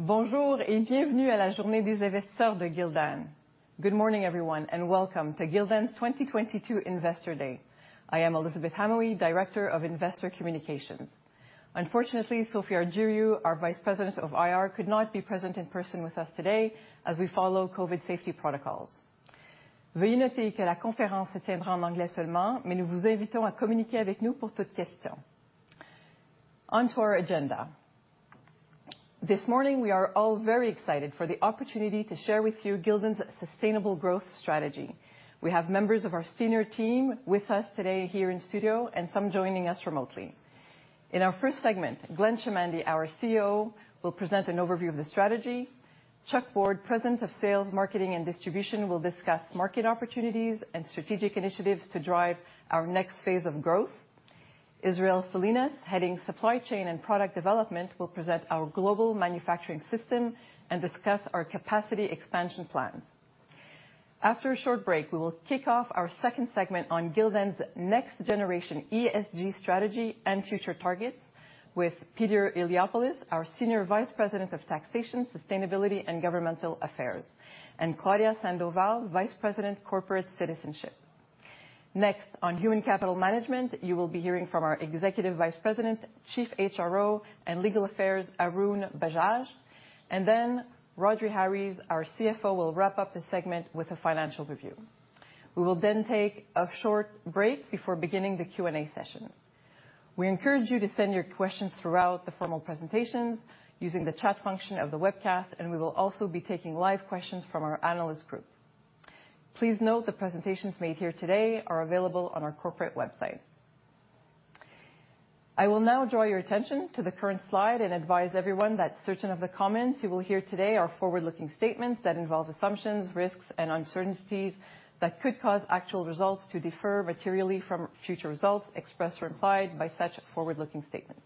Bonjour et bienvenue à la Journée des Investisseurs de Gildan. [/French] Good morning, everyone, and welcome to Gildan's 2022 Investor Day. I am Elisabeth Hamaoui, Director of Investor Communications. Unfortunately, Sophie Argiriou, our Vice President of IR could not be present in person with us today as we follow COVID safety protocols. [French] Veuillez noter que la conférence se tiendra en anglais seulement, mais nous vous invitons à communiquer avec nous pour toute question. [/French] On to our agenda. This morning, we are all very excited for the opportunity to share with you Gildan's sustainable growth strategy. We have members of our senior team with us today here in studio and some joining us remotely. In our first segment, Glenn Chamandy, our CEO, will present an overview of the strategy. Chuck Ward, President of Sales, Marketing, and Distribution will discuss market opportunities and strategic initiatives to drive our next phase of growth. Israel Salinas, heading Supply Chain and Product Development, will present our global manufacturing system and discuss our capacity expansion plans. After a short break, we will kick off our second segment on Gildan's next generation ESG strategy and future targets with Peter Iliopoulos, our Senior Vice-President of Taxation, Sustainability, and Governmental Affairs, and Claudia Sandoval, Vice-President, Corporate Citizenship. Next, on human capital management, you will be hearing from our Executive Vice-President, Chief HRO, and Legal Affairs, Arun Bajaj. Rhodri Harries, our CFO, will wrap up the segment with a financial review. We will then take a short break before beginning the Q&A session. We encourage you to send your questions throughout the formal presentations using the chat function of the webcast, and we will also be taking live questions from our analyst group. Please note the presentations made here today are available on our corporate website. I will now draw your attention to the current slide and advise everyone that certain of the comments you will hear today are forward-looking statements that involve assumptions, risks, and uncertainties that could cause actual results to differ materially from future results expressed or implied by such forward-looking statements.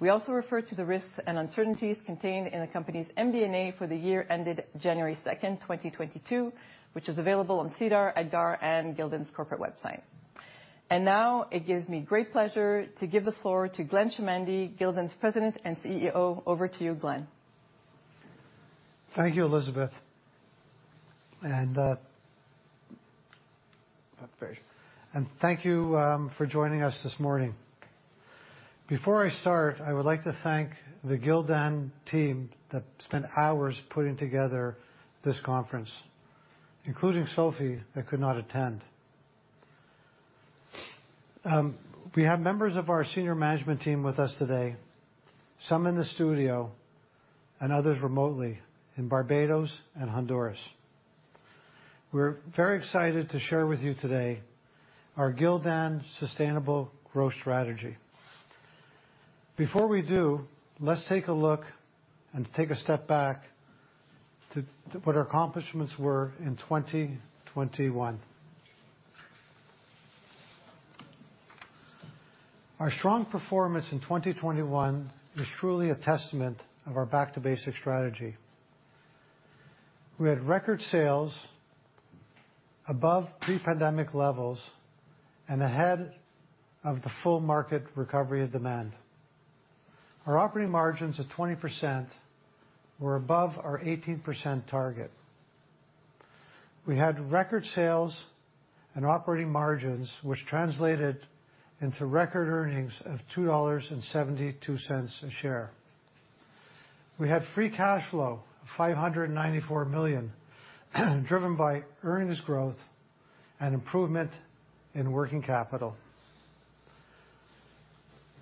We also refer to the risks and uncertainties contained in the company's MD&A for the year ended January 2, 2022, which is available on SEDAR, EDGAR, and Gildan's corporate website. Now it gives me great pleasure to give the floor to Glenn Chamandy, Gildan's President and CEO. Over to you, Glenn. Thank you, Elisabeth. Thank you for joining us this morning. Before I start, I would like to thank the Gildan team that spent hours putting together this conference, including Sophie, that could not attend. We have members of our senior management team with us today, some in the studio and others remotely in Barbados and Honduras. We're very excited to share with you today our Gildan sustainable growth strategy. Before we do, let's take a look and take a step back to what our accomplishments were in 2021. Our strong performance in 2021 is truly a testament of our back to basic strategy. We had record sales above pre-pandemic levels and ahead of the full market recovery of demand. Our operating margins of 20% were above our 18% target. We had record sales and operating margins, which translated into record earnings of $2.72 a share. We had free cash flow $594 million, driven by earnings growth and improvement in working capital.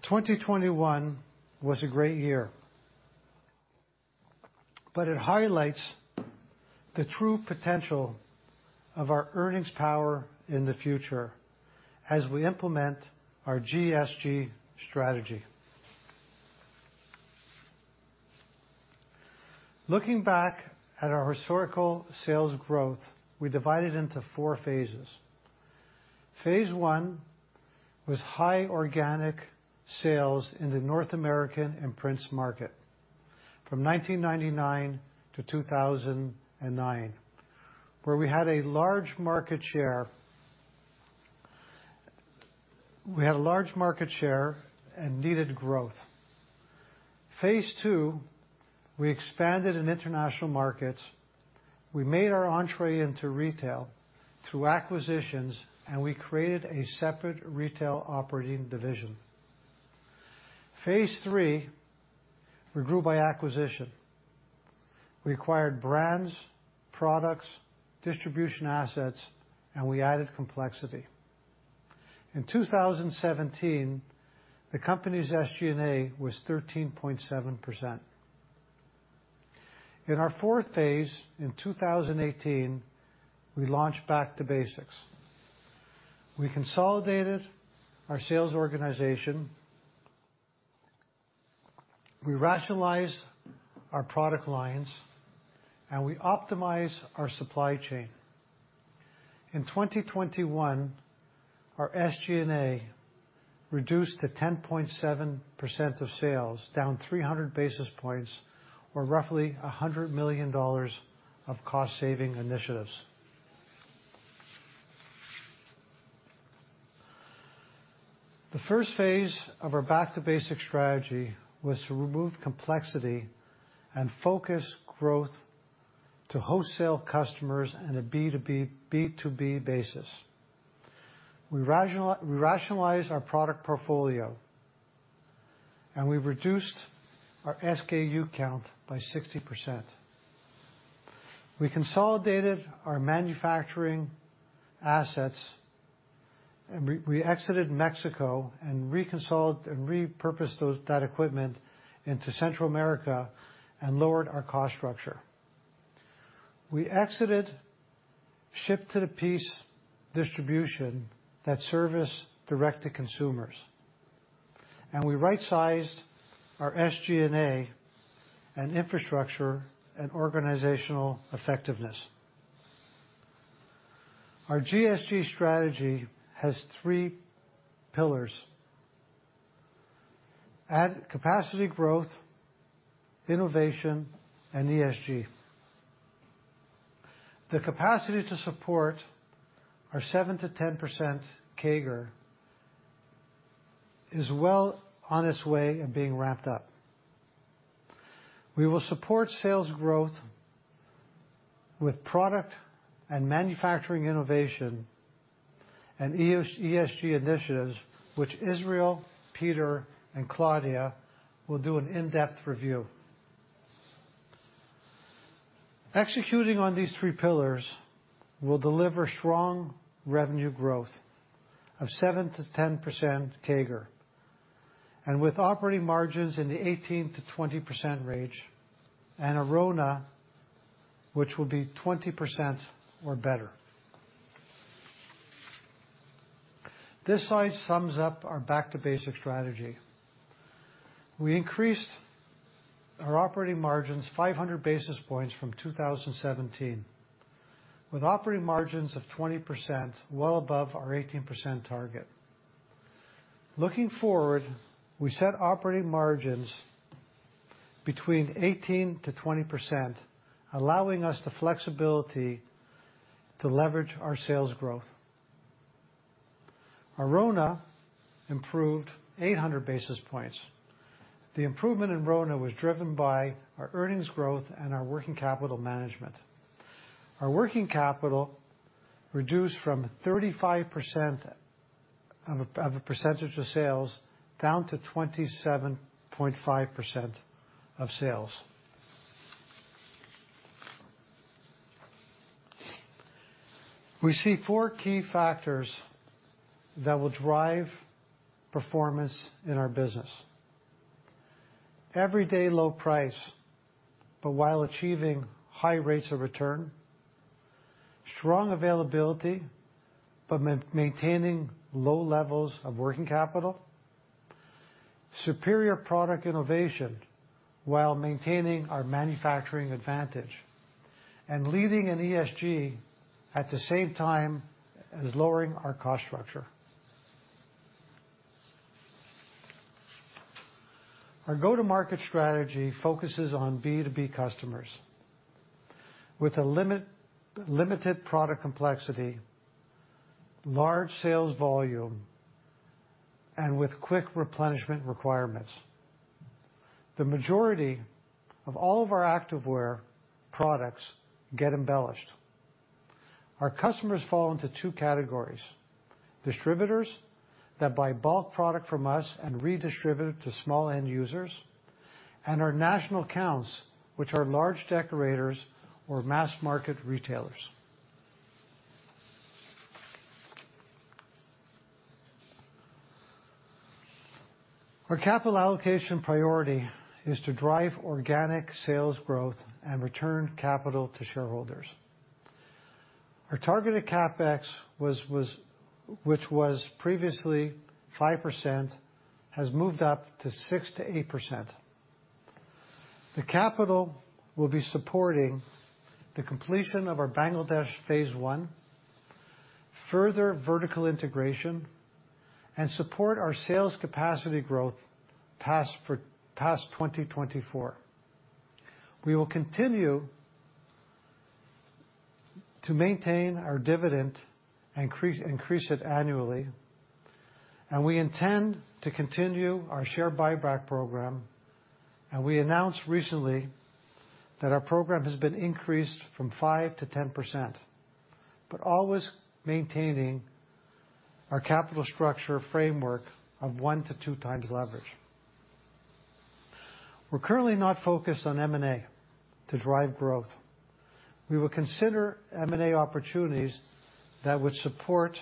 2021 was a great year, but it highlights the true potential of our earnings power in the future as we implement our GSG strategy. Looking back at our historical sales growth, we divide it into four phases. Phase I was high organic sales in the North American imprints market from 1999 to 2009, where we had a large market share. We had a large market share and needed growth. Phase II, we expanded in international markets. We made our entry into retail through acquisitions, and we created a separate retail operating division. Phase III, we grew by acquisition. We acquired brands, products, distribution assets, and we added complexity. In 2017, the company's SG&A was 13.7%. In our fourth phase, in 2018, we launched back to basics. We consolidated our sales organization, we rationalize our product lines, and we optimize our supply chain. In 2021, our SG&A reduced to 10.7% of sales, down 300 basis points, or roughly $100 million of cost-saving initiatives. The first phase of our back-to-basic strategy was to remove complexity and focus growth to wholesale customers on a B2B basis. We rationalized our product portfolio, and we reduced our SKU count by 60%. We consolidated our manufacturing assets, and we exited Mexico and repurposed that equipment into Central America and lowered our cost structure. We exited ship-to-the-piece distribution that services direct to consumers, and we rightsized our SG&A and infrastructure and organizational effectiveness. Our GSG strategy has three pillars: add capacity growth, innovation, and ESG. The capacity to support our 7%-10% CAGR is well on its way of being ramped up. We will support sales growth with product and manufacturing innovation and ESG initiatives, which Israel, Peter, and Claudia will do an in-depth review. Executing on these three pillars will deliver strong revenue growth of 7%-10% CAGR, and with operating margins in the 18%-20% range, and a RONA which will be 20% or better. This slide sums up our back-to-basic strategy. We increased our operating margins 500 basis points from 2017, with operating margins of 20% well above our 18% target. Looking forward, we set operating margins between 18%-20%, allowing us the flexibility to leverage our sales growth. Our RONA improved 800 basis points. The improvement in RONA was driven by our earnings growth and our working capital management. Our working capital reduced from 35% of sales down to 27.5% of sales. We see four key factors that will drive performance in our business, everyday low price but while achieving high rates of return, strong availability but maintaining low levels of working capital, superior product innovation while maintaining our manufacturing advantage, and leading in ESG at the same time as lowering our cost structure. Our go-to-market strategy focuses on B2B customers with limited product complexity, large sales volume, and with quick replenishment requirements. The majority of all of our activewear products get embellished. Our customers fall into two categories. Distributors that buy bulk product from us and redistribute it to small end users, and our national accounts, which are large decorators or mass market retailers. Our capital allocation priority is to drive organic sales growth and return capital to shareholders. Our targeted CapEx, which was previously 5%, has moved up to 6%-8%. The capital will be supporting the completion of our Bangladesh phase one, further vertical integration, and support our sales capacity growth past 2024. We will continue to maintain our dividend and increase it annually, and we intend to continue our share buyback program, and we announced recently that our program has been increased from 5% to 10%, but always maintaining our capital structure framework of one to two times leverage. We're currently not focused on M&A to drive growth. We will consider M&A opportunities that would support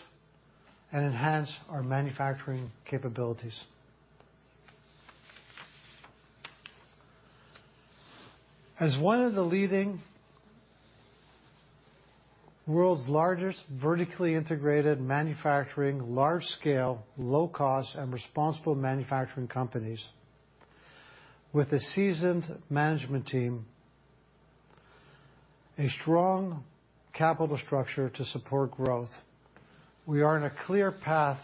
and enhance our manufacturing capabilities. As one of the leading world's largest vertically integrated manufacturing, large scale, low cost, and responsible manufacturing companies with a seasoned management team, a strong capital structure to support growth, we are in a clear path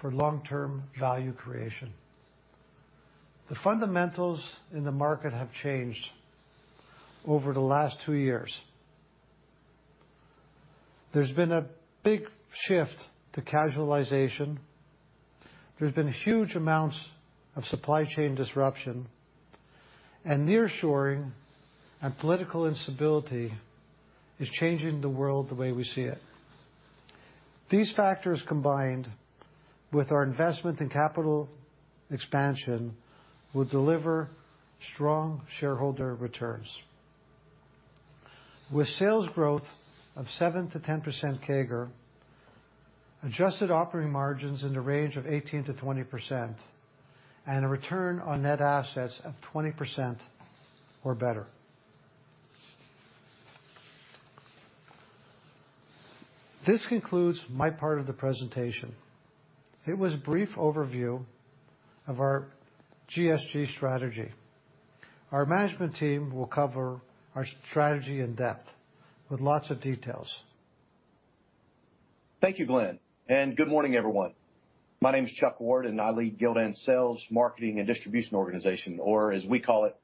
for long-term value creation. The fundamentals in the market have changed over the last two years. There's been a big shift to casualization. There's been huge amounts of supply chain disruption, and nearshoring and political instability is changing the world the way we see it. These factors, combined with our investment in capital expansion, will deliver strong shareholder returns. With sales growth of 7%-10% CAGR, adjusted operating margins in the range of 18%-20%, and a return on net assets of 20% or better. This concludes my part of the presentation. It was a brief overview of our GSG strategy. Our management team will cover our strategy in depth with lots of details. Thank you, Glenn, and good morning, everyone. My name is Chuck Ward, and I lead Gildan's sales, marketing, and distribution organization, or as we call it,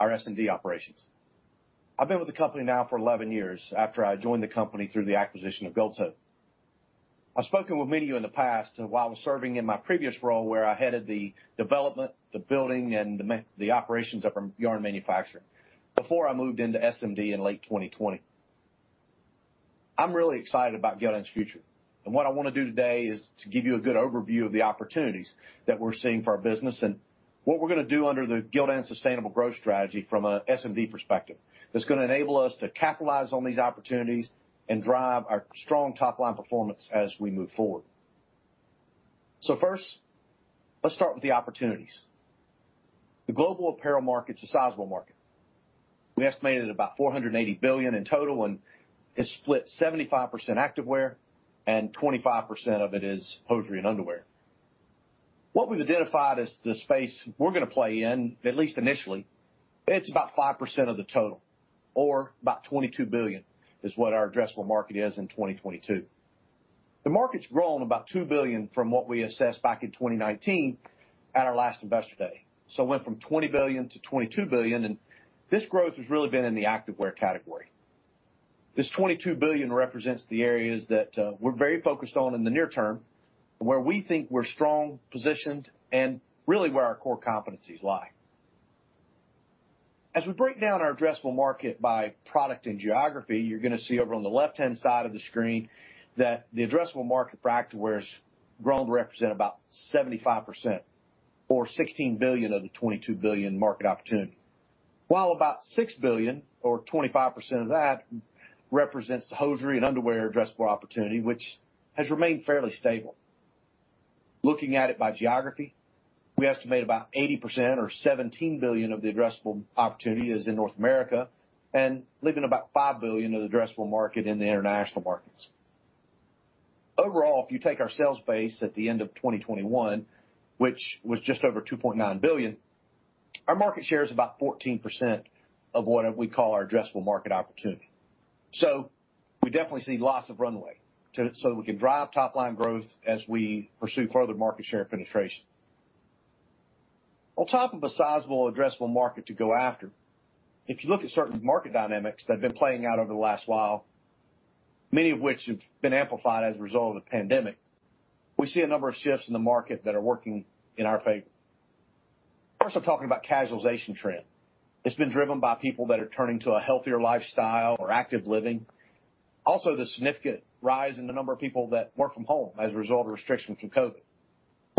our S&D operations. I've been with the company now for 11 years after I joined the company through the acquisition by Gildan. I've spoken with many of you in the past while I was serving in my previous role, where I headed the development, the building, and the operations of our yarn manufacturing before I moved into S&D in late 2020. I'm really excited about Gildan's future, and what I wanna do today is to give you a good overview of the opportunities that we're seeing for our business and what we're gonna do under the Gildan sustainable growth strategy from an S&D perspective that's gonna enable us to capitalize on these opportunities and drive our strong top-line performance as we move forward. First, let's start with the opportunities. The global apparel market's a sizable market. We estimate it at about $480 billion in total, and it's split 75% activewear and 25% of it is hosiery and underwear. What we've identified as the space we're gonna play in, at least initially, it's about 5% of the total or about $22 billion is what our addressable market is in 2022. The market's grown about $2 billion from what we assessed back in 2019 at our last investor day. It went from $20 billion to $22 billion, and this growth has really been in the activewear category. This $22 billion represents the areas that we're very focused on in the near term and where we think we're strong positioned and really where our core competencies lie. As we break down our addressable market by product and geography, you're gonna see over on the left-hand side of the screen that the addressable market for activewear has grown to represent about 75% or $16 billion of the $22 billion market opportunity. While about $6 billion or 25% of that represents the hosiery and underwear addressable opportunity, which has remained fairly stable. Looking at it by geography, we estimate about 80% or $17 billion of the addressable opportunity is in North America and leaving about $5 billion of the addressable market in the international markets. Overall, if you take our sales base at the end of 2021, which was just over $2.9 billion, our market share is about 14% of what we call our addressable market opportunity. We definitely see lots of runway so we can drive top-line growth as we pursue further market share penetration. On top of a sizable addressable market to go after, if you look at certain market dynamics that have been playing out over the last while, many of which have been amplified as a result of the pandemic, we see a number of shifts in the market that are working in our favor. First, I'm talking about casualization trend. It's been driven by people that are turning to a healthier lifestyle or active living. Also, the significant rise in the number of people that work from home as a result of restrictions from COVID,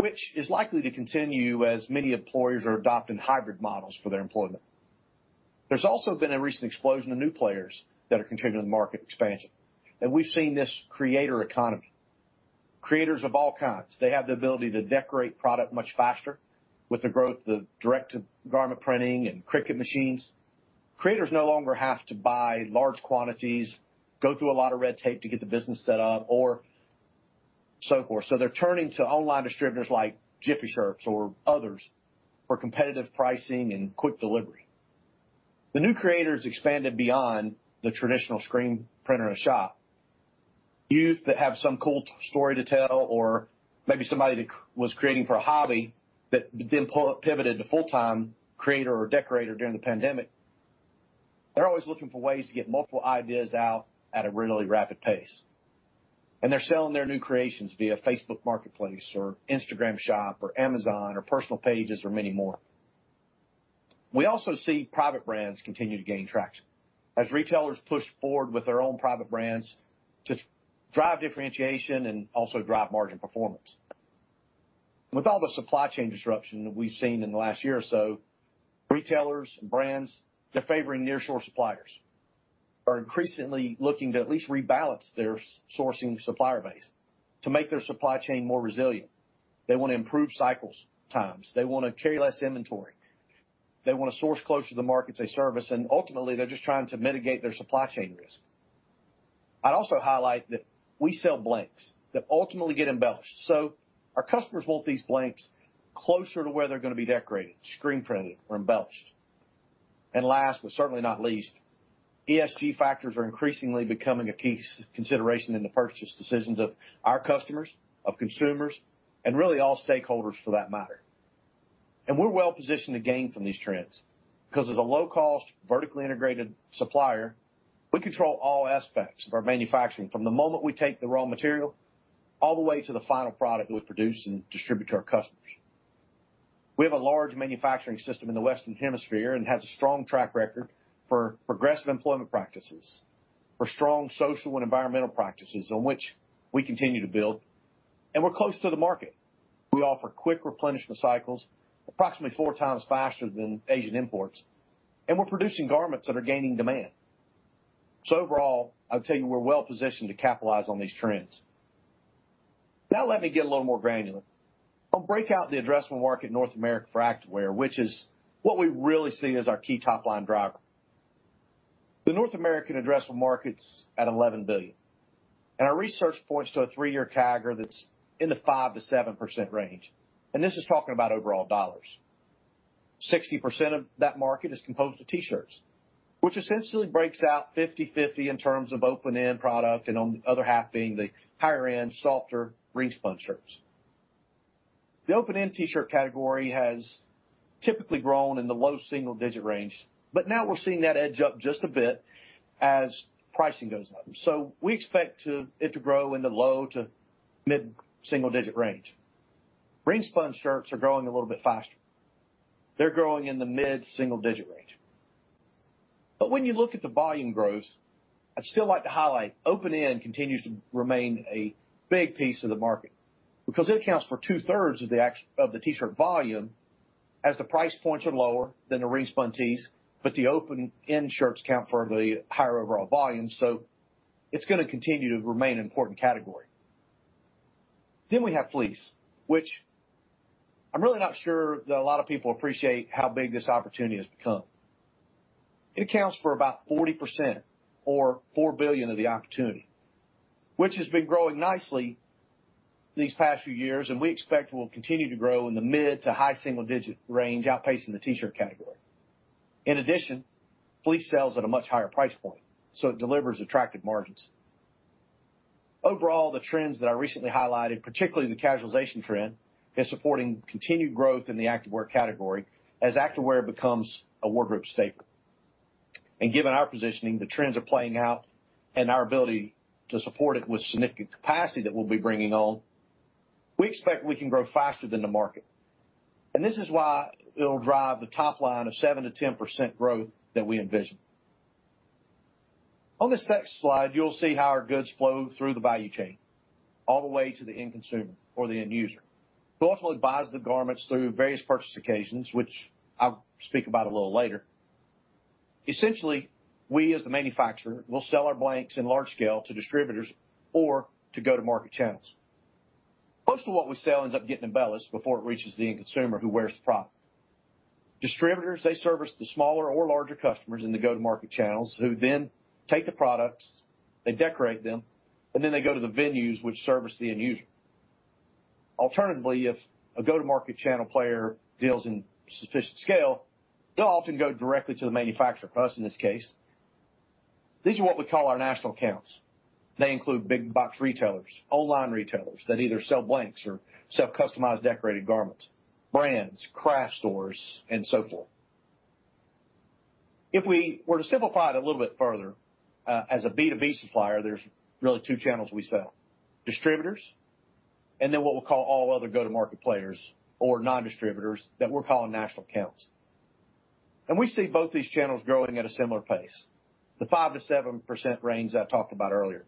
which is likely to continue as many employers are adopting hybrid models for their employment. There's also been a recent explosion of new players that are contributing to the market expansion, and we've seen this creator economy. Creators of all kinds, they have the ability to decorate product much faster with the growth of direct-to-garment printing and Cricut machines. Creators no longer have to buy large quantities, go through a lot of red tape to get the business set up or so forth. They're turning to online distributors like JiffyShirts or others for competitive pricing and quick delivery. The new creators expanded beyond the traditional screen printer or shop. Youth that have some cool story to tell or maybe somebody that was creating for a hobby but then pivoted to full-time creator or decorator during the pandemic, they're always looking for ways to get multiple ideas out at a really rapid pace. They're selling their new creations via Facebook Marketplace or Instagram Shop or Amazon or personal pages or many more. We also see private brands continue to gain traction as retailers push forward with their own private brands to drive differentiation and also drive margin performance. With all the supply chain disruption that we've seen in the last year or so, retailers and brands, they're favoring nearshore suppliers and are increasingly looking to at least rebalance their sourcing supplier base to make their supply chain more resilient. They wanna improve cycle times. They wanna carry less inventory. They wanna source closer to the markets they service, and ultimately, they're just trying to mitigate their supply chain risk. I'd also highlight that we sell blanks that ultimately get embellished. Our customers want these blanks closer to where they're gonna be decorated, screen printed or embellished. Last, but certainly not least, ESG factors are increasingly becoming a key consideration in the purchase decisions of our customers, of consumers, and really all stakeholders for that matter. We're well positioned to gain from these trends, 'cause as a low-cost, vertically integrated supplier, we control all aspects of our manufacturing from the moment we take the raw material all the way to the final product we produce and distribute to our customers. We have a large manufacturing system in the Western Hemisphere and has a strong track record for progressive employment practices, for strong social and environmental practices on which we continue to build, and we're close to the market. We offer quick replenishment cycles, approximately four times faster than Asian imports, and we're producing garments that are gaining demand. Overall, I'll tell you, we're well positioned to capitalize on these trends. Now let me get a little more granular. I'll break out the addressable market in North America for activewear, which is what we really see as our key top line driver. The North American addressable market's at $11 billion. Our research points to a three-year CAGR that's in the 5%-7% range, and this is talking about overall dollars. 60% of that market is composed of T-shirts, which essentially breaks out 50/50 in terms of open-end product and on the other half being the higher end, softer ring-spun shirts. The open-end T-shirt category has typically grown in the low single digit range, but now we're seeing that edge up just a bit as pricing goes up. We expect it to grow in the low- to mid-single-digit range. Ring-spun shirts are growing a little bit faster. They're growing in the mid-single digit range. When you look at the volume growth, I'd still like to highlight, open-end continues to remain a big piece of the market because it accounts for 2/3 of the T-shirt volume as the price points are lower than the ring-spun tees, but the open-end shirts account for the higher overall volume, so it's gonna continue to remain an important category. We have fleece, which I'm really not sure that a lot of people appreciate how big this opportunity has become. It accounts for about 40% or $4 billion of the opportunity, which has been growing nicely these past few years, and we expect will continue to grow in the mid- to high-single-digit range, outpacing the T-shirt category. In addition, fleece sells at a much higher price point, so it delivers attractive margins. Overall, the trends that I recently highlighted, particularly the casualization trend, is supporting continued growth in the activewear category as activewear becomes a wardrobe staple. Given our positioning, the trends are playing out and our ability to support it with significant capacity that we'll be bringing on, we expect we can grow faster than the market. This is why it'll drive the top line of 7%-10% growth that we envision. On this next slide, you'll see how our goods flow through the value chain all the way to the end consumer or the end user, who ultimately buys the garments through various purchase occasions, which I'll speak about a little later. Essentially, we as the manufacturer will sell our blanks in large scale to distributors or to go-to-market channels. Most of what we sell ends up getting embellished before it reaches the end consumer who wears the product. Distributors, they service the smaller or larger customers in the go-to-market channels, who then take the products, they decorate them, and then they go to the venues which service the end user. Alternatively, if a go-to-market channel player deals in sufficient scale, they'll often go directly to the manufacturer, us in this case. These are what we call our national accounts. They include big box retailers, online retailers that either sell blanks or sell customized decorated garments, brands, craft stores, and so forth. If we were to simplify it a little bit further, as a B2B supplier, there's really two channels we sell, distributors, and then what we'll call all other go-to-market players or non-distributors that we're calling national accounts. We see both these channels growing at a similar pace, the 5%-7% range that I talked about earlier.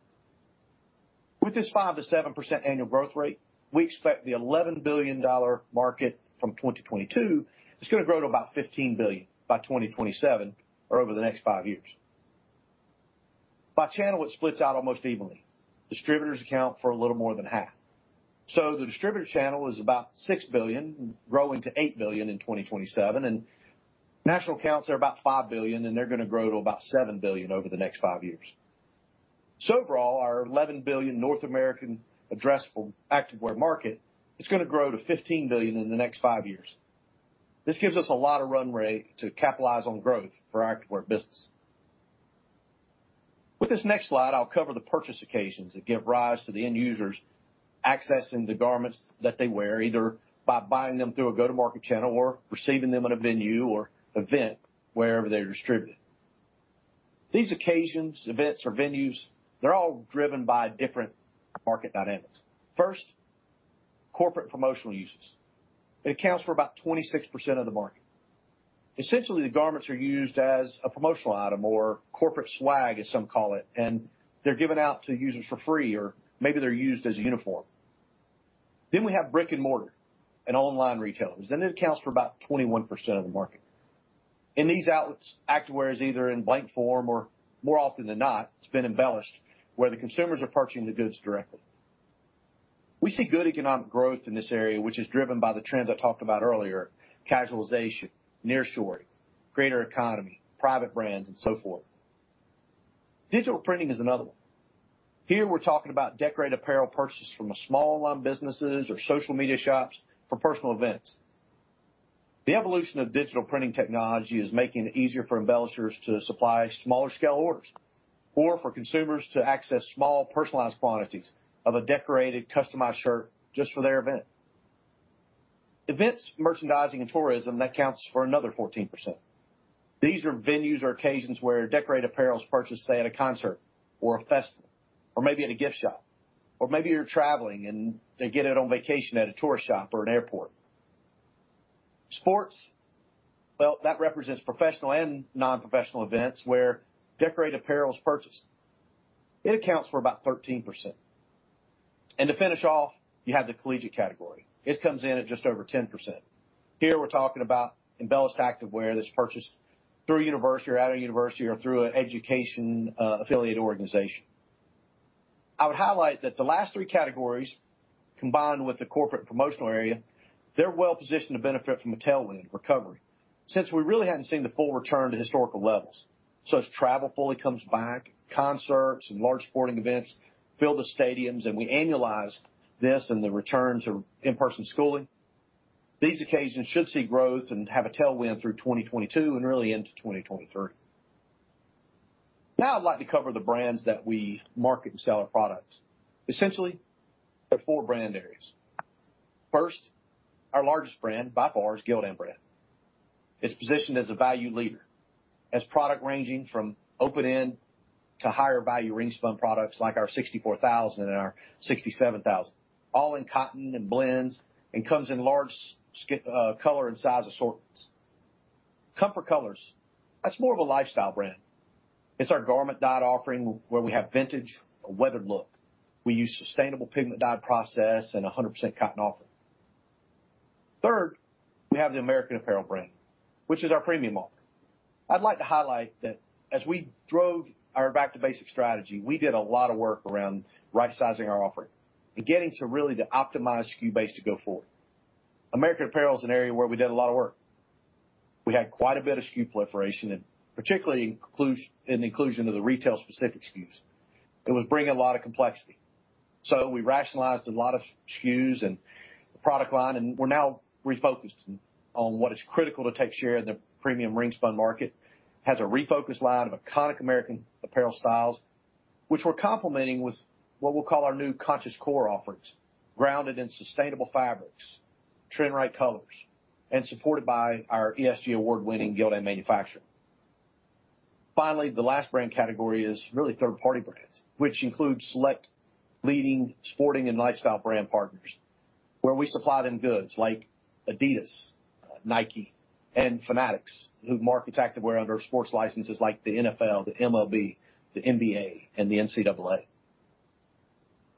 With this 5%-7% annual growth rate, we expect the $11 billion market from 2022 is gonna grow to about $15 billion by 2027 or over the next five years. By channel, it splits out almost evenly. Distributors account for a little more than half. The distributor channel is about $6 billion, growing to $8 billion in 2027, and national accounts are about $5 billion, and they're gonna grow to about $7 billion over the next five years. Overall, our $11 billion North American addressable activewear market is gonna grow to $15 billion in the next five years. This gives us a lot of runway to capitalize on growth for our activewear business. With this next slide, I'll cover the purchase occasions that give rise to the end users accessing the garments that they wear, either by buying them through a go-to-market channel or receiving them at a venue or event wherever they're distributed. These occasions, events or venues, they're all driven by different market dynamics. First, corporate promotional uses. It accounts for about 26% of the market. Essentially, the garments are used as a promotional item or corporate swag, as some call it, and they're given out to users for free, or maybe they're used as a uniform. We have brick-and-mortar and online retailers, and it accounts for about 21% of the market. In these outlets, activewear is either in blank form or more often than not, it's been embellished where the consumers are purchasing the goods directly. We see good economic growth in this area, which is driven by the trends I talked about earlier, casualization, nearshoring, greater economy, private brands, and so forth. Digital printing is another one. Here we're talking about decorated apparel purchased from a small line of businesses or social media shops for personal events. The evolution of digital printing technology is making it easier for embellishers to supply smaller scale orders or for consumers to access small, personalized quantities of a decorated, customized shirt just for their event. Events, merchandising, and tourism, that counts for another 14%. These are venues or occasions where decorated apparel is purchased, say, at a concert or a festival, or maybe at a gift shop, or maybe you're traveling and they get it on vacation at a tour shop or an airport. Sports, well, that represents professional and non-professional events where decorated apparel is purchased. It accounts for about 13%. To finish off, you have the collegiate category. It comes in at just over 10%. Here we're talking about embellished activewear that's purchased through a university or at a university or through an education affiliate organization. I would highlight that the last three categories, combined with the corporate promotional area, they're well positioned to benefit from a tailwind recovery since we really hadn't seen the full return to historical levels. As travel fully comes back, concerts and large sporting events fill the stadiums, and we annualize this and the returns of in-person schooling, these occasions should see growth and have a tailwind through 2022 and early into 2023. Now I'd like to cover the brands that we market and sell our products. Essentially, there are four brand areas. First, our largest brand by far is Gildan brand. It's positioned as a value leader. Our product ranging from open-end to higher value ring-spun products like our 64,000 and our 67,000, all in cotton and blends, and comes in large color and size assortments. Comfort Colors, that's more of a lifestyle brand. It's our garment-dyed offering where we have vintage, a weathered look. We use sustainable pigment dye process and a 100% cotton offering. Third, we have the American Apparel brand, which is our premium offer. I'd like to highlight that as we drove our back-to-basics strategy, we did a lot of work around right-sizing our offering and getting to really the optimized SKU base to go forward. American Apparel is an area where we did a lot of work. We had quite a bit of SKU proliferation, and particularly in inclusion of the retail-specific SKUs. It was bringing a lot of complexity. We rationalized a lot of SKUs and the product line, and we're now refocused on what is critical to take share in the premium ring-spun market, has a refocused line of iconic American Apparel styles, which we're complementing with what we'll call our new conscious core offerings, grounded in sustainable fabrics, trend right colors, and supported by our ESG award-winning Gildan manufacturer. Finally, the last brand category is really third-party brands, which includes select leading sporting and lifestyle brand partners, where we supply them goods like Adidas, Nike, and Fanatics, who markets activewear under sports licenses like the NFL, the MLB, the NBA, and the NCAA.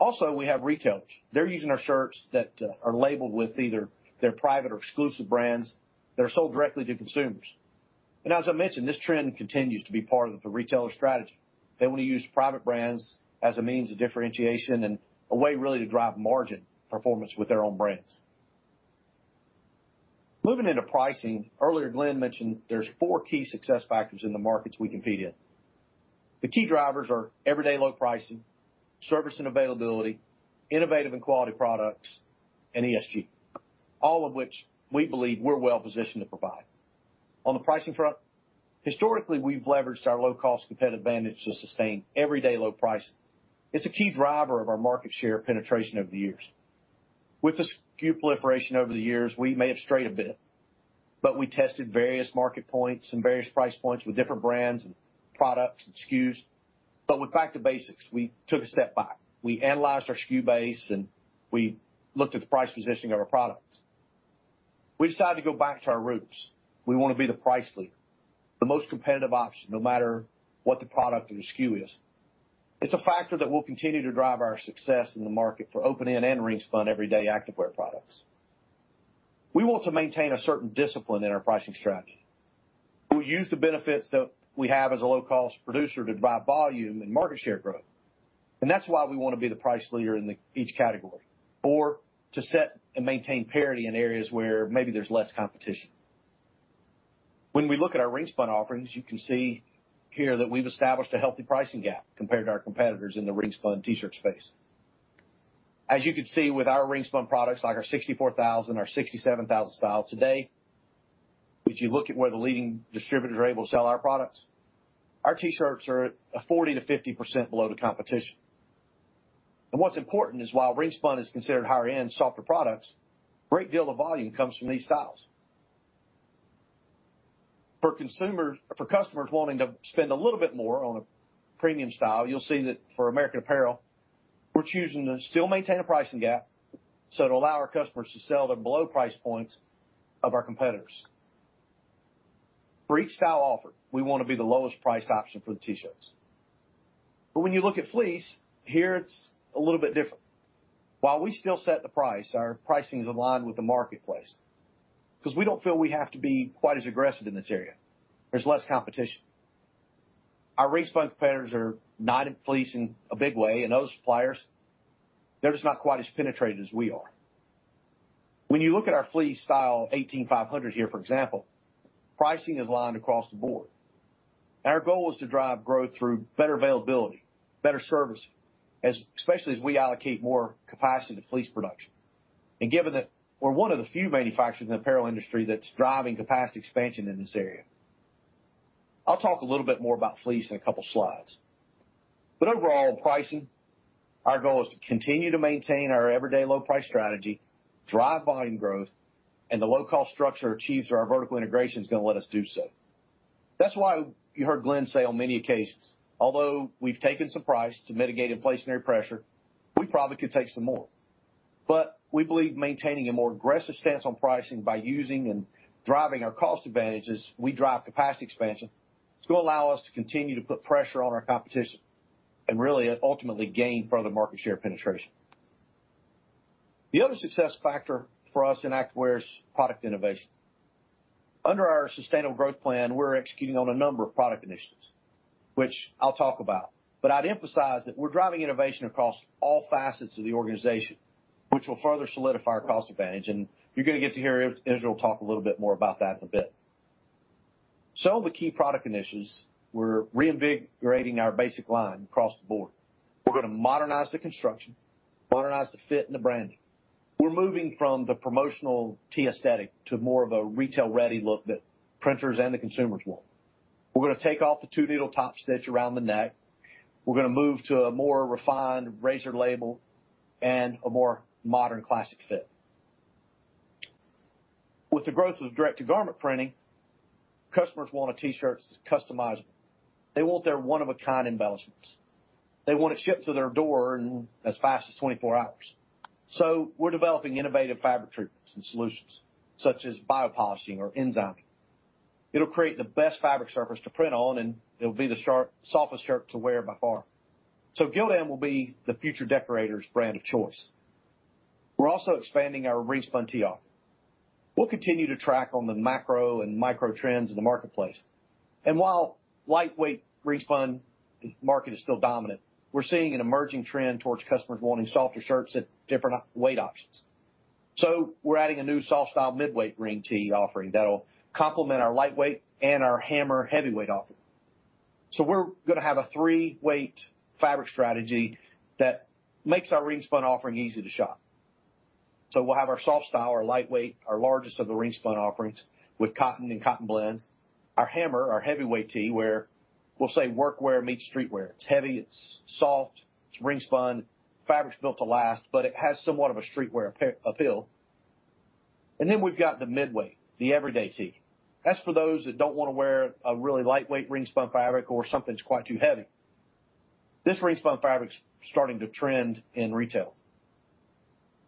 Also, we have retailers. They're using our shirts that are labeled with either their private or exclusive brands that are sold directly to consumers. As I mentioned, this trend continues to be part of the retailer strategy. They wanna use private brands as a means of differentiation and a way really to drive margin performance with their own brands. Moving into pricing, earlier Glenn mentioned there's four key success factors in the markets we compete in. The key drivers are everyday low pricing, service and availability, innovative and quality products, and ESG, all of which we believe we're well positioned to provide. On the pricing front, historically, we've leveraged our low-cost competitive advantage to sustain everyday low pricing. It's a key driver of our market share penetration over the years. With the SKU proliferation over the years, we may have strayed a bit, but we tested various market points and various price points with different brands and products and SKUs. with back to basics, we took a step back. We analyzed our SKU base, and we looked at the price positioning of our products. We decided to go back to our roots. We wanna be the price leader, the most competitive option, no matter what the product or the SKU is. It's a factor that will continue to drive our success in the market for open-end and ring-spun everyday activewear products. We want to maintain a certain discipline in our pricing strategy. We'll use the benefits that we have as a low-cost producer to drive volume and market share growth, and that's why we wanna be the price leader in each category or to set and maintain parity in areas where maybe there's less competition. When we look at our ring-spun offerings, you can see here that we've established a healthy pricing gap compared to our competitors in the ring-spun T-shirt space. As you can see with our ring-spun products, like our 64,000, our 67,000 style today, if you look at where the leading distributors are able to sell our products, our T-shirts are 40%-50% below the competition. What's important is while ring-spun is considered higher end softer products, great deal of volume comes from these styles. For customers wanting to spend a little bit more on a premium style, you'll see that for American Apparel, we're choosing to still maintain a pricing gap, so it'll allow our customers to sell them below the price points of our competitors. For each style offered, we wanna be the lowest priced option for the T-shirts. When you look at fleece, here it's a little bit different. While we still set the price, our pricing is aligned with the marketplace 'cause we don't feel we have to be quite as aggressive in this area. There's less competition. Our ring-spun competitors are not in fleece in a big way, and those suppliers, they're just not quite as penetrated as we are. When you look at our fleece style 18500 here, for example, pricing is aligned across the board. Our goal is to drive growth through better availability, better service, especially as we allocate more capacity to fleece production. Given that we're one of the few manufacturers in the apparel industry that's driving capacity expansion in this area. I'll talk a little bit more about fleece in a couple slides. Overall, pricing, our goal is to continue to maintain our everyday low price strategy, drive volume growth, and the low-cost structure achieved through our vertical integration is gonna let us do so. That's why you heard Glenn say on many occasions, although we've taken some price to mitigate inflationary pressure, we probably could take some more. We believe maintaining a more aggressive stance on pricing by using and driving our cost advantages as we drive capacity expansion is gonna allow us to continue to put pressure on our competition and really ultimately gain further market share penetration. The other success factor for us in activewear is product innovation. Under our sustainable growth plan, we're executing on a number of product initiatives, which I'll talk about. I'd emphasize that we're driving innovation across all facets of the organization, which will further solidify our cost advantage. You're gonna get to hear Israel talk a little bit more about that in a bit. Some of the key product initiatives, we're reinvigorating our basic line across the board. We're gonna modernize the construction, modernize the fit and the branding. We're moving from the promotional tee aesthetic to more of a retail-ready look that printers and the consumers want. We're gonna take off the two needle top stitch around the neck. We're gonna move to a more refined razor label and a more modern classic fit. With the growth of direct-to-garment printing, customers want a T-shirt that's customizable. They want their one-of-a-kind embellishments. They want it shipped to their door in as fast as 24 hours. We're developing innovative fabric treatments and solutions, such as biopolishing or enzyming. It'll create the best fabric surface to print on, and it'll be the sharp, softest shirt to wear by far. Gildan will be the future decorator's brand of choice. We're also expanding our ring spun tee offering. We'll continue to track on the macro and micro trends in the marketplace. While lightweight ring spun market is still dominant, we're seeing an emerging trend towards customers wanting softer shirts at different weight options. We're adding a new soft style mid-weight ring tee offering that'll complement our lightweight and our hammer heavyweight offering. We're gonna have a three-weight fabric strategy that makes our ring spun offering easy to shop. We'll have our soft style, our lightweight, our largest of the ring spun offerings with cotton and cotton blends. Our hammer, our heavyweight tee, where we'll say workwear meets streetwear. It's heavy, it's soft, it's ring spun, fabric's built to last, but it has somewhat of a streetwear appeal. We've got the mid-weight, the everyday tee. That's for those that don't wanna wear a really lightweight ring spun fabric or something that's quite too heavy. This ring spun fabric's starting to trend in retail.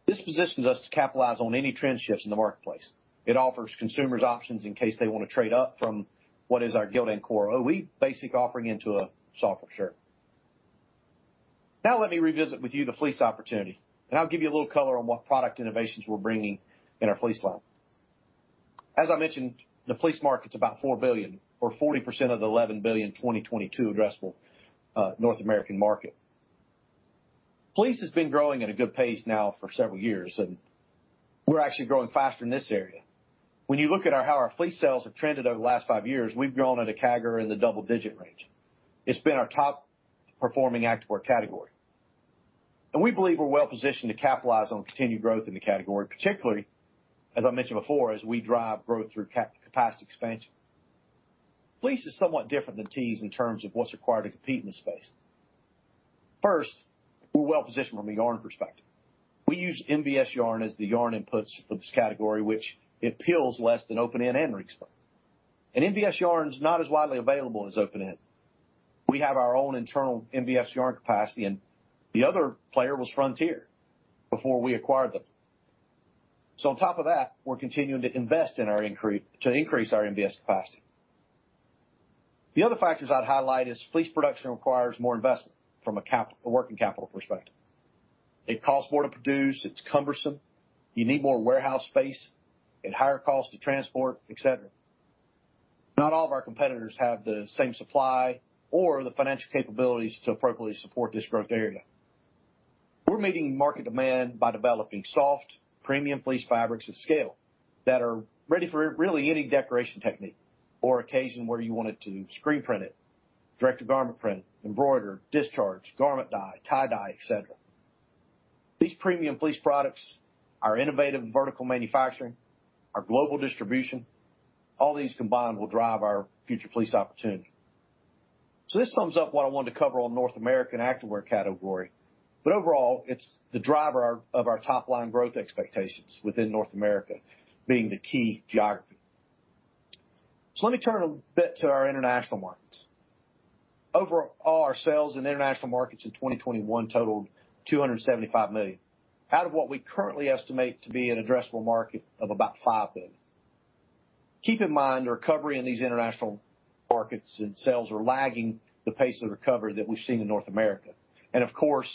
This positions us to capitalize on any trend shifts in the marketplace. It offers consumers options in case they wanna trade up from what is our Gildan core OE basic offering into a softer shirt. Now let me revisit with you the fleece opportunity, and I'll give you a little color on what product innovations we're bringing in our fleece line. As I mentioned, the fleece market's about $4 billion or 40% of the $11 billion 2022 addressable North American market. Fleece has been growing at a good pace now for several years, and we're actually growing faster in this area. When you look at our how our fleece sales have trended over the last five years, we've grown at a CAGR in the double-digit range. It's been our top performing activewear category. We believe we're well positioned to capitalize on the continued growth in the category, particularly, as I mentioned before, as we drive growth through capacity expansion. Fleece is somewhat different than tees in terms of what's required to compete in the space. First, we're well positioned from a yarn perspective. We use MVS yarn as the yarn inputs for this category, which it pills less than open-end and ring spun. MVS yarn is not as widely available as open-end. We have our own internal MVS yarn capacity, and the other player was Frontier before we acquired them. On top of that, we're continuing to invest to increase our MVS capacity. The other factors I'd highlight is fleece production requires more investment from a working capital perspective. It costs more to produce, it's cumbersome, you need more warehouse space, and higher cost to transport, et cetera. Not all of our competitors have the same supply or the financial capabilities to appropriately support this growth area. We're meeting market demand by developing soft, premium fleece fabrics at scale that are ready for really any decoration technique or occasion where you want it to screen print it, direct to garment print, embroider, discharge, garment dye, tie dye, et cetera. These premium fleece products, our innovative and vertical manufacturing, our global distribution, all these combined will drive our future fleece opportunity. This sums up what I wanted to cover on North American activewear category. Overall, it's the driver of our top-line growth expectations within North America being the key geography. Let me turn a bit to our international markets. Overall, our sales in international markets in 2021 totaled $275 million, out of what we currently estimate to be an addressable market of about $5 billion. Keep in mind, the recovery in these international markets and sales are lagging the pace of recovery that we've seen in North America. Of course,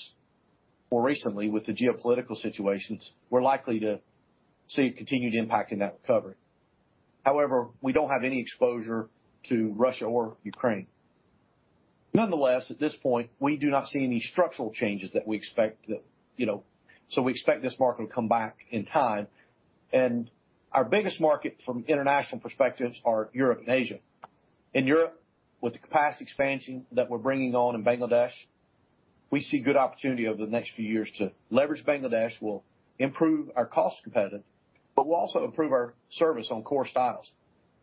more recently, with the geopolitical situations, we're likely to see a continued impact in that recovery. However, we don't have any exposure to Russia or Ukraine. Nonetheless, at this point, we do not see any structural changes that we expect, you know. We expect this market to come back in time. Our biggest market from international perspectives are Europe and Asia. In Europe, with the capacity expansion that we're bringing on in Bangladesh, we see good opportunity over the next few years to leverage Bangladesh. We'll improve our cost competitiveness, but we'll also improve our service on core styles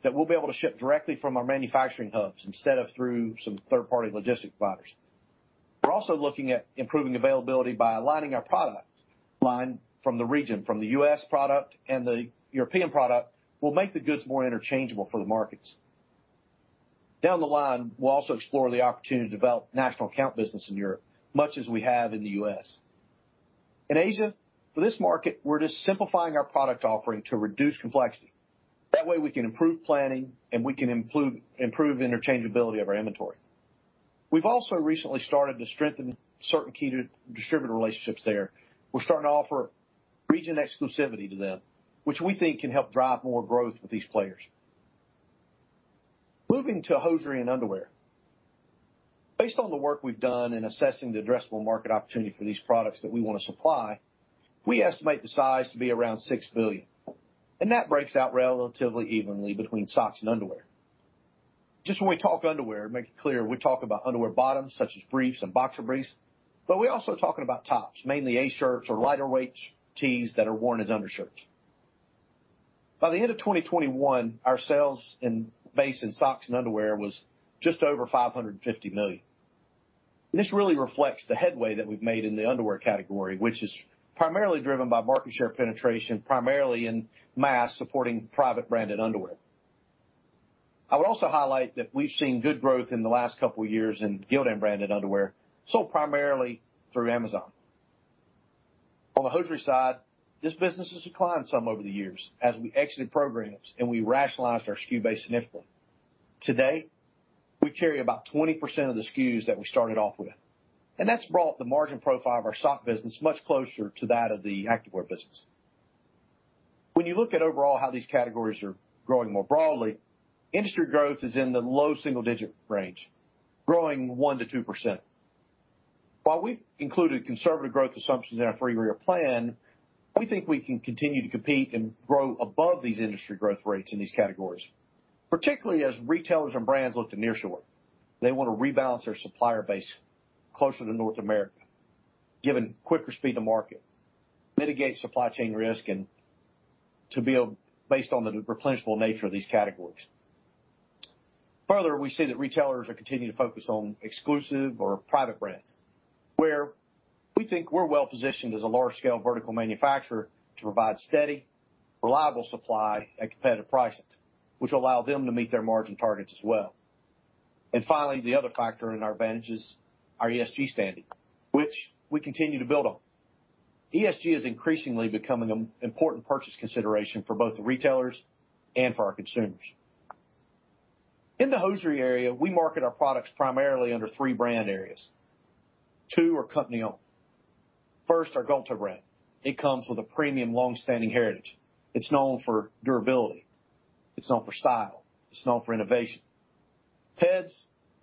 that we'll be able to ship directly from our manufacturing hubs instead of through some third-party logistics providers. We're also looking at improving availability by aligning our product line from the region, from the U.S. product and the European product will make the goods more interchangeable for the markets. Down the line, we'll also explore the opportunity to develop national account business in Europe, much as we have in the U.S.. In Asia, for this market, we're just simplifying our product offering to reduce complexity. That way, we can improve planning and we can improve the interchangeability of our inventory. We've also recently started to strengthen certain key distributor relationships there. We're starting to offer region exclusivity to them, which we think can help drive more growth with these players. Moving to hosiery and underwear. Based on the work we've done in assessing the addressable market opportunity for these products that we wanna supply, we estimate the size to be around $6 billion, and that breaks out relatively evenly between socks and underwear. Just when we talk underwear, to make it clear, we talk about underwear bottoms such as briefs and boxer briefs, but we're also talking about tops, mainly A shirts or lighter weight tees that are worn as undershirts. By the end of 2021, our sales in basics and socks and underwear was just over $550 million. This really reflects the headway that we've made in the underwear category, which is primarily driven by market share penetration, primarily in mass, supporting private branded underwear. I would also highlight that we've seen good growth in the last couple of years in Gildan branded underwear, sold primarily through Amazon. On the hosiery side, this business has declined some over the years as we exited programs and we rationalized our SKU base significantly. Today, we carry about 20% of the SKUs that we started off with, and that's brought the margin profile of our sock business much closer to that of the activewear business. When you look at overall how these categories are growing more broadly, industry growth is in the low single-digit range, growing 1%-2%. While we've included conservative growth assumptions in our three-year plan, we think we can continue to compete and grow above these industry growth rates in these categories, particularly as retailers and brands look to near shore. They wanna rebalance their supplier base closer to North America, given quicker speed to market, mitigate supply chain risk, and to be able based on the replenishable nature of these categories. Further, we see that retailers are continuing to focus on exclusive or private brands, where we think we're well-positioned as a large scale vertical manufacturer to provide steady, reliable supply at competitive prices, which will allow them to meet their margin targets as well. Finally, the other factor in our advantage is our ESG standing, which we continue to build on. ESG is increasingly becoming an important purchase consideration for both the retailers and for our consumers. In the hosiery area, we market our products primarily under three brand areas. Two are company-owned. First, our GOLDTOE brand. It comes with a premium long-standing heritage. It's known for durability, it's known for style, it's known for innovation. Peds,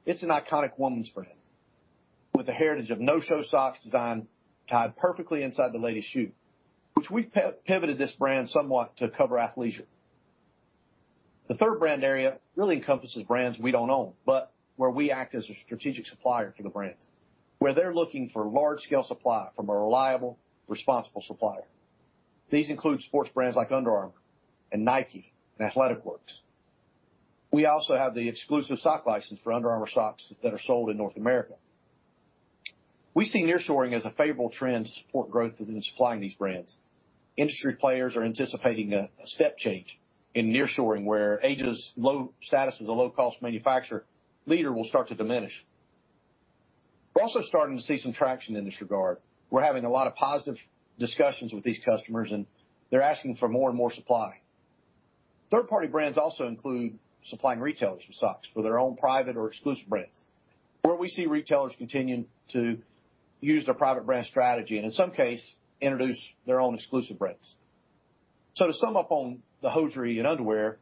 it's an iconic woman's brand with the heritage of no-show socks design tied perfectly inside the latest shoe, which we've pivoted this brand somewhat to cover athleisure. The third brand area really encompasses brands we don't own, but where we act as a strategic supplier to the brands, where they're looking for large scale supply from a reliable, responsible supplier. These include sports brands like Under Armour and Nike and Athletic Works. We also have the exclusive sock license for Under Armour socks that are sold in North America. We see nearshoring as a favorable trend to support growth within supplying these brands. Industry players are anticipating a step change in nearshoring, where Asia's low status as a low cost manufacturer leader will start to diminish. We're also starting to see some traction in this regard. We're having a lot of positive discussions with these customers, and they're asking for more and more supply. Third-party brands also include supplying retailers with socks for their own private or exclusive brands, where we see retailers continuing to use their private brand strategy and in some cases, introduce their own exclusive brands. To sum up on the hosiery and underwear,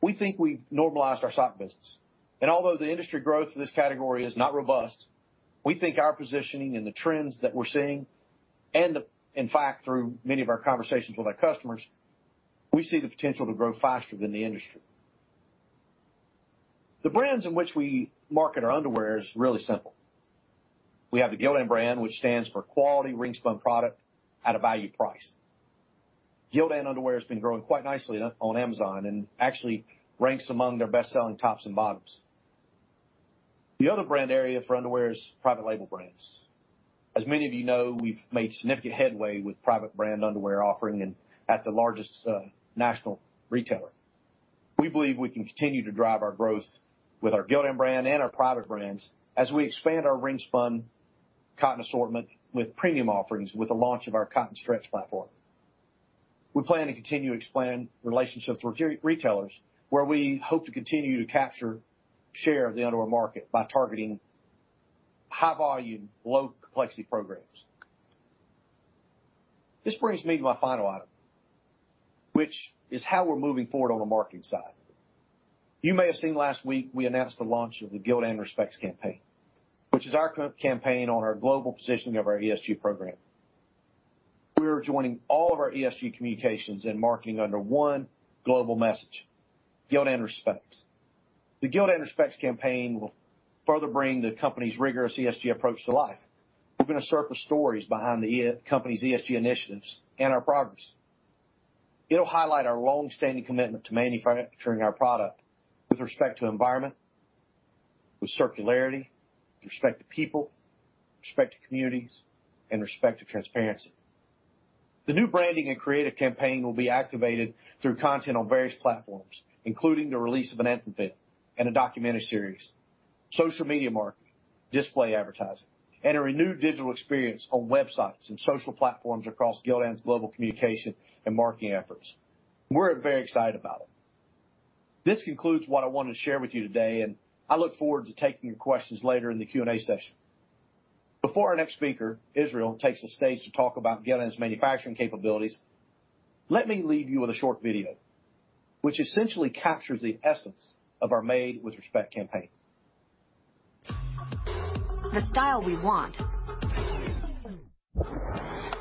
we think we've normalized our sock business. Although the industry growth for this category is not robust, we think our positioning and the trends that we're seeing, in fact, through many of our conversations with our customers, we see the potential to grow faster than the industry. The brands in which we market our underwear is really simple. We have the Gildan brand, which stands for quality ring-spun product at a value price. Gildan underwear has been growing quite nicely on Amazon and actually ranks among their best-selling tops and bottoms. The other brand area for underwear is private label brands. As many of you know, we've made significant headway with private brand underwear offering and at the largest, national retailer. We believe we can continue to drive our growth with our Gildan brand and our private brands as we expand our ring spun cotton assortment with premium offerings with the launch of our cotton stretch platform. We plan to continue to expand relationships with retailers, where we hope to continue to capture share of the underwear market by targeting high volume, low complexity programs. This brings me to my final item, which is how we're moving forward on the marketing side. You may have seen last week we announced the launch of the Gildan Respects campaign, which is our campaign on our global positioning of our ESG program. We are joining all of our ESG communications and marketing under one global message: Gildan Respects. The Gildan Respects campaign will further bring the company's rigorous ESG approach to life. We're gonna surface stories behind the company's ESG initiatives and our progress. It'll highlight our long-standing commitment to manufacturing our product with respect to environment, with circularity, with respect to people, with respect to communities, and respect to transparency. The new branding and creative campaign will be activated through content on various platforms, including the release of an anthem video and a documentary series, social media marketing, display advertising, and a renewed digital experience on websites and social platforms across Gildan's global communication and marketing efforts. We're very excited about it. This concludes what I wanna share with you today, and I look forward to taking your questions later in the Q&A session. Before our next speaker, Israel, takes the stage to talk about Gildan's manufacturing capabilities, let me leave you with a short video which essentially captures the essence of our Made with Respect campaign. The style we want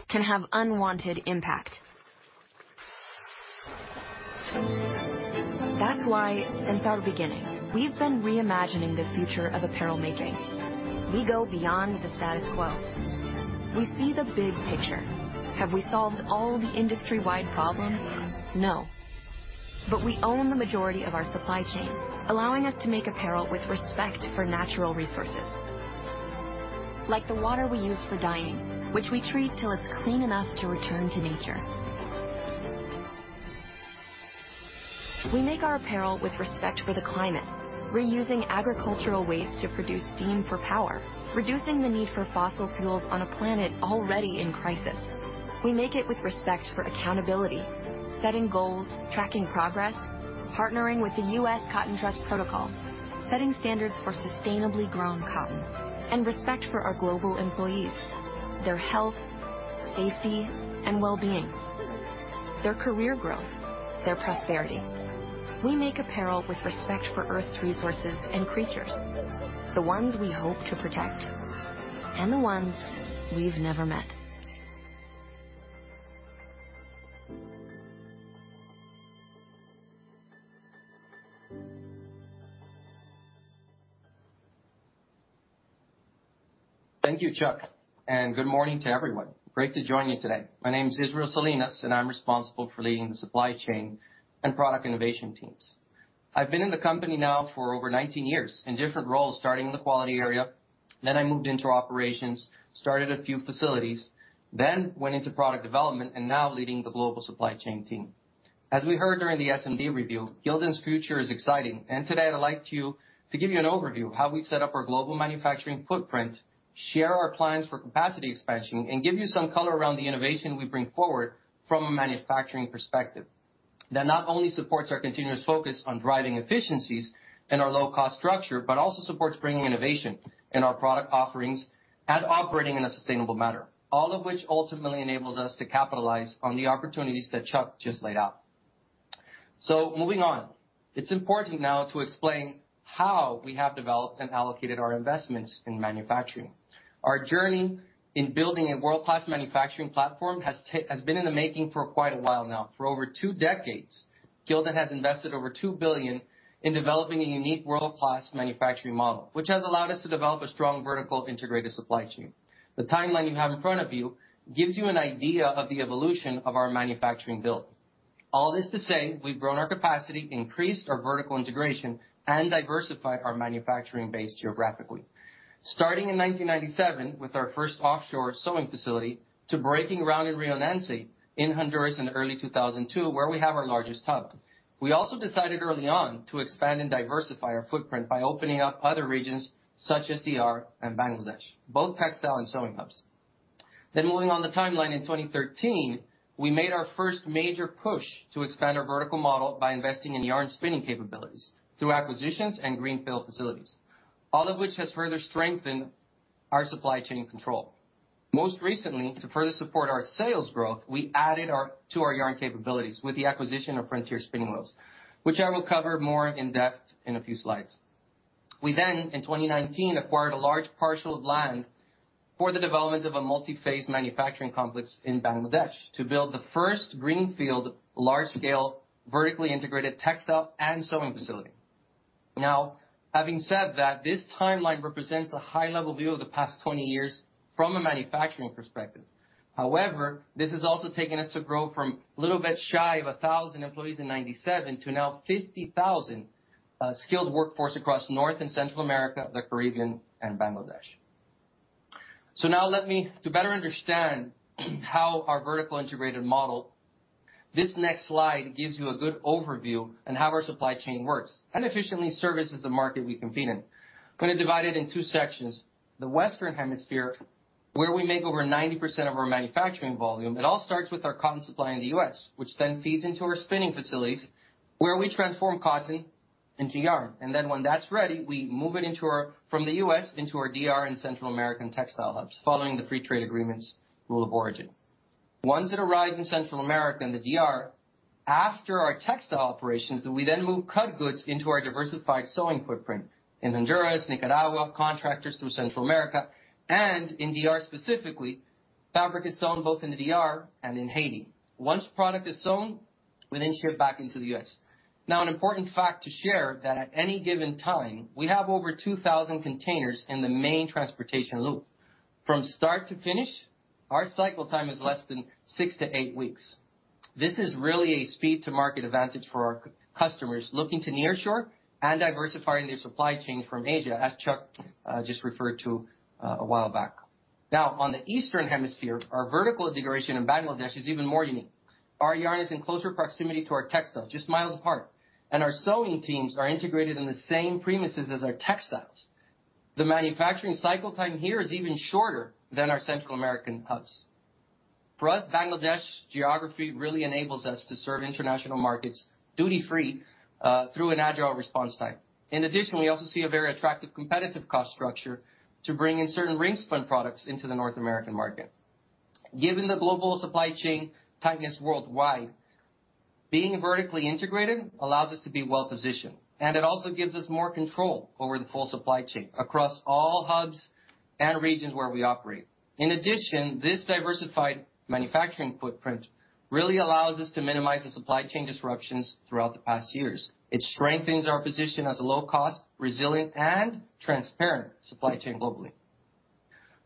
can have unwanted impact. That's why, since our beginning, we've been reimagining the future of apparel making. We go beyond the status quo. We see the big picture. Have we solved all the industry-wide problems? No. We own the majority of our supply chain, allowing us to make apparel with respect for natural resources. Like the water we use for dyeing, which we treat till it's clean enough to return to nature. We make our apparel with respect for the climate, reusing agricultural waste to produce steam for power, reducing the need for fossil fuels on a planet already in crisis. We make it with respect for accountability, setting goals, tracking progress, partnering with the U.S. Cotton Trust Protocol, setting standards for sustainably grown cotton and respect for our global employees, their health, safety and well-being, their career growth, their prosperity. We make apparel with respect for Earth's resources and creatures, the ones we hope to protect and the ones we've never met. Thank you, Chuck, and good morning to everyone. Great to join you today. My name is Israel Salinas, and I'm responsible for leading the supply chain and product innovation teams. I've been in the company now for over 19 years in different roles, starting in the quality area. I moved into operations, started a few facilities, then went into product development, and now leading the global supply chain team. As we heard during the S&D review, Gildan's future is exciting, and today I'd like to give you an overview of how we've set up our global manufacturing footprint, share our plans for capacity expansion, and give you some color around the innovation we bring forward from a manufacturing perspective that not only supports our continuous focus on driving efficiencies and our low cost structure, but also supports bringing innovation in our product offerings and operating in a sustainable manner. All of which ultimately enables us to capitalize on the opportunities that Chuck just laid out. Moving on. It's important now to explain how we have developed and allocated our investments in manufacturing. Our journey in building a world-class manufacturing platform has been in the making for quite a while now. For over two decades, Gildan has invested over $2 billion in developing a unique world-class manufacturing model, which has allowed us to develop a strong vertically integrated supply chain. The timeline you have in front of you gives you an idea of the evolution of our manufacturing build. All this to say, we've grown our capacity, increased our vertical integration, and diversified our manufacturing base geographically. Starting in 1997 with our first offshore sewing facility to breaking ground in Rio Nance in Honduras in early 2002, where we have our largest hub. We also decided early on to expand and diversify our footprint by opening up other regions such as DR and Bangladesh, both textile and sewing hubs. Moving on the timeline in 2013, we made our first major push to expand our vertical model by investing in yarn spinning capabilities through acquisitions and greenfield facilities. All of which has further strengthened our supply chain control. Most recently, to further support our sales growth, we added to our yarn capabilities with the acquisition of Frontier Spinning Mills, which I will cover more in depth in a few slides. We, in 2019, acquired a large parcel of land for the development of a multi-phase manufacturing complex in Bangladesh to build the first greenfield, large scale, vertically integrated textile and sewing facility. Now, having said that, this timeline represents a high level view of the past 20 years from a manufacturing perspective. However, this has also taken us to grow from a little bit shy of 1,000 employees in 1997 to now 50,000 skilled workforce across North and Central America, the Caribbean and Bangladesh. To better understand how our vertically integrated model, this next slide gives you a good overview on how our supply chain works and efficiently services the market we compete in. Gonna divide it in two sections. The Western Hemisphere, where we make over 90% of our manufacturing volume. It all starts with our cotton supply in the U.S., which then feeds into our spinning facilities, where we transform cotton and yarn. Then when that's ready, we move it from the U.S. into our D.R. and Central American textile hubs, following the free trade agreements rule of origin. Once it arrives in Central America and the DR, after our textile operations, we then move cut goods into our diversified sewing footprint in Honduras, Nicaragua, contractors through Central America, and in DR specifically, fabric is sewn both in the DR and in Haiti. Once product is sewn, we then ship back into the U.S. Now, an important fact to share that at any given time, we have over 2,000 containers in the main transportation loop. From start to finish, our cycle time is less than six to eight weeks. This is really a speed to market advantage for our customers looking to nearshore and diversifying their supply chain from Asia, as Chuck just referred to a while back. Now, on the eastern hemisphere, our vertical integration in Bangladesh is even more unique. Our yarn is in closer proximity to our textile, just miles apart, and our sewing teams are integrated in the same premises as our textiles. The manufacturing cycle time here is even shorter than our Central American hubs. For us, Bangladesh geography really enables us to serve international markets duty-free through an agile response time. In addition, we also see a very attractive competitive cost structure to bring in certain ring-spun products into the North American market. Given the global supply chain tightness worldwide, being vertically integrated allows us to be well-positioned, and it also gives us more control over the full supply chain across all hubs and regions where we operate. In addition, this diversified manufacturing footprint really allows us to minimize the supply chain disruptions throughout the past years. It strengthens our position as a low cost, resilient and transparent supply chain globally.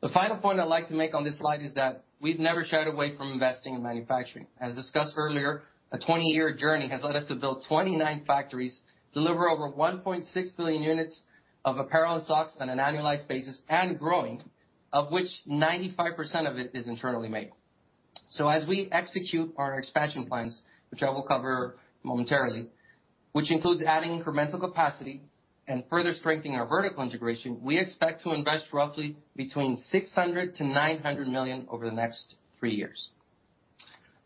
The final point I'd like to make on this slide is that we've never shied away from investing in manufacturing. As discussed earlier, a 20-year journey has led us to build 29 factories, deliver over 1.6 billion units of apparel and socks on an annualized basis, and growing, of which 95% of it is internally made. As we execute our expansion plans, which I will cover momentarily, which includes adding incremental capacity and further strengthening our vertical integration, we expect to invest roughly between $600 million-$900 million over the next three years.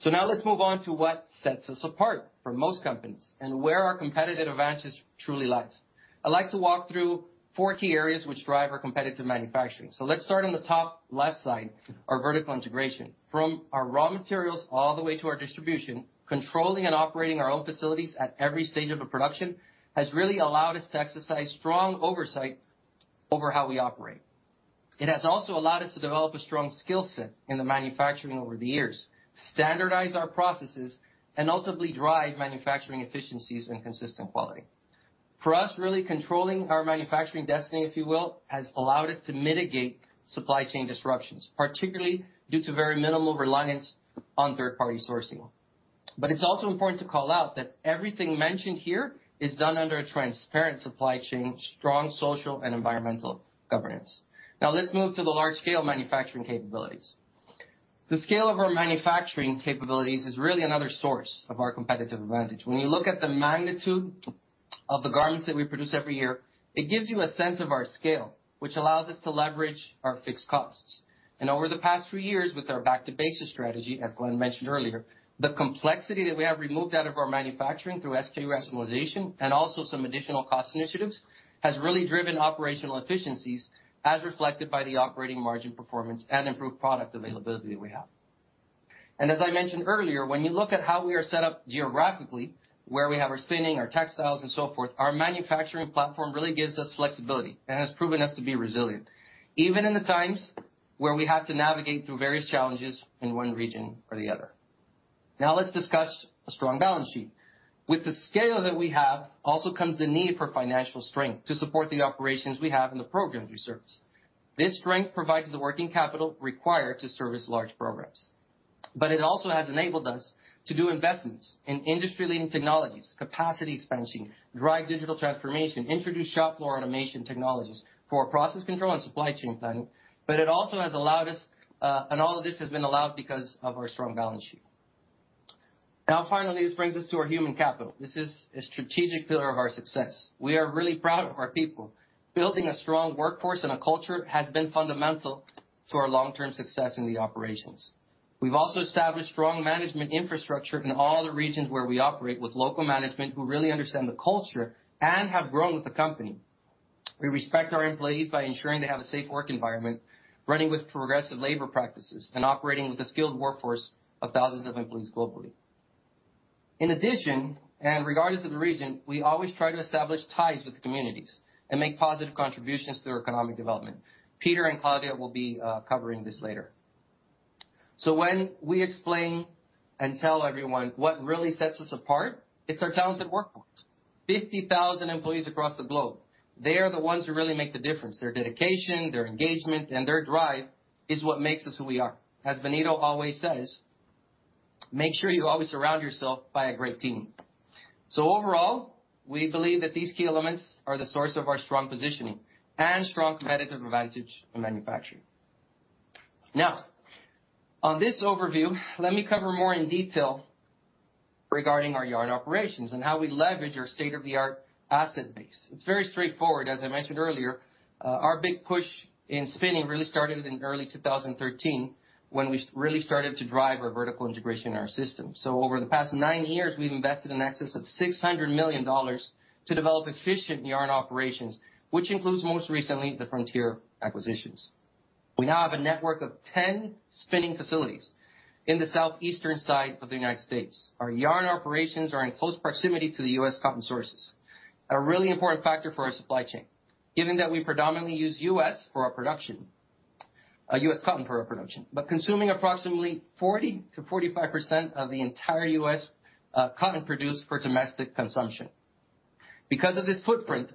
Now let's move on to what sets us apart from most companies and where our competitive advantage truly lies. I'd like to walk through four key areas which drive our competitive manufacturing. Let's start on the top left side, our vertical integration. From our raw materials all the way to our distribution, controlling and operating our own facilities at every stage of the production has really allowed us to exercise strong oversight over how we operate. It has also allowed us to develop a strong skill set in the manufacturing over the years, standardize our processes, and ultimately drive manufacturing efficiencies and consistent quality. For us, really controlling our manufacturing destiny, if you will, has allowed us to mitigate supply chain disruptions, particularly due to very minimal reliance on third-party sourcing. It's also important to call out that everything mentioned here is done under a transparent supply chain, strong social and environmental governance. Now let's move to the large scale manufacturing capabilities. The scale of our manufacturing capabilities is really another source of our competitive advantage. When you look at the magnitude of the garments that we produce every year, it gives you a sense of our scale, which allows us to leverage our fixed costs. Over the past few years, with our back to basics strategy, as Glenn mentioned earlier, the complexity that we have removed out of our manufacturing through SKU rationalization and also some additional cost initiatives, has really driven operational efficiencies as reflected by the operating margin performance and improved product availability we have. As I mentioned earlier, when you look at how we are set up geographically, where we have our spinning, our textiles and so forth, our manufacturing platform really gives us flexibility and has proven us to be resilient, even in the times where we have to navigate through various challenges in one region or the other. Now let's discuss a strong balance sheet. With the scale that we have also comes the need for financial strength to support the operations we have and the programs we service. This strength provides the working capital required to service large programs. It also has enabled us to do investments in industry-leading technologies, capacity expansion, drive digital transformation, introduce shop floor automation technologies for process control and supply chain planning. It also has allowed us, and all of this has been allowed because of our strong balance sheet. Now, finally, this brings us to our human capital. This is a strategic pillar of our success. We are really proud of our people. Building a strong workforce and a culture has been fundamental to our long-term success in the operations. We've also established strong management infrastructure in all the regions where we operate with local management who really understand the culture and have grown with the company. We respect our employees by ensuring they have a safe work environment, running with progressive labor practices, and operating with a skilled workforce of thousands of employees globally. In addition, and regardless of the region, we always try to establish ties with the communities and make positive contributions to their economic development. Peter and Claudia will be covering this later. When we explain and tell everyone what really sets us apart, it's our talented workforce. 50,000 employees across the globe. They are the ones who really make the difference. Their dedication, their engagement, and their drive is what makes us who we are. As Benito always says, "Make sure you always surround yourself by a great team." Overall, we believe that these key elements are the source of our strong positioning and strong competitive advantage in manufacturing. Now, on this overview, let me cover more in detail regarding our yarn operations and how we leverage our state-of-the-art asset base. It's very straightforward, as I mentioned earlier. Our big push in spinning really started in early 2013 when we really started to drive our vertical integration in our system. Over the past nine years, we've invested in excess of $600 million to develop efficient yarn operations, which includes, most recently, the Frontier acquisitions. We now have a network of 10 spinning facilities in the southeastern United States. Our yarn operations are in close proximity to the U.S. cotton sources, a really important factor for our supply chain, given that we predominantly use U.S. cotton for our production, consuming approximately 40%-45% of the entire U.S. cotton produced for domestic consumption. Because of this footprint,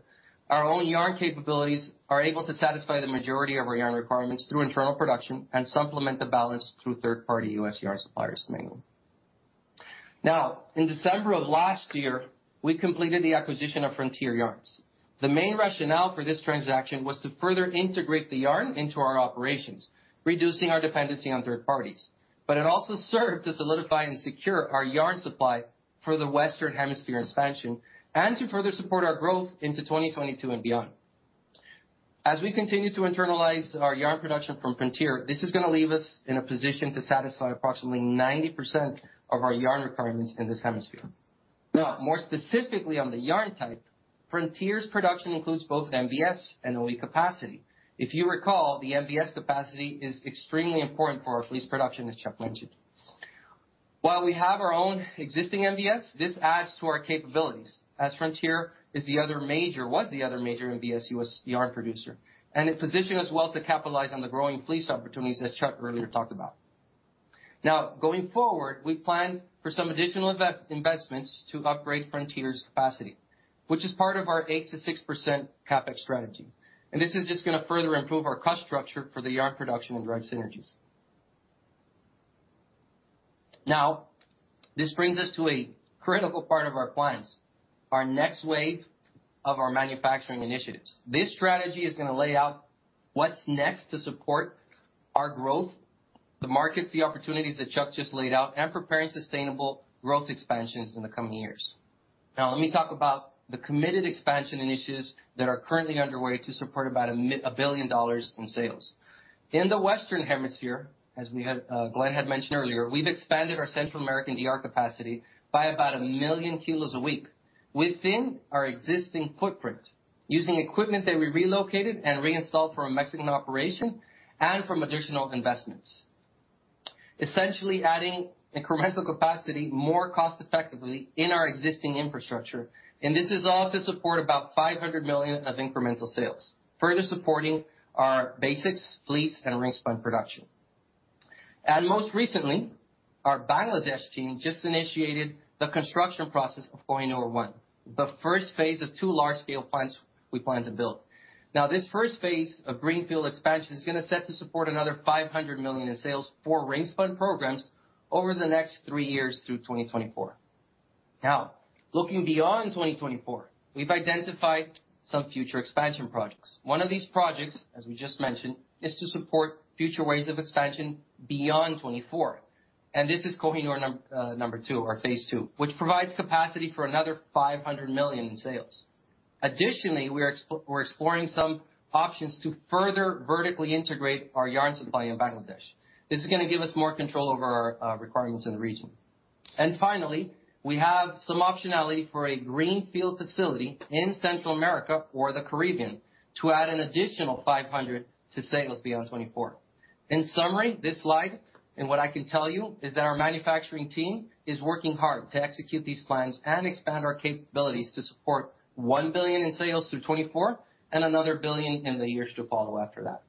our own yarn capabilities are able to satisfy the majority of our yarn requirements through internal production and supplement the balance through third-party U.S. yarn suppliers mainly. Now, in December of last year, we completed the acquisition of Frontier Yarns. The main rationale for this transaction was to further integrate the yarn into our operations, reducing our dependency on third parties. It also served to solidify and secure our yarn supply for the Western Hemisphere expansion and to further support our growth into 2022 and beyond. As we continue to internalize our yarn production from Frontier, this is gonna leave us in a position to satisfy approximately 90% of our yarn requirements in this hemisphere. Now, more specifically on the yarn type, Frontier's production includes both MVS and OE capacity. If you recall, the MVS capacity is extremely important for our fleece production, as Chuck mentioned. While we have our own existing MVS, this adds to our capabilities, as Frontier was the other major MVS U.S. yarn producer, and it positioned us well to capitalize on the growing fleece opportunities that Chuck earlier talked about. Now, going forward, we plan for some additional investments to upgrade Frontier's capacity, which is part of our 6%-8% CapEx strategy. This is just gonna further improve our cost structure for the yarn production and drive synergies. Now, this brings us to a critical part of our plans, our next wave of our manufacturing initiatives. This strategy is gonna lay out what's next to support our growth, the markets, the opportunities that Chuck just laid out, and preparing sustainable growth expansions in the coming years. Now let me talk about the committed expansion initiatives that are currently underway to support about $1 billion in sales. In the Western Hemisphere, Glenn had mentioned earlier, we've expanded our Central American DR capacity by about 1 million kilos a week within our existing footprint, using equipment that we relocated and reinstalled from our Mexican operation and from additional investments. Essentially adding incremental capacity more cost effectively in our existing infrastructure, and this is all to support about $500 million of incremental sales, further supporting our basics, fleece, and ring spun production. Most recently, our Bangladesh team just initiated the construction process of Kohinoor 1, the first phase of two large-scale plants we plan to build. This first phase of greenfield expansion is gonna set to support another $500 million in sales for ring spun programs over the next three years through 2024. Looking beyond 2024, we've identified some future expansion projects. One of these projects, as we just mentioned, is to support future waves of expansion beyond 2024, and this is Kohinoor 2 or phase II, which provides capacity for another $500 million in sales. Additionally, we're exploring some options to further vertically integrate our yarn supply in Bangladesh. This is gonna give us more control over our requirements in the region. Finally, we have some optionality for a greenfield facility in Central America or the Caribbean to add an additional $500 million to sales beyond 2024. In summary, this slide, and what I can tell you is that our manufacturing team is working hard to execute these plans and expand our capabilities to support $1 billion in sales through 2024 and another $1 billion in the years to follow after that.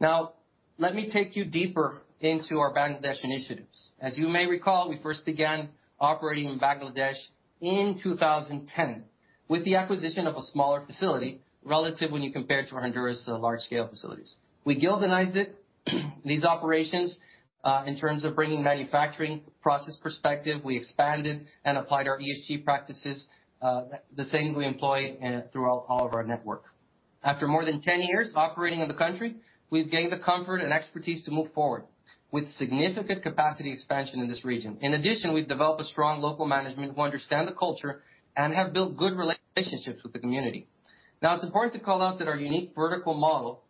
Now, let me take you deeper into our Bangladesh initiatives. As you may recall, we first began operating in Bangladesh in 2010 with the acquisition of a smaller facility relative when you compare it to our Honduras large-scale facilities. We Gildanized it, these operations, in terms of bringing manufacturing process perspective. We expanded and applied our ESG practices, the same we employ, all of our network. After more than 10 years operating in the country, we've gained the comfort and expertise to move forward with significant capacity expansion in this region. In addition, we've developed a strong local management who understand the culture and have built good relationships with the community. Now, it's important to call out that our unique vertical model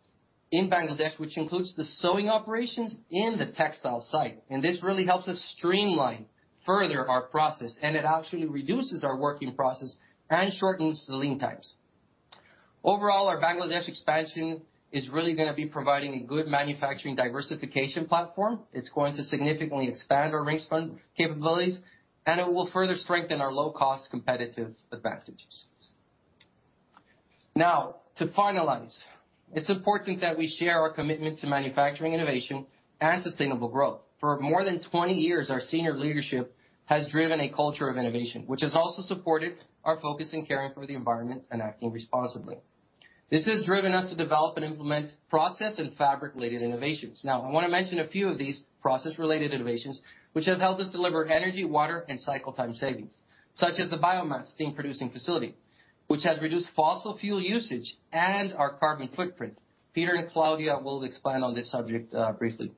in Bangladesh, which includes the sewing operations in the textile site, and this really helps us streamline further our process, and it actually reduces our working process and shortens the lead times. Overall, our Bangladesh expansion is really gonna be providing a good manufacturing diversification platform. It's going to significantly expand our ring-spun capabilities, and it will further strengthen our low-cost competitive advantages. Now, to finalize, it's important that we share our commitment to manufacturing innovation and sustainable growth. For more than 20 years, our senior leadership has driven a culture of innovation, which has also supported our focus in caring for the environment and acting responsibly. This has driven us to develop and implement process and fabric-related innovations. Now, I wanna mention a few of these process-related innovations, which have helped us deliver energy, water, and cycle time savings, such as the biomass steam producing facility, which has reduced fossil fuel usage and our carbon footprint. Peter and Claudia will expand on this subject briefly.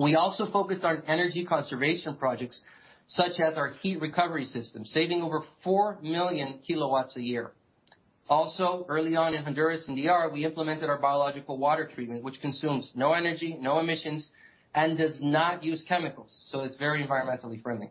We also focused on energy conservation projects such as our heat recovery system, saving over 4 million kilowatts a year. Also, early on in Honduras and D.R., we implemented our biological water treatment, which consumes no energy, no emissions, and does not use chemicals, so it's very environmentally friendly.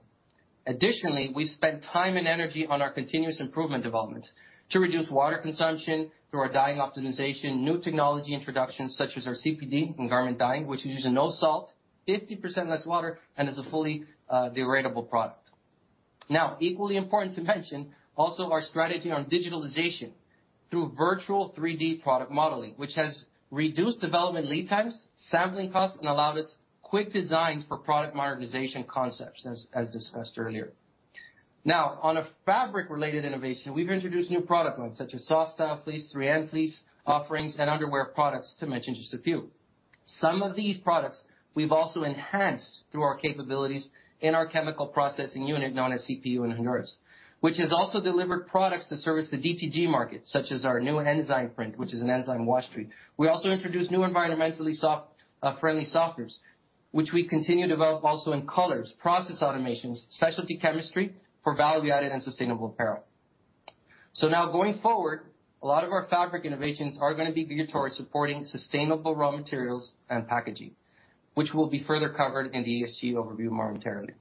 Additionally, we've spent time and energy on our continuous improvement developments to reduce water consumption through our dyeing optimization, new technology introductions such as our CPD in garment dyeing, which uses no salt, 50% less water, and is a fully degradable product. Equally important to mention also our strategy on digitalization through virtual 3D product modeling, which has reduced development lead times, sampling costs, and allowed us quick designs for product modernization concepts, as discussed earlier. On a fabric-related innovation, we've introduced new product lines such as Softstyle fleece, 3-end fleece offerings, and underwear products to mention just a few. Some of these products we've also enhanced through our capabilities in our chemical processing unit known as CPU in Honduras, which has also delivered products to service the DTG market, such as our new EZ Print, which is an enzyme wash treatment. We also introduced new environmentally friendly softeners, which we continue to develop also in colors, process automations, specialty chemistry for value-added and sustainable apparel. Now going forward, a lot of our fabric innovations are gonna be geared towards supporting sustainable raw materials and packaging, which will be further covered in the ESG overview momentarily.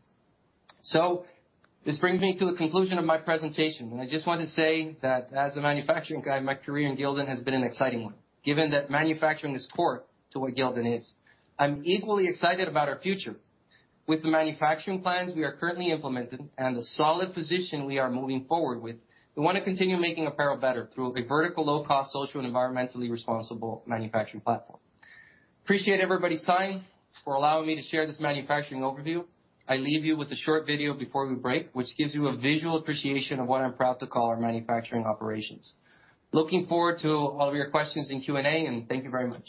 This brings me to the conclusion of my presentation, and I just want to say that as a manufacturing guy, my career in Gildan has been an exciting one. Given that manufacturing is core to what Gildan is. I'm equally excited about our future. With the manufacturing plans we are currently implementing and the solid position we are moving forward with, we wanna continue making apparel better through a vertical, low cost, social, and environmentally responsible manufacturing platform. Appreciate everybody's time for allowing me to share this manufacturing overview. I leave you with a short video before we break, which gives you a visual appreciation of what I'm proud to call our manufacturing operations. Looking forward to all of your questions in Q&A, and thank you very much.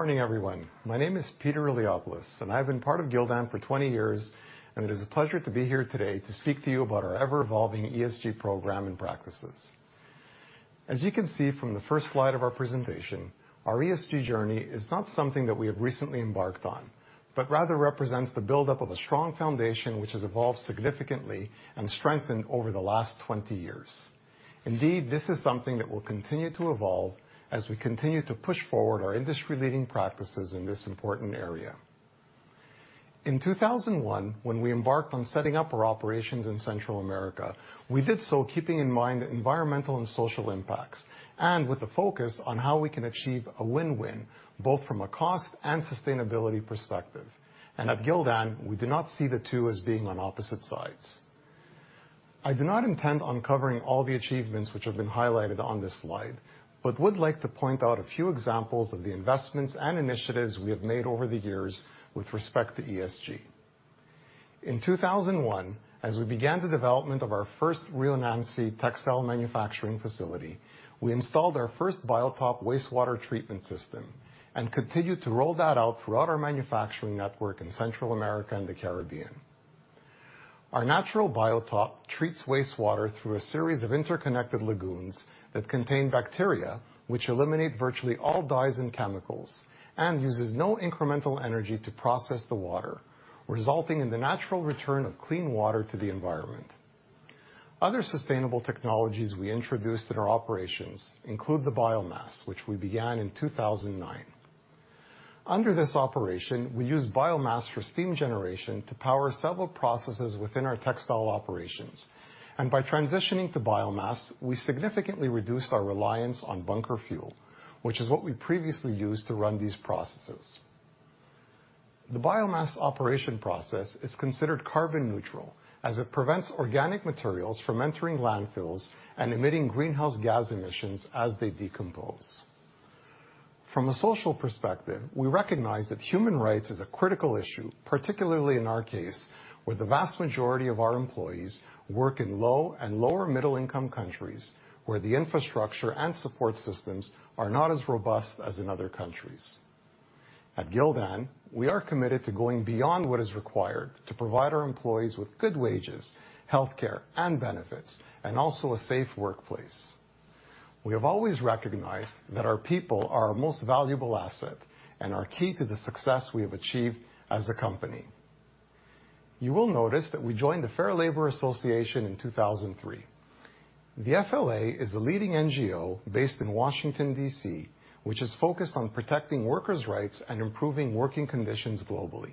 Good morning, everyone. My name is Peter Iliopoulos, and I have been part of Gildan for 20 years, and it is a pleasure to be here today to speak to you about our ever-evolving ESG program and practices. As you can see from the first slide of our presentation, our ESG journey is not something that we have recently embarked on, but rather represents the buildup of a strong foundation which has evolved significantly and strengthened over the last 20 years. Indeed, this is something that will continue to evolve as we continue to push forward our industry-leading practices in this important area. In 2001, when we embarked on setting up our operations in Central America, we did so keeping in mind the environmental and social impacts, and with a focus on how we can achieve a win-win, both from a cost and sustainability perspective. At Gildan, we do not see the two as being on opposite sides. I do not intend on covering all the achievements which have been highlighted on this slide, but would like to point out a few examples of the investments and initiatives we have made over the years with respect to ESG. In 2001, as we began the development of our first Rio Nance textile manufacturing facility, we installed our first Biotop wastewater treatment system and continued to roll that out throughout our manufacturing network in Central America and the Caribbean. Our natural Biotop treats wastewater through a series of interconnected lagoons that contain bacteria, which eliminate virtually all dyes and chemicals, and uses no incrmental energy to process the water, resulting in the natural return of clean water to the environment. Other sustainable technologies we introduced in our operations include the biomass, which we began in 2009. Under this ope ration, we use biomass for steam generation to power several processes within our textile operations. By transitioning to biomass, we significantly reduced our reliance on bunker fuel, which is what we previously used to run these processes. The biomass operation process is considered carbon neutral as it prevents organic materials from entering landfills and emitting greenhouse gas emissions as they decompose. From a social perspective, we recognize that human rights is a critical issue, particularly in our case, where the vast majority of our employees work in low and lower middle-income countries where the infrastructure and support systems are not as robust as in other countries. At Gildan, we are committed to going beyond what is required to provide our employees with good wages, healthcare and benefits, and also a safe workplace. We have always recognized that our people are our most valuable asset and are key to the success we have achieved as a company. You will notice that we joined the Fair Labor Association in 2003. The FLA is a leading NGO based in Washington, D.C., which is focused on protecting workers' rights and improving working conditions globally.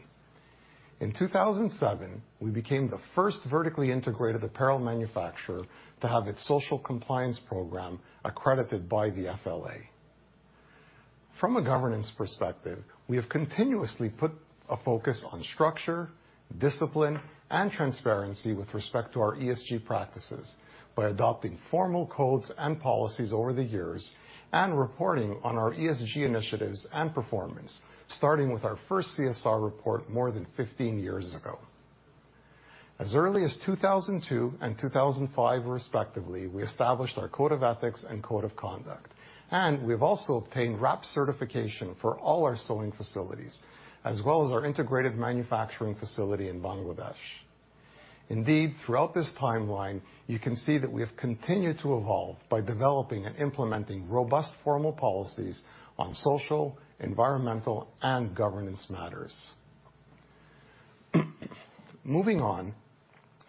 In 2007, we became the first vertically integrated apparel manufacturer to have its social compliance program accredited by the FLA. From a governance perspective, we have continuously put a focus on structure, discipline, and transparency with respect to our ESG practices by adopting formal codes and policies over the years and reporting on our ESG initiatives and performance, starting with our first CSR report more than 15 years ago. As early as 2002 and 2005 respectively, we established our code of ethics and code of conduct, and we have also obtained WRAP certification for all our sewing facilities, as well as our integrated manufacturing facility in Bangladesh. Indeed, throughout this timeline, you can see that we have continued to evolve by developing and implementing robust formal policies on social, environmental, and governance matters. Moving on,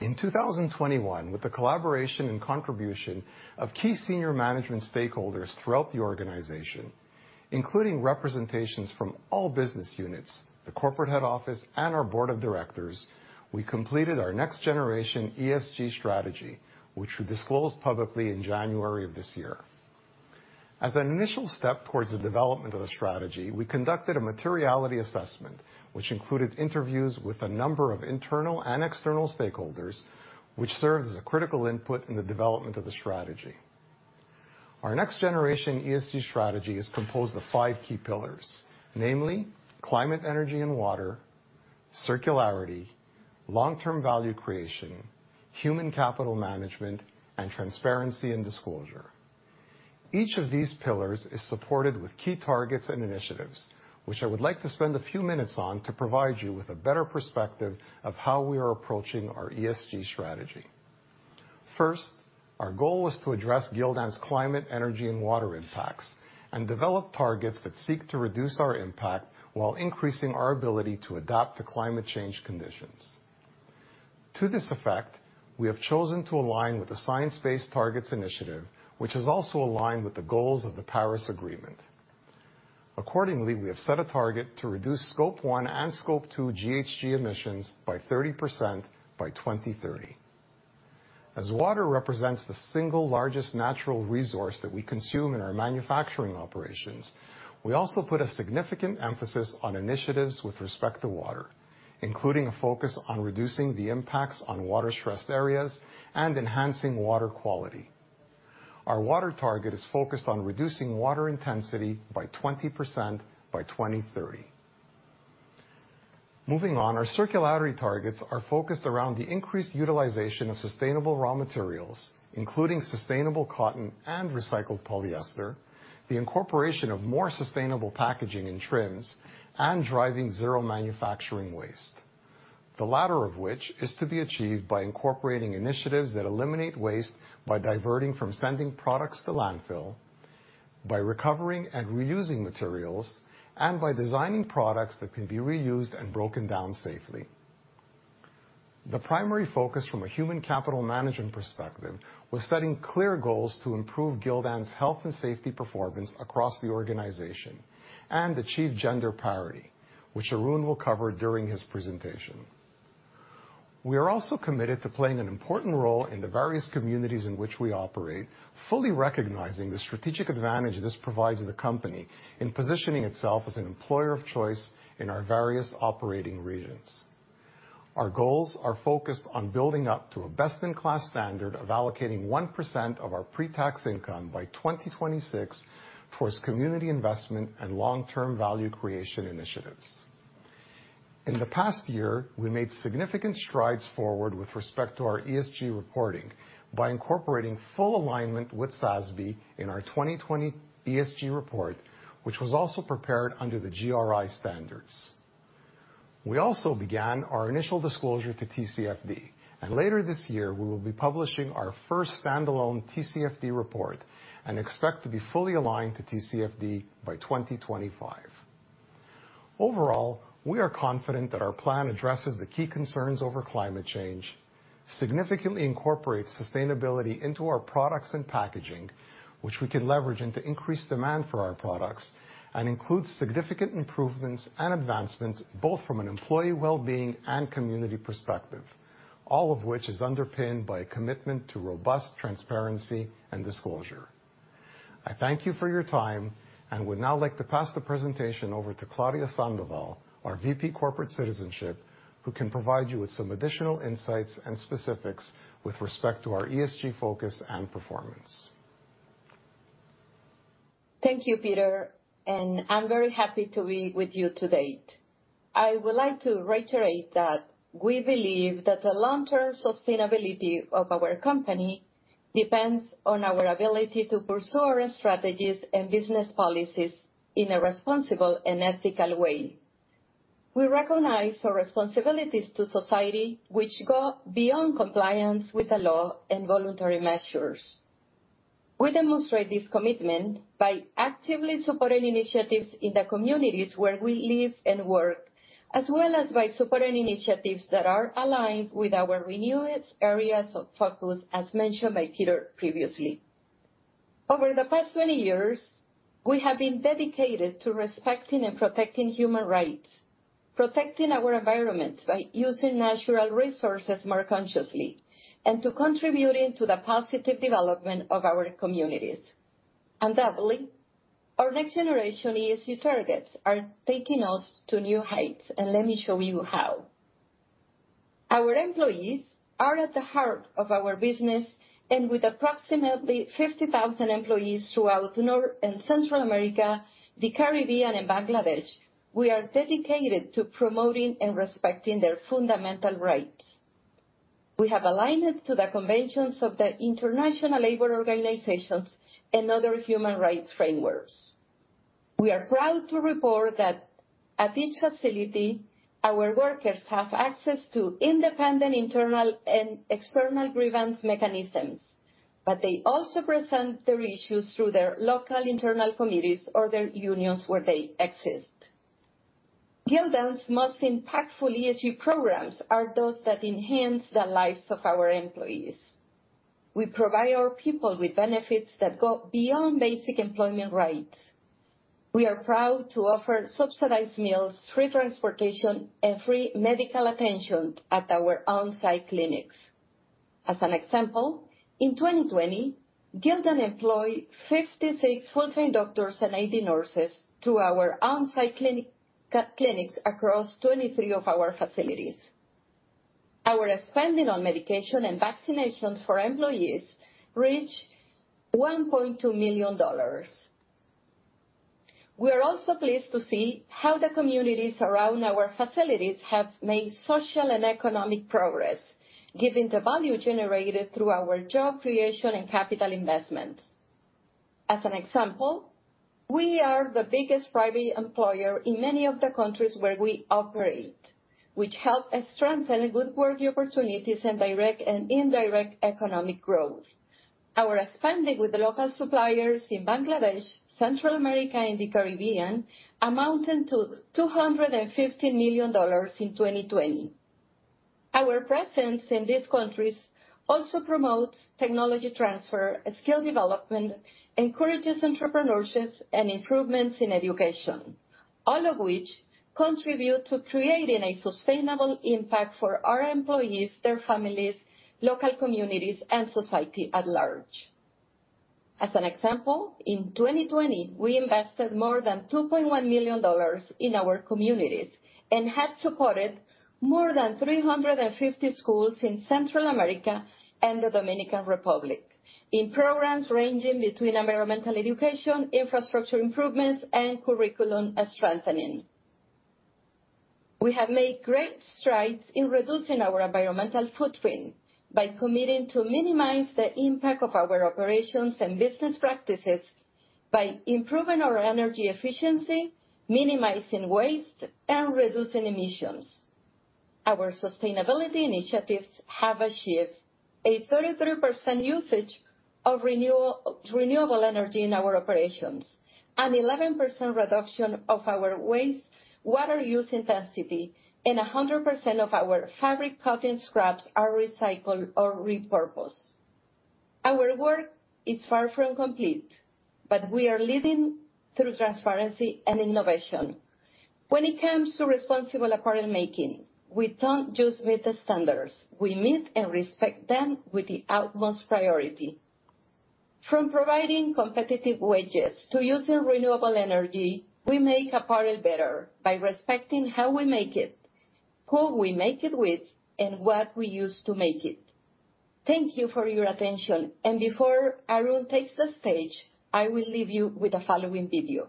in 2021, with the collaboration and contribution of key senior management stakeholders throughout the organization, including representations from all business units, the corporate head office, and our board of directors, we completed our next generation ESG strategy, which we disclosed publicly in January of this year. As an initial step towards the development of the strategy, we conducted a materiality assessment, which included interviews with a number of internal and external stakeholders, which serves as a critical input in the development of the strategy. Our next generation ESG strategy is composed of five key pillars, namely Climate, Energy, and Water, Circularity, Long-term Value Creation, Human Capital Management, and Transparency and Disclosure. Each of these pillars is supported with key targets and initiatives, which I would like to spend a few minutes on to provide you with a better perspective of how we are approaching our ESG strategy. First, our goal was to address Gildan's climate, energy, and water impacts and develop targets that seek to reduce our impact while increasing our ability to adapt to climate change conditions. To this effect, we have chosen to align with the Science Based Targets initiative, which is also aligned with the goals of the Paris Agreement. Accordingly, we have set a target to reduce Scope 1 and Scope 2 GHG emissions by 30% by 2030. As water represents the single largest natural resource that we consume in our manufacturing operations, we also put a significant emphasis on initiatives with respect to water, including a focus on reducing the impacts on water-stressed areas and enhancing water quality. Our water target is focused on reducing water intensity by 20% by 2030. Moving on, our circularity targets are focused around the increased utilization of sustainable raw materials, including sustainable cotton and recycled polyester, the incorporation of more sustainable packaging and trims, and driving zero manufacturing waste. The latter of which is to be achieved by incorporating initiatives that eliminate waste by diverting from sending products to landfill, by recovering and reusing materials, and by designing products that can be reused and broken down safely. The primary focus from a human capital management perspective was setting clear goals to improve Gildan's health and safety performance across the organization and achieve gender parity, which Arun will cover during his presentation. We are also committed to playing an important role in the various communities in which we operate, fully recognizing the strategic advantage this provides the company in positioning itself as an employer of choice in our various operating regions. Our goals are focused on building up to a best in class standard of allocating 1% of our pre-tax income by 2026 towards community investment and long-term value creation initiatives. In the past year, we made significant strides forward with respect to our ESG reporting by incorporating full alignment with SASB in our 2020 ESG report, which was also prepared under the GRI standards. We also began our initial disclosure to TCFD, and later this year we will be publishing our first standalone TCFD report and expect to be fully aligned to TCFD by 2025. Overall, we are confident that our plan addresses the key concerns over climate change, significantly incorporates sustainability into our products and packaging, which we can leverage into increased demand for our products, and includes significant improvements and advancements both from an employee well-being and community perspective, all of which is underpinned by a commitment to robust transparency and disclosure. I thank you for your time and would now like to pass the presentation over to Claudia Sandoval, our VP, Corporate Citizenship, who can provide you with some additional insights and specifics with respect to our ESG focus and performance. Thank you, Peter, and I'm very happy to be with you today. I would like to reiterate that we believe that the long-term sustainability of our company depends on our ability to pursue our strategies and business policies in a responsible and ethical way. We recognize our responsibilities to society, which go beyond compliance with the law and voluntary measures. We demonstrate this commitment by actively supporting initiatives in the communities where we live and work, as well as by supporting initiatives that are aligned with our renewed areas of focus, as mentioned by Peter previously. Over the past 20 years, we have been dedicated to respecting and protecting human rights, protecting our environment by using natural resources more consciously, and to contributing to the positive development of our communities. Undoubtedly, our next generation ESG targets are taking us to new heights, and let me show you how. Our employees are at the heart of our business, and with approximately 50,000 employees throughout North and Central America, the Caribbean, and Bangladesh, we are dedicated to promoting and respecting their fundamental rights. We have aligned to the conventions of the International Labour Organization and other human rights frameworks. We are proud to report that at each facility, our workers have access to independent, internal, and external grievance mechanisms, but they also present their issues through their local internal committees or their unions where they exist. Gildan's most impactful ESG programs are those that enhance the lives of our employees. We provide our people with benefits that go beyond basic employment rights. We are proud to offer subsidized meals, free transportation, and free medical attention at our on-site clinics. As an example, in 2020, Gildan employ 56 full-time doctors and 80 nurses to our on-site clinics across 23 of our facilities. Our spending on medication and vaccinations for employees reached $1.2 million. We are also pleased to see how the communities around our facilities have made social and economic progress, given the value generated through our job creation and capital investments. As an example, we are the biggest private employer in many of the countries where we operate, which help us strengthen good work opportunities and direct and indirect economic growth. Our spending with the local suppliers in Bangladesh, Central America, and the Caribbean amounted to $250 million in 2020. Our presence in these countries also promotes technology transfer, skill development, encourages entrepreneurship and improvements in education, all of which contribute to creating a sustainable impact for our employees, their families, local communities, and society at large. As an example, in 2020, we invested more than $2.1 million in our communities and have supported more than 350 schools in Central America and the Dominican Republic in programs ranging between environmental education, infrastructure improvements, and curriculum strengthening. We have made great strides in reducing our environmental footprint by committing to minimize the impact of our operations and business practices by improving our energy efficiency, minimizing waste, and reducing emissions. Our sustainability initiatives have achieved a 33% usage of renewable energy in our operations, an 11% reduction of our wastewater use intensity, and 100% of our fabric cotton scraps are recycled or repurposed. Our work is far from complete, but we are leading through transparency and innovation. When it comes to responsible apparel making, we don't just meet the standards, we meet and respect them with the utmost priority. From providing competitive wages to using renewable energy, we make apparel better by respecting how we make it, who we make it with, and what we use to make it. Thank you for your attention, and before Arun takes the stage, I will leave you with the following video.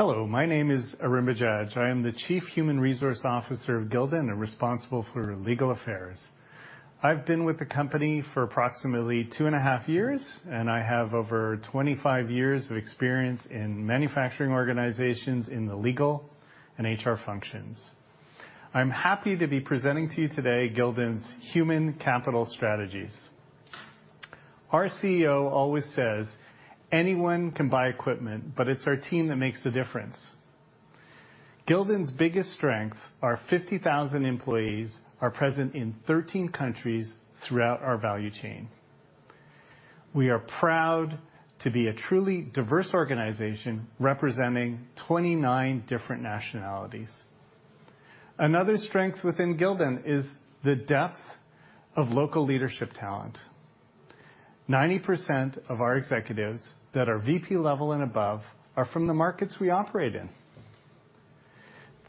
Hello, my name is Arun Bajaj. I am the Chief Human Resources Officer of Gildan and responsible for legal affairs. I've been with the company for approximately 2.5 years, and I have over 25 years of experience in manufacturing organizations in the legal and HR functions. I'm happy to be presenting to you today Gildan's human capital strategies. Our CEO always says, "Anyone can buy equipment, but it's our team that makes the difference." Gildan's biggest strength, our 50,000 employees, are present in 13 countries throughout our value chain. We are proud to be a truly diverse organization representing 29 different nationalities. Another strength within Gildan is the depth of local leadership talent. 90% of our executives that are VP level and above are from the markets we operate in.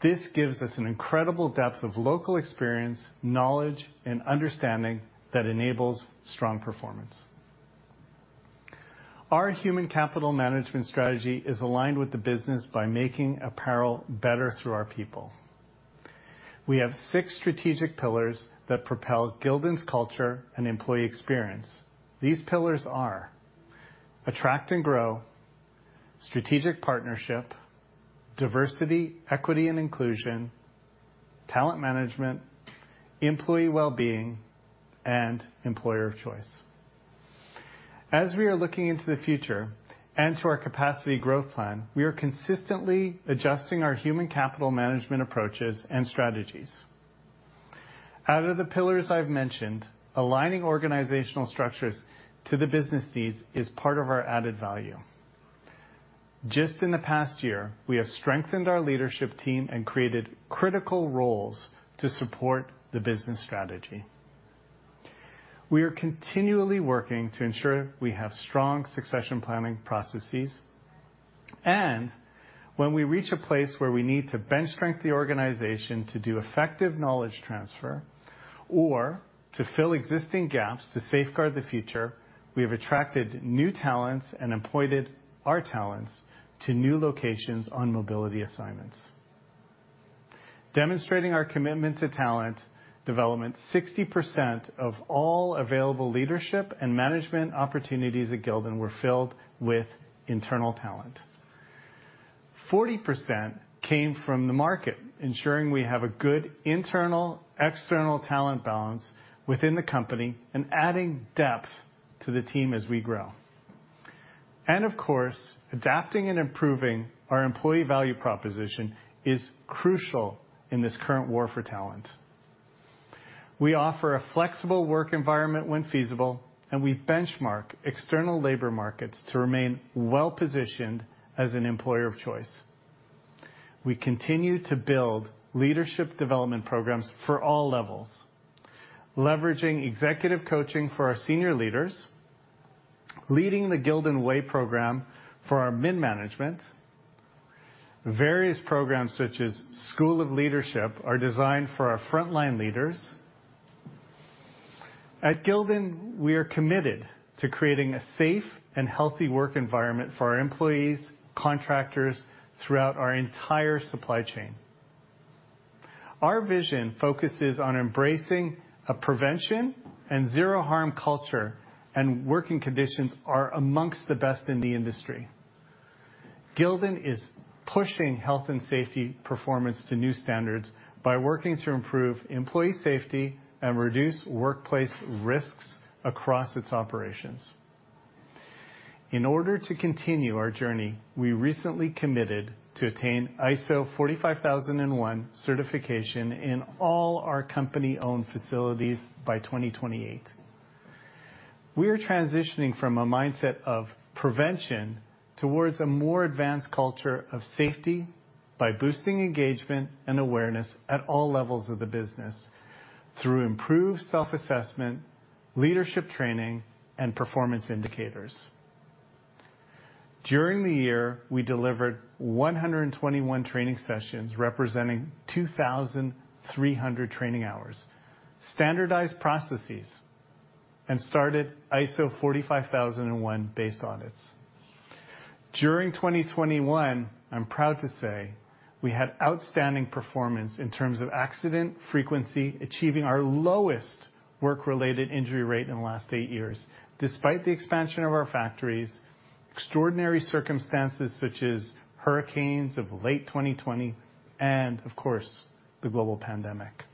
This gives us an incredible depth of local experience, knowledge, and understanding that enables strong performance. Our human capital management strategy is aligned with the business by making apparel better through our people. We have six strategic pillars that propel Gildan's culture and employee experience. These pillars are attract and grow, strategic partnership, diversity, equity and inclusion, talent management, employee wellbeing, and employer of choice. As we are looking into the future and to our capacity growth plan, we are consistently adjusting our human capital management approaches and strategies. Out of the pillars I've mentioned, aligning organizational structures to the business needs is part of our added value. Just in the past year, we have strengthened our leadership team and created critical roles to support the business strategy. We are continually working to ensure we have strong succession planning processes. When we reach a place where we need to bench strength the organization to do effective knowledge transfer or to fill existing gaps to safeguard the future, we have attracted new talents and appointed our talents to new locations on mobility assignments. Demonstrating our commitment to talent development, 60% of all available leadership and management opportunities at Gildan were filled with internal talent. 40% came from the market, ensuring we have a good internal, external talent balance within the company and adding depth to the team as we grow. Of course, adapting and improving our employee value proposition is crucial in this current war for talent. We offer a flexible work environment when feasible, and we benchmark external labor markets to remain well-positioned as an employer of choice. We continue to build leadership development programs for all levels, leveraging executive coaching for our senior leaders, Leading the Gildan Way program for our mid-management. Various programs such as School of Leadership are designed for our frontline leaders. At Gildan, we are committed to creating a safe and healthy work environment for our employees, contractors throughout our entire supply chain. Our vision focuses on embracing a prevention and zero harm culture, and working conditions are among the best in the industry. Gildan is pushing health and safety performance to new standards by working to improve employee safety and reduce workplace risks across its operations. In order to continue our journey, we recently committed to attain ISO 45001 certification in all our company-owned facilities by 2028. We are transitioning from a mindset of prevention towards a more advanced culture of safety by boosting engagement and awareness at all levels of the business through improved self-assessment, leadership training, and performance indicators. During the year, we delivered 121 training sessions representing 2,300 training hours, standardized processes, and started ISO 45001-based audits. During 2021, I'm proud to say we had outstanding performance in terms of accident frequency, achieving our lowest work-related injury rate in the last eight years, despite the expansion of our factories, extraordinary circumstances such as hurricanes of late 2020 and, of course, the global pandemic.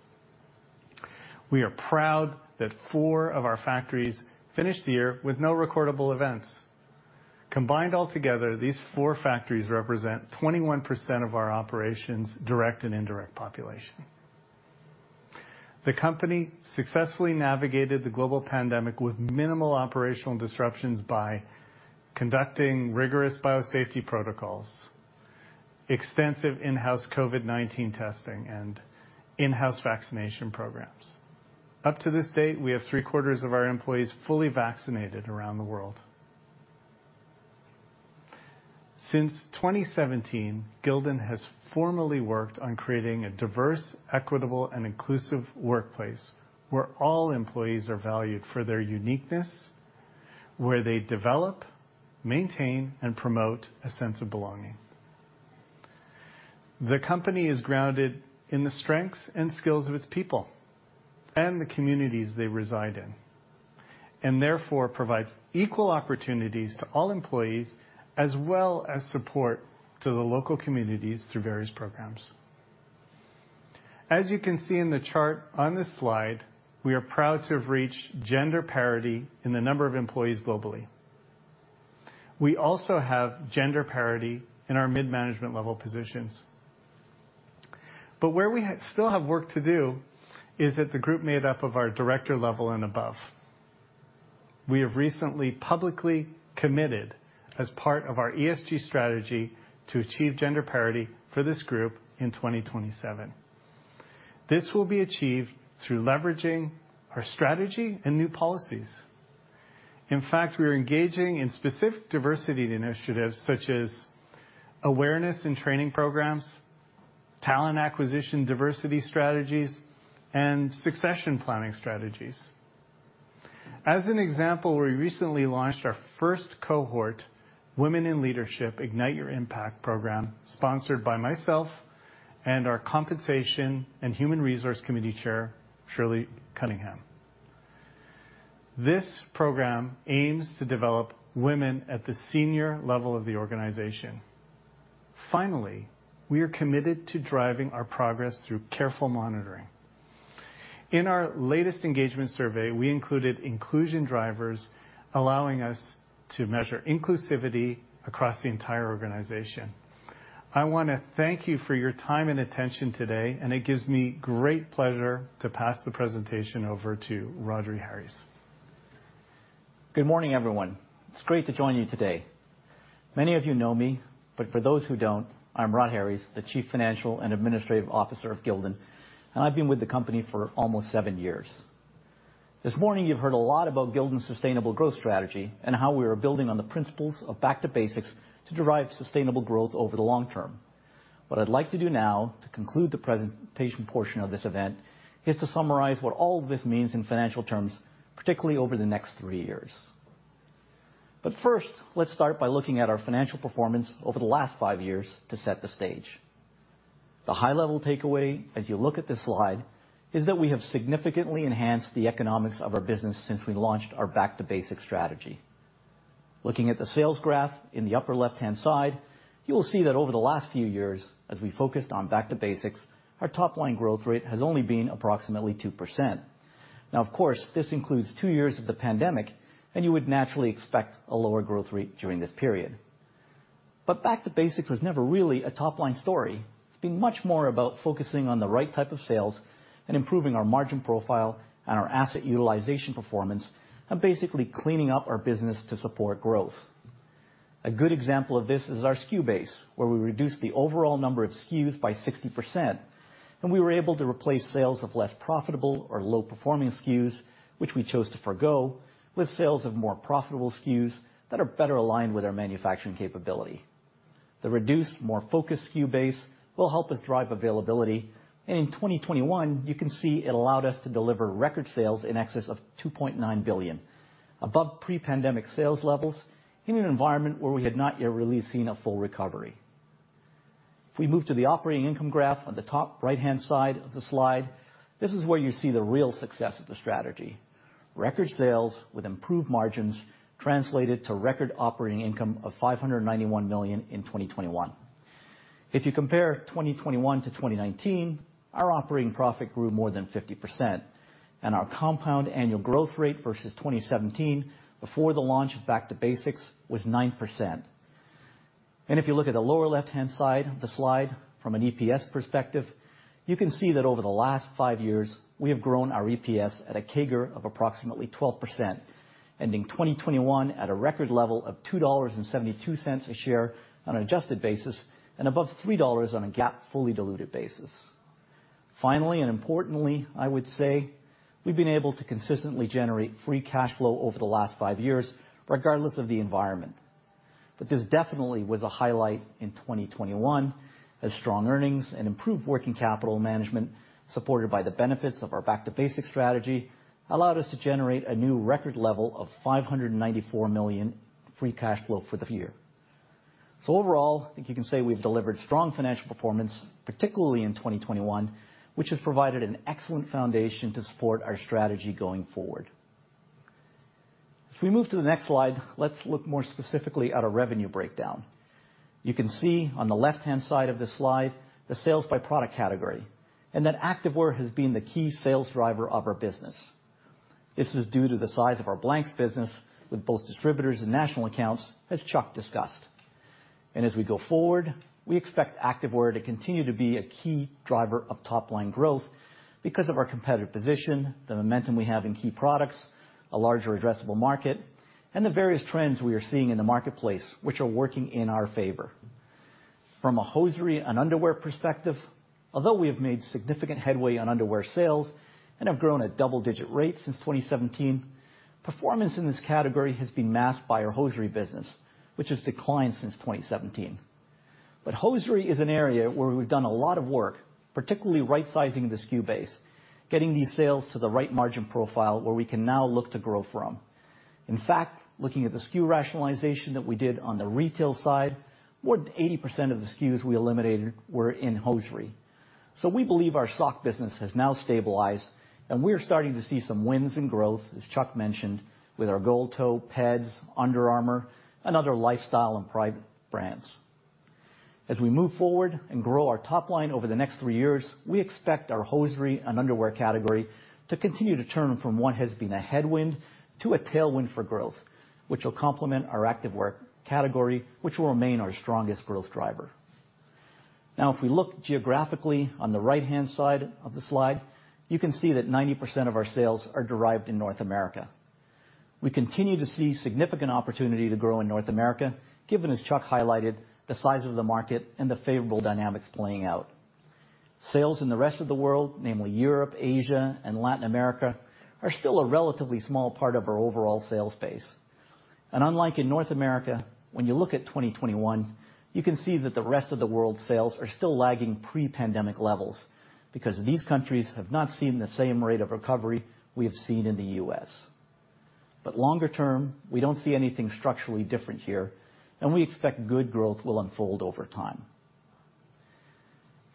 We are proud that four of our factories finished the year with no recordable events. Combined altogether, these four factories represent 21% of our operations, direct and indirect population. The company successfully navigated the global pandemic with minimal operational disruptions by conducting rigorous biosafety protocols, extensive in-house COVID-19 testing, and in-house vaccination programs. Up to this date, we have three-quarters of our employees fully vaccinated around the world. Since 2017, Gildan has formally worked on creating a diverse, equitable, and inclusive workplace where all employees are valued for their uniqueness, where they develop, maintain, and promote a sense of belonging. The company is grounded in the strengths and skills of its people and the communities they reside in, and therefore provides equal opportunities to all employees as well as support to the local communities through various programs. As you can see in the chart on this slide, we are proud to have reached gender parity in the number of employees globally. We also have gender parity in our mid-management level positions. Where we still have work to do is that the group made up of our director level and above. We have recently publicly committed as part of our ESG strategy to achieve gender parity for this group in 2027. This will be achieved through leveraging our strategy and new policies. In fact, we are engaging in specific diversity initiatives such as awareness and training programs, talent acquisition diversity strategies, and succession planning strategies. As an example, we recently launched our first cohort, Women in Leadership – Ignite Your Impact program, sponsored by myself and our Compensation and Human Resources Committee Chair, Shirley Cunningham. This program aims to develop women at the senior level of the organization. Finally, we are committed to driving our progress through careful monitoring. In our latest engagement survey, we included inclusion drivers, allowing us to measure inclusivity across the entire organization. I wanna thank you for your time and attention today, and it gives me great pleasure to pass the presentation over to Rhodri Harries. Good morning, everyone. It's great to join you today. Many of you know me, but for those who don't, I'm Rhodri Harries, the Chief Financial and Administrative Officer of Gildan, and I've been with the company for almost seven years. This morning, you've heard a lot about Gildan's sustainable growth strategy and how we are building on the principles of back-to-basics to derive sustainable growth over the long term. What I'd like to do now to conclude the presentation portion of this event is to summarize what all this means in financial terms, particularly over the next three years. First, let's start by looking at our financial performance over the last five years to set the stage. The high level takeaway as you look at this slide is that we have significantly enhanced the economics of our business since we launched our Back to Basics strategy. Looking at the sales graph in the upper left-hand side, you will see that over the last few years, as we focused on Back to Basics, our top line growth rate has only been approximately 2%. Now of course, this includes two years of the pandemic, and you would naturally expect a lower growth rate during this period. Back to Basics was never really a top-line story. It's been much more about focusing on the right type of sales and improving our margin profile and our asset utilization performance and basically cleaning up our business to support growth. A good example of this is our SKU base, where we reduced the overall number of SKUs by 60%, and we were able to replace sales of less profitable or low-performing SKUs, which we chose to forgo, with sales of more profitable SKUs that are better aligned with our manufacturing capability. The reduced, more focused SKU base will help us drive availability. In 2021, you can see it allowed us to deliver record sales in excess of $2.9 billion, above pre-pandemic sales levels in an environment where we had not yet really seen a full recovery. If we move to the operating income graph on the top right-hand side of the slide, this is where you see the real success of the strategy. Record sales with improved margins translated to record operating income of $591 million in 2021. If you compare 2021 to 2019, our operating profit grew more than 50%, and our compound annual growth rate versus 2017 before the launch of Back to Basics was 9%. If you look at the lower left-hand side of the slide from an EPS perspective, you can see that over the last five years, we have grown our EPS at a CAGR of approximately 12%, ending 2021 at a record level of $2.72 a share on an adjusted basis and above $3 on a GAAP fully diluted basis. Finally, and importantly, I would say, we've been able to consistently generate free cash flow over the last five years, regardless of the environment. This definitely was a highlight in 2021, as strong earnings and improved working capital management, supported by the benefits of our Back to Basic strategy, allowed us to generate a new record level of $594 million free cash flow for the year. Overall, I think you can say we've delivered strong financial performance, particularly in 2021, which has provided an excellent foundation to support our strategy going forward. As we move to the next slide, let's look more specifically at our revenue breakdown. You can see on the left-hand side of this slide, the sales by product category, and that activewear has been the key sales driver of our business. This is due to the size of our blanks business with both distributors and national accounts, as Chuck discussed. As we go forward, we expect activewear to continue to be a key driver of top-line growth because of our competitive position, the momentum we have in key products, a larger addressable market, and the various trends we are seeing in the marketplace, which are working in our favor. From a hosiery and underwear perspective, although we have made significant headway on underwear sales and have grown at double-digit rates since 2017, performance in this category has been masked by our hosiery business, which has declined since 2017. Hosiery is an area where we've done a lot of work, particularly right-sizing the SKU base, getting these sales to the right margin profile where we can now look to grow from. In fact, looking at the SKU rationalization that we did on the retail side, more than 80% of the SKUs we eliminated were in hosiery. We believe our sock business has now stabilized, and we are starting to see some wins in growth, as Chuck mentioned, with our GOLDTOE, Peds, Under Armour, and other lifestyle and private brands. As we move forward and grow our top line over the next three years, we expect our hosiery and underwear category to continue to turn from what has been a headwind to a tailwind for growth, which will complement our activewear category, which will remain our strongest growth driver. Now, if we look geographically on the right-hand side of the slide, you can see that 90% of our sales are derived in North America. We continue to see significant opportunity to grow in North America, given, as Chuck highlighted, the size of the market and the favorable dynamics playing out. Sales in the rest of the world, namely Europe, Asia, and Latin America, are still a relatively small part of our overall sales base. Unlike in North America, when you look at 2021, you can see that the rest of the world's sales are still lagging pre-pandemic levels because these countries have not seen the same rate of recovery we have seen in the U.S. Longer term, we don't see anything structurally different here, and we expect good growth will unfold over time.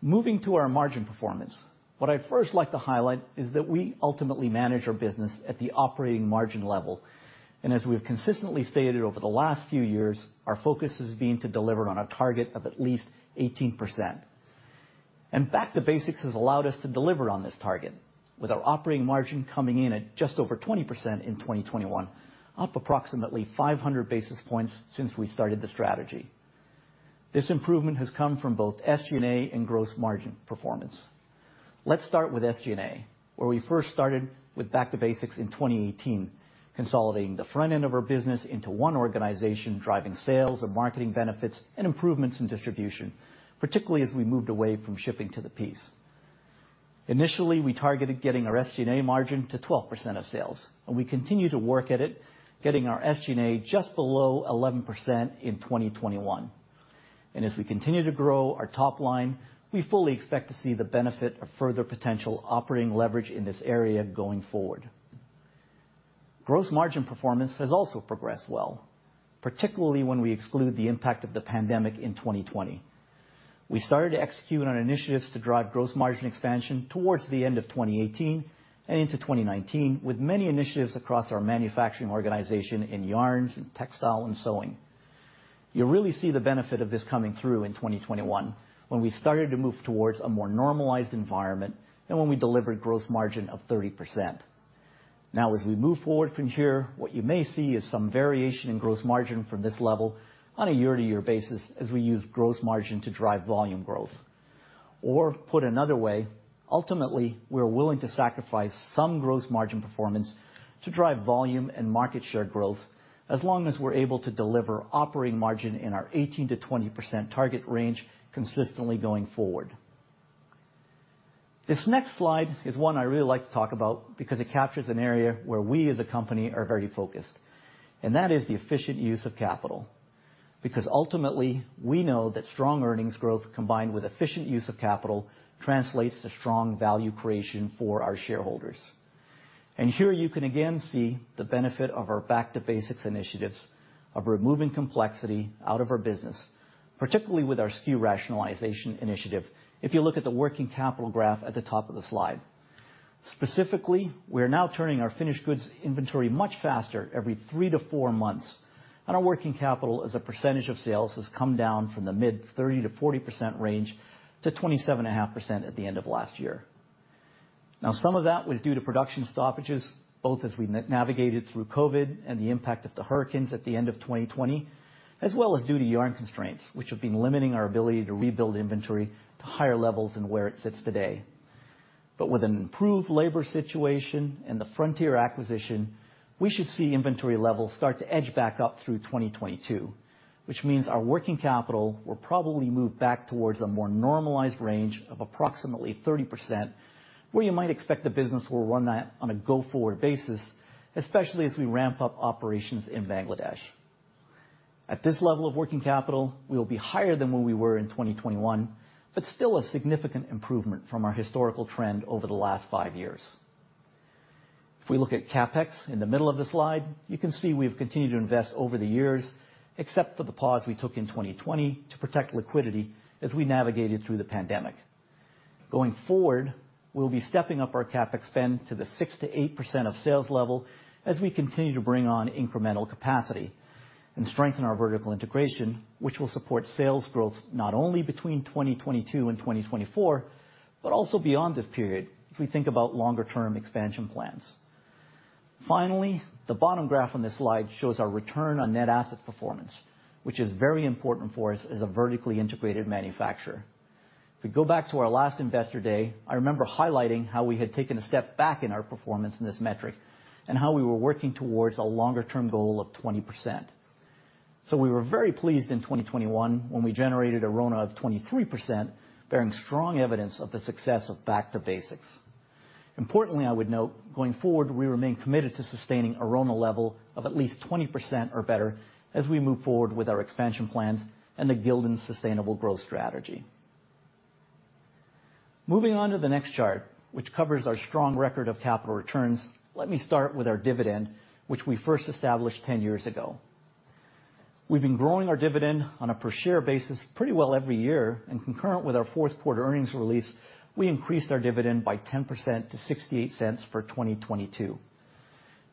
Moving to our margin performance, what I'd first like to highlight is that we ultimately manage our business at the operating margin level. As we have consistently stated over the last few years, our focus has been to deliver on a target of at least 18%. Back to Basics has allowed us to deliver on this target with our operating margin coming in at just over 20% in 2021, up approximately 500 basis points since we started the strategy. This improvement has come from both SG&A and gross margin performance. Let's start with SG&A, where we first started with Back to Basics in 2018, consolidating the front end of our business into one organization, driving sales and marketing benefits and improvements in distribution, particularly as we moved away from shipping to the piece. Initially, we targeted getting our SG&A margin to 12% of sales, and we continue to work at it, getting our SG&A just below 11% in 2021. As we continue to grow our top line, we fully expect to see the benefit of further potential operating leverage in this area going forward. Gross margin performance has also progressed well, particularly when we exclude the impact of the pandemic in 2020. We started to execute on initiatives to drive gross margin expansion towards the end of 2018 and into 2019, with many initiatives across our manufacturing organization in yarns and textile and sewing. You really see the benefit of this coming through in 2021, when we started to move towards a more normalized environment and when we delivered gross margin of 30%. Now, as we move forward from here, what you may see is some variation in gross margin from this level on a year-to-year basis as we use gross margin to drive volume growth. Put another way, ultimately, we're willing to sacrifice some gross margin performance to drive volume and market share growth as long as we're able to deliver operating margin in our 18%-20% target range consistently going forward. This next slide is one I really like to talk about because it captures an area where we as a company are very focused, and that is the efficient use of capital. Because ultimately, we know that strong earnings growth combined with efficient use of capital translates to strong value creation for our shareholders. Here you can again see the benefit of our back to basics initiatives of removing complexity out of our business, particularly with our SKU rationalization initiative, if you look at the working capital graph at the top of the slide. Specifically, we are now turning our finished goods inventory much faster every three to four months, and our working capital as a percentage of sales has come down from the mid-30% to 40% range to 27.5% at the end of last year. Now, some of that was due to production stoppages, both as we navigated through COVID and the impact of the hurricanes at the end of 2020, as well as due to yarn constraints, which have been limiting our ability to rebuild inventory to higher levels than where it sits today. With an improved labor situation and the Frontier acquisition, we should see inventory levels start to edge back up through 2022, which means our working capital will probably move back towards a more normalized range of approximately 30%, where you might expect the business will run that on a go-forward basis, especially as we ramp up operations in Bangladesh. At this level of working capital, we will be higher than where we were in 2021, but still a significant improvement from our historical trend over the last five years. If we look at CapEx in the middle of the slide, you can see we've continued to invest over the years, except for the pause we took in 2020 to protect liquidity as we navigated through the pandemic. Going forward, we'll be stepping up our CapEx spend to the 6%-8% of sales level as we continue to bring on incremental capacity and strengthen our vertical integration, which will support sales growth not only between 2022 and 2024, but also beyond this period as we think about longer-term expansion plans. Finally, the bottom graph on this slide shows our return on net asset performance, which is very important for us as a vertically integrated manufacturer. If we go back to our last Investor Day, I remember highlighting how we had taken a step back in our performance in this metric and how we were working towards a longer-term goal of 20%. We were very pleased in 2021 when we generated a RONA of 23%, bearing strong evidence of the success of back to basics. Importantly, I would note going forward, we remain committed to sustaining a RONA level of at least 20% or better as we move forward with our expansion plans and the Gildan sustainable growth strategy. Moving on to the next chart, which covers our strong record of capital returns, let me start with our dividend, which we first established 10 years ago. We've been growing our dividend on a per share basis pretty well every year and concurrent with our fourth quarter earnings release, we increased our dividend by 10% to $0.68 for 2022.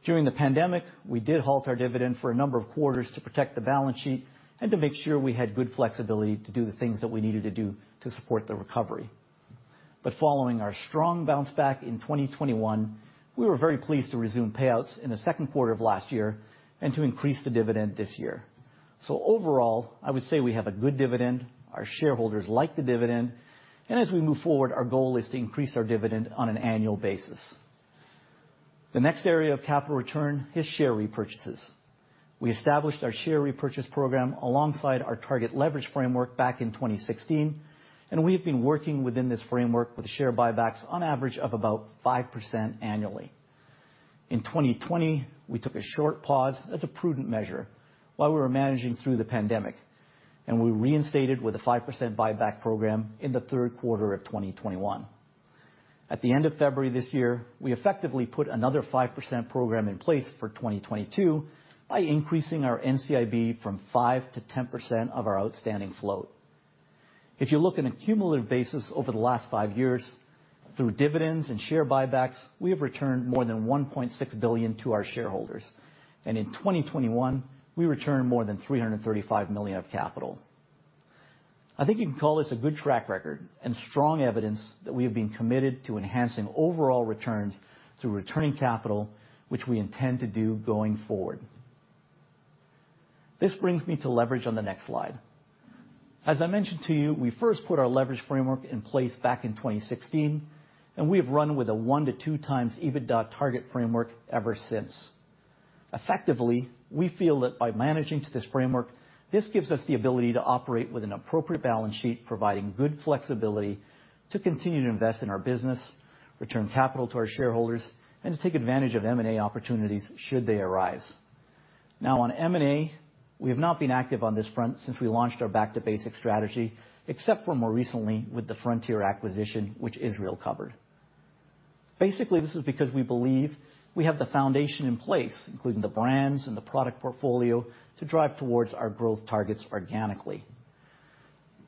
During the pandemic, we did halt our dividend for a number of quarters to protect the balance sheet and to make sure we had good flexibility to do the things that we needed to do to support the recovery. Following our strong bounce back in 2021, we were very pleased to resume payouts in the second quarter of last year and to increase the dividend this year. Overall, I would say we have a good dividend, our shareholders like the dividend, and as we move forward, our goal is to increase our dividend on an annual basis. The next area of capital return is share repurchases. We established our share repurchase program alongside our target leverage framework back in 2016, and we have been working within this framework with share buybacks on average of about 5% annually. In 2020, we took a short pause as a prudent measure while we were managing through the pandemic, and we reinstated with a 5% buyback program in the third quarter of 2021. At the end of February this year, we effectively put another 5% program in place for 2022 by increasing our NCIB from 5%-10% of our outstanding float. If you look on a cumulative basis over the last five years through dividends and share buybacks, we have returned more than $1.6 billion to our shareholders. In 2021, we returned more than $335 million of capital. I think you can call this a good track record and strong evidence that we have been committed to enhancing overall returns through returning capital, which we intend to do going forward. This brings me to leverage on the next slide. As I mentioned to you, we first put our leverage framework in place back in 2016, and we have run with a one to two times EBITDA target framework ever since. Effectively, we feel that by managing to this framework, this gives us the ability to operate with an appropriate balance sheet, providing good flexibility to continue to invest in our business, return capital to our shareholders, and to take advantage of M&A opportunities should they arise. Now on M&A, we have not been active on this front since we launched our back to basics strategy, except for more recently with the Frontier acquisition, which Israel covered. Basically, this is because we believe we have the foundation in place, including the brands and the product portfolio, to drive towards our growth targets organically.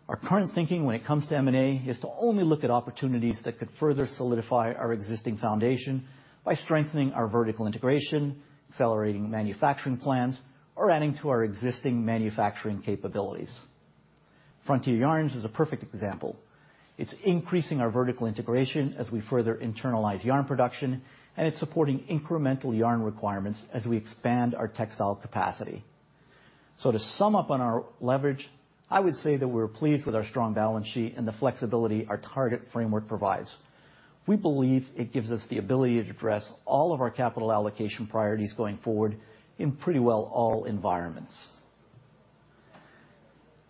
Our current thinking when it comes to M&A is to only look at opportunities that could further solidify our existing foundation by strengthening our vertical integration, accelerating manufacturing plans, or adding to our existing manufacturing capabilities. Frontier Yarns is a perfect example. It's increasing our vertical integration as we further internalize yarn production, and it's supporting incremental yarn requirements as we expand our textile capacity. To sum up on our leverage, I would say that we're pleased with our strong balance sheet and the flexibility our target framework provides. We believe it gives us the ability to address all of our capital allocation priorities going forward in pretty well all environments.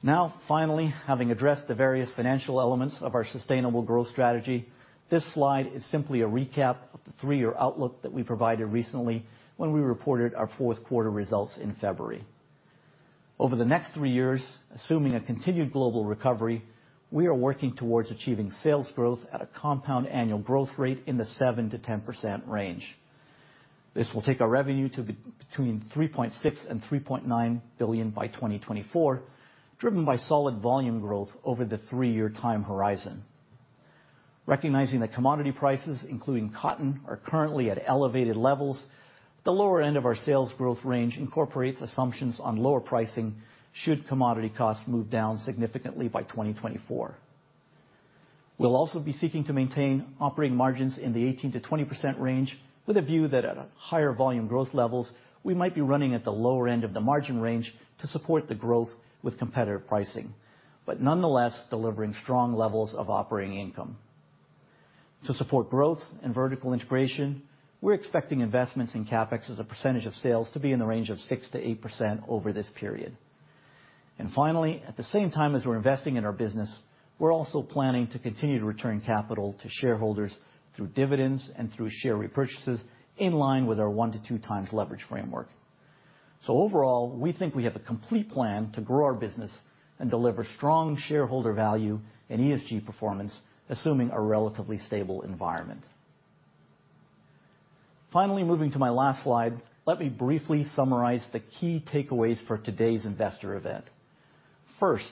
Now, finally, having addressed the various financial elements of our sustainable growth strategy, this slide is simply a recap of the three-year outlook that we provided recently when we reported our fourth quarter results in February. Over the next three years, assuming a continued global recovery, we are working towards achieving sales growth at a compound annual growth rate in the 7%-10% range. This will take our revenue between $3.6 billion-$3.9 billion by 2024, driven by solid volume growth over the three-year time horizon. Recognizing that commodity prices, including cotton, are currently at elevated levels, the lower end of our sales growth range incorporates assumptions on lower pricing should commodity costs move down significantly by 2024. We'll also be seeking to maintain operating margins in the 18%-20% range with a view that at higher volume growth levels, we might be running at the lower end of the margin range to support the growth with competitive pricing, but nonetheless delivering strong levels of operating income. To support growth and vertical integration, we're expecting investments in CapEx as a percentage of sales to be in the range of 6%-8% over this period. Finally, at the same time as we're investing in our business, we're also planning to continue to return capital to shareholders through dividends and through share repurchases in line with our one to two times leverage framework. Overall, we think we have a complete plan to grow our business and deliver strong shareholder value and ESG performance, assuming a relatively stable environment. Finally, moving to my last slide, let me briefly summarize the key takeaways for today's investor event. First,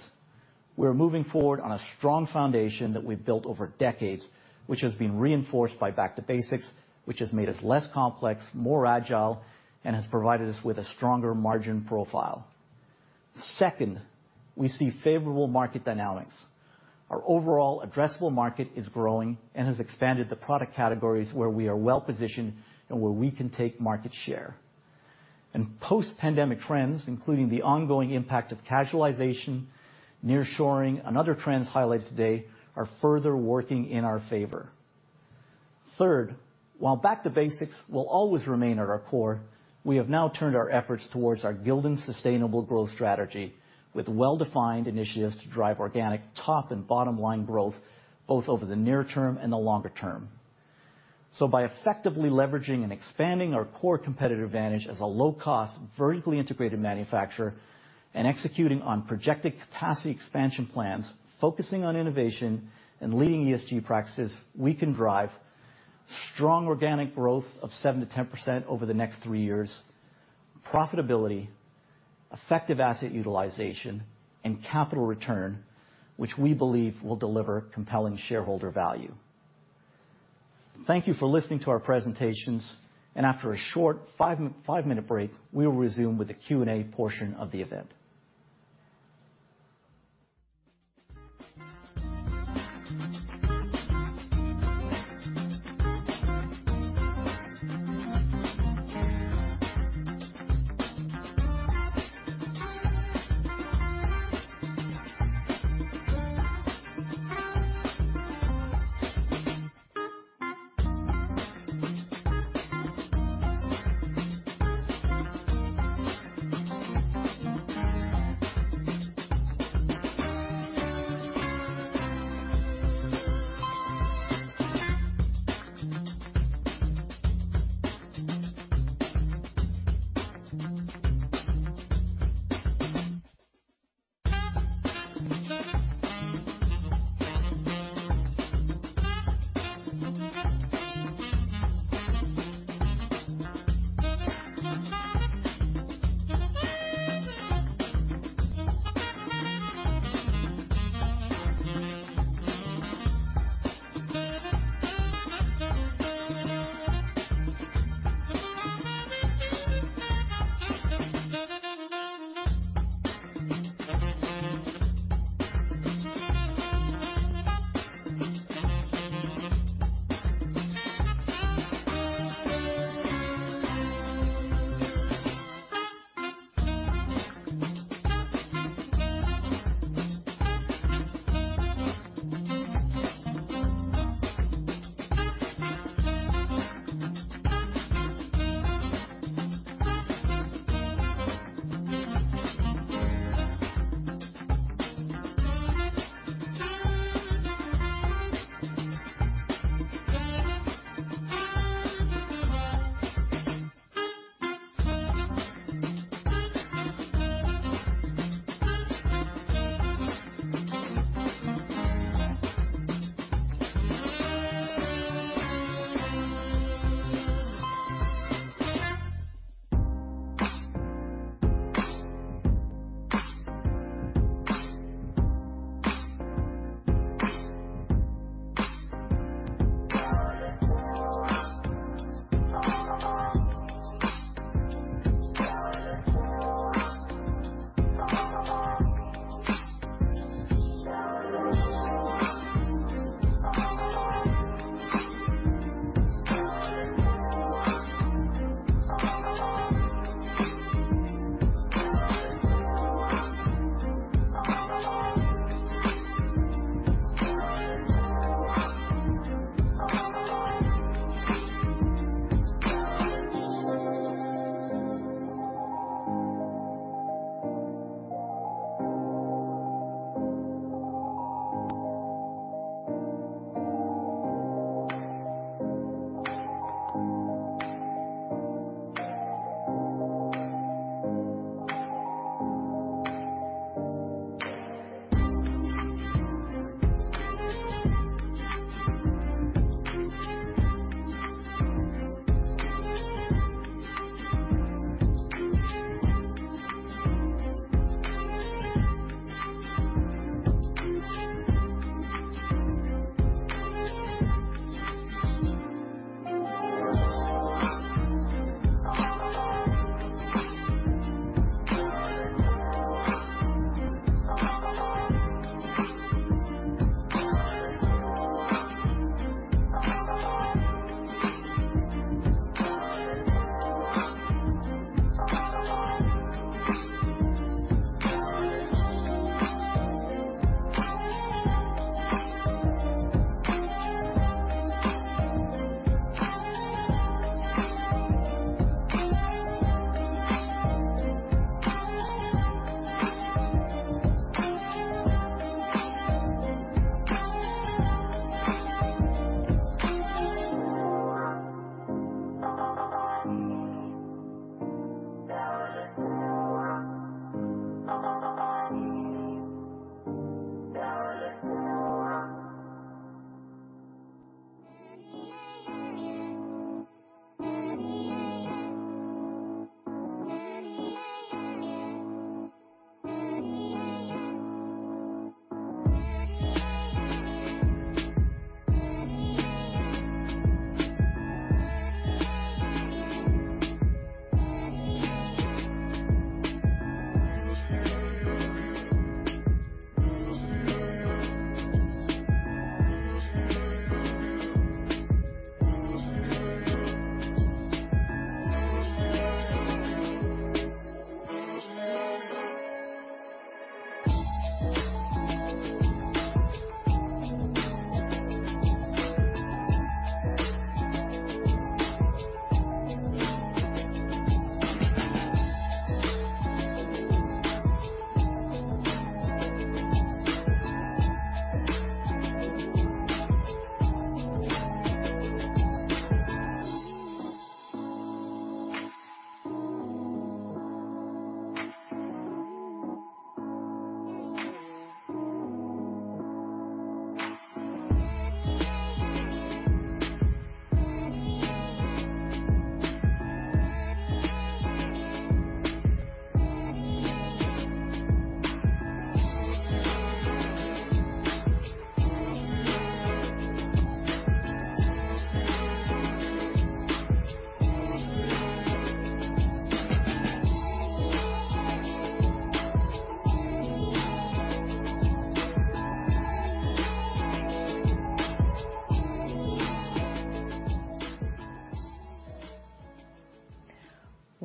we're moving forward on a strong foundation that we've built over decades, which has been reinforced by back to basics, which has made us less complex, more agile, and has provided us with a stronger margin profile. Second, we see favorable market dynamics. Our overall addressable market is growing and has expanded the product categories where we are well-positioned and where we can take market share. Post-pandemic trends, including the ongoing impact of casualization, nearshoring, and other trends highlighted today, are further working in our favor. Third, while back to basics will always remain at our core, we have now turned our efforts towards our Gildan sustainable growth strategy with well-defined initiatives to drive organic top and bottom line growth, both over the near term and the longer term. By effectively leveraging and expanding our core competitive advantage as a low-cost, vertically integrated manufacturer and executing on projected capacity expansion plans, focusing on innovation and leading ESG practices, we can drive strong organic growth of 7%-10% over the next three years, profitability, effective asset utilization, and capital return, which we believe will deliver compelling shareholder value. Thank you for listening to our presentations. After a short five minute break, we will resume with the Q&A portion of the event.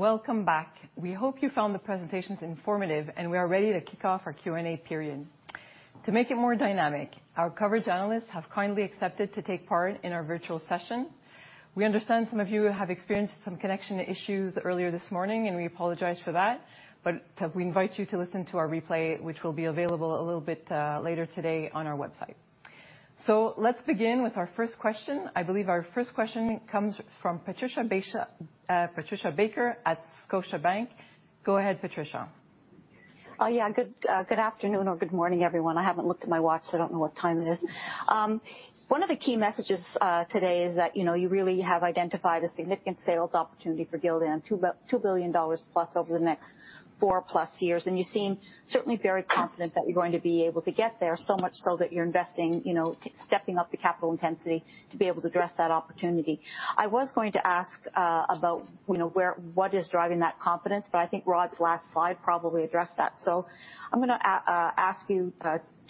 Welcome back. We hope you found the presentations informative, and we are ready to kick off our Q&A period. To make it more dynamic, our coverage analysts have kindly accepted to take part in our virtual session. We understand some of you have experienced some connection issues earlier this morning, and we apologize for that, but we invite you to listen to our replay, which will be available a little bit later today on our website. Let's begin with our first question. I believe our first question comes from Patricia Baker at Scotiabank. Go ahead, Patricia. Oh, yeah. Good afternoon or good morning, everyone. I haven't looked at my watch, so I don't know what time it is. One of the key messages today is that, you know, you really have identified a significant sales opportunity for Gildan, $2 billion plus over the next 4+ years, and you seem certainly very confident that you're going to be able to get there, so much so that you're investing, you know, stepping up the capital intensity to be able to address that opportunity. I was going to ask about, you know, what is driving that confidence, but I think Rhod's last slide probably addressed that. I'm gonna ask you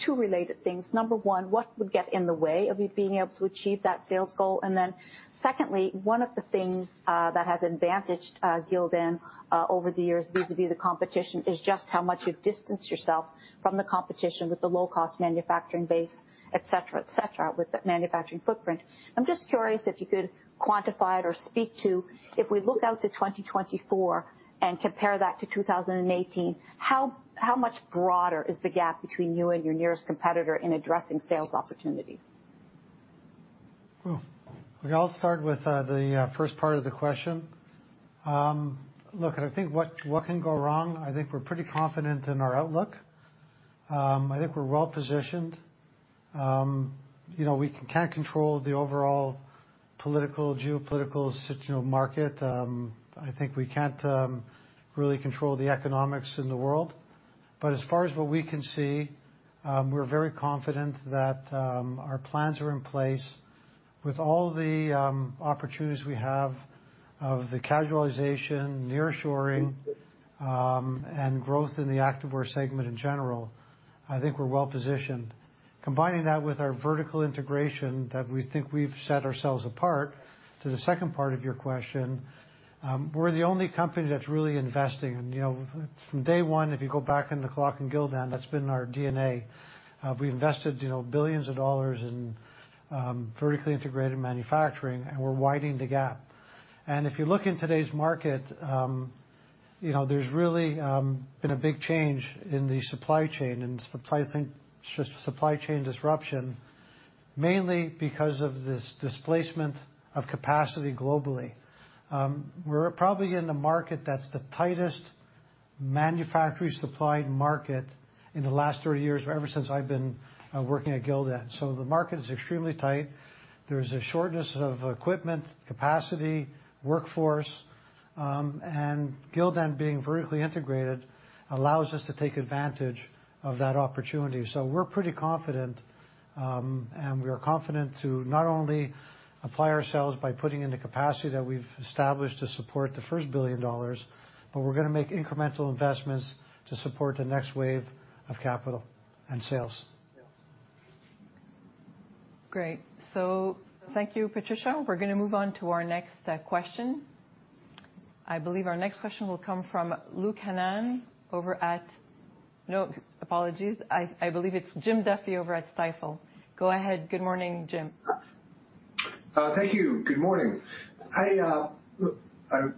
two related things. Number one, what would get in the way of you being able to achieve that sales goal? Secondly, one of the things that has advantaged Gildan over the years vis-à-vis the competition is just how much you've distanced yourself from the competition with the low cost manufacturing base, et cetera, et cetera, with the manufacturing footprint. I'm just curious if you could quantify it or speak to if we look out to 2024 and compare that to 2018, how much broader is the gap between you and your nearest competitor in addressing sales opportunities? Well, I'll start with the first part of the question. Look, I think what can go wrong, I think we're pretty confident in our outlook. I think we're well-positioned. You know, we can't control the overall political, geopolitical you know, market. I think we can't really control the economics in the world. As far as what we can see, we're very confident that our plans are in place with all the opportunities we have of the casualization, nearshoring, and growth in the activewear segment in general, I think we're well-positioned. Combining that with our vertical integration that we think we've set ourselves apart, to the second part of your question, we're the only company that's really investing. You know, from day one, if you wind back the clock in Gildan, that's been our DNA. We invested, you know, $ billions in vertically integrated manufacturing, and we're widening the gap. If you look in today's market, you know, there's really been a big change in the supply chain and I think, just supply chain disruption, mainly because of this displacement of capacity globally. We're probably in the market that's the tightest manufacturing supplied market in the last 30 years, ever since I've been working at Gildan. The market is extremely tight. There's a shortage of equipment, capacity, workforce. Gildan being vertically integrated allows us to take advantage of that opportunity. We're pretty confident, and we are confident to not only apply ourselves by putting in the capacity that we've established to support the first $1 billion, but we're gonna make incremental investments to support the next wave of capital and sales. Great. Thank you, Patricia. We're gonna move on to our next question. I believe our next question will come from Luke Hannan. No. Apologies. I believe it's Jim Duffy over at Stifel. Go ahead. Good morning, Jim. Thank you. Good morning. I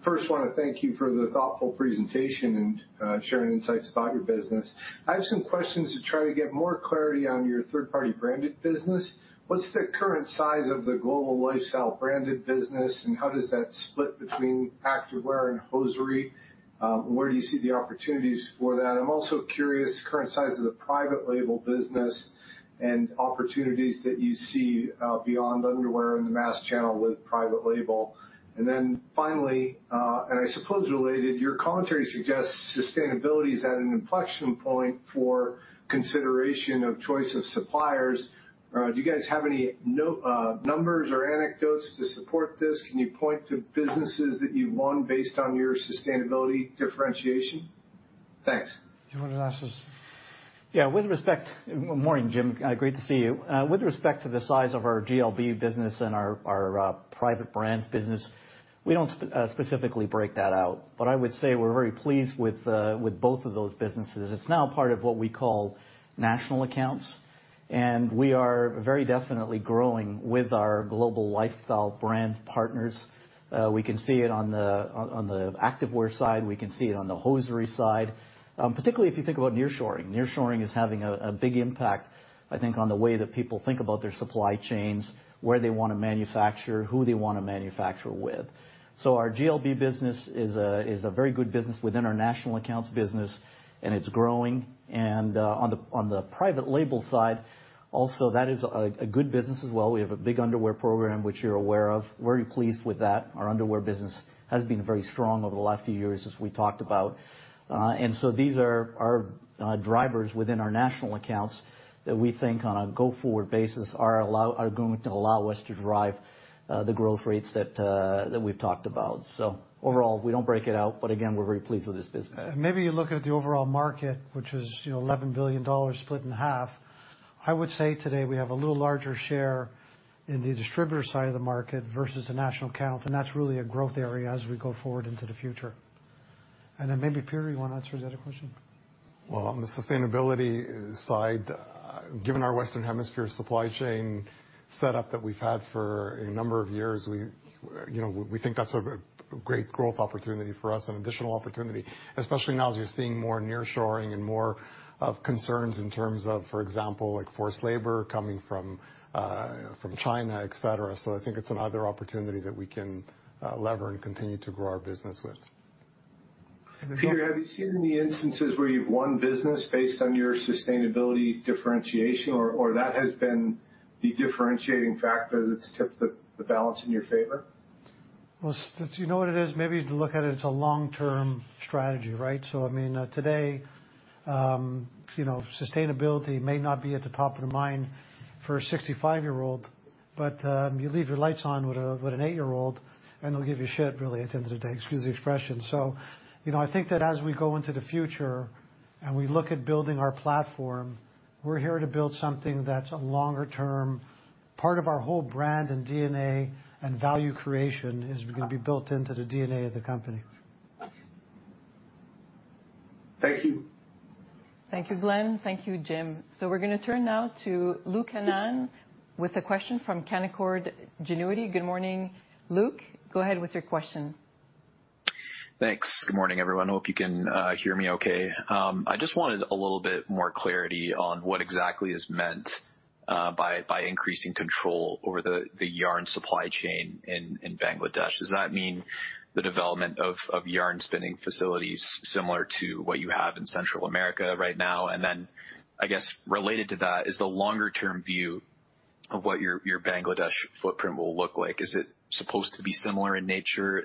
first wanna thank you for the thoughtful presentation and sharing insights about your business. I have some questions to try to get more clarity on your third-party branded business. What's the current size of the global lifestyle branded business, and how does that split between activewear and hosiery? Where do you see the opportunities for that? I'm also curious, current size of the private label business and opportunities that you see beyond underwear in the mass channel with private label. Then finally, and I suppose related, your commentary suggests sustainability is at an inflection point for consideration of choice of suppliers. Do you guys have any numbers or anecdotes to support this? Can you point to businesses that you've won based on your sustainability differentiation? Thanks. Do you wanna answer this? Morning, Jim. Great to see you. With respect to the size of our GLB business and our private brands business, we don't specifically break that out, but I would say we're very pleased with both of those businesses. It's now part of what we call national accounts, and we are very definitely growing with our global lifestyle brand partners. We can see it on the activewear side, we can see it on the hosiery side. Particularly if you think about nearshoring. Nearshoring is having a big impact, I think, on the way that people think about their supply chains, where they wanna manufacture, who they wanna manufacture with. Our GLB business is a very good business within our national accounts business, and it's growing. On the private label side, also, that is a good business as well. We have a big underwear program, which you're aware of. Very pleased with that. Our underwear business has been very strong over the last few years, as we talked about. These are our drivers within our national accounts that we think on a go-forward basis are going to allow us to drive the growth rates that we've talked about. Overall, we don't break it out, but again, we're very pleased with this business. Maybe you look at the overall market, which is, you know, $11 billion split in half. I would say today we have a little larger share in the distributor side of the market versus the national account, and that's really a growth area as we go forward into the future. Then maybe, Peter, you wanna answer the other question? Well, on the sustainability side, given our Western Hemisphere supply chain setup that we've had for a number of years, we, you know, we think that's a great growth opportunity for us, an additional opportunity, especially now as you're seeing more nearshoring and more of concerns in terms of, for example, like forced labor coming from China, et cetera. I think it's another opportunity that we can leverage and continue to grow our business with. Peter, have you seen any instances where you've won business based on your sustainability differentiation or that has been the differentiating factor that's tipped the balance in your favor? Well, you know what it is, maybe you have to look at it as a long-term strategy, right? I mean, today, you know, sustainability may not be at the top of the mind for a 65-year-old, but you leave your lights on with an eight year-old, and they'll give you shit, really, at the end of the day. Excuse the expression. You know, I think that as we go into the future and we look at building our platform, we're here to build something that's longer term. Part of our whole brand and DNA and value creation is gonna be built into the DNA of the company. Thank you. Thank you, Glenn. Thank you, Jim. We're gonna turn now to Luke Hannan with a question from Canaccord Genuity. Good morning, Luke. Go ahead with your question. Thanks. Good morning, everyone. Hope you can hear me okay. I just wanted a little bit more clarity on what exactly is meant by increasing control over the yarn supply chain in Bangladesh. Does that mean the development of yarn spinning facilities similar to what you have in Central America right now? I guess related to that, is the longer-term view of what your Bangladesh footprint will look like. Is it supposed to be similar in nature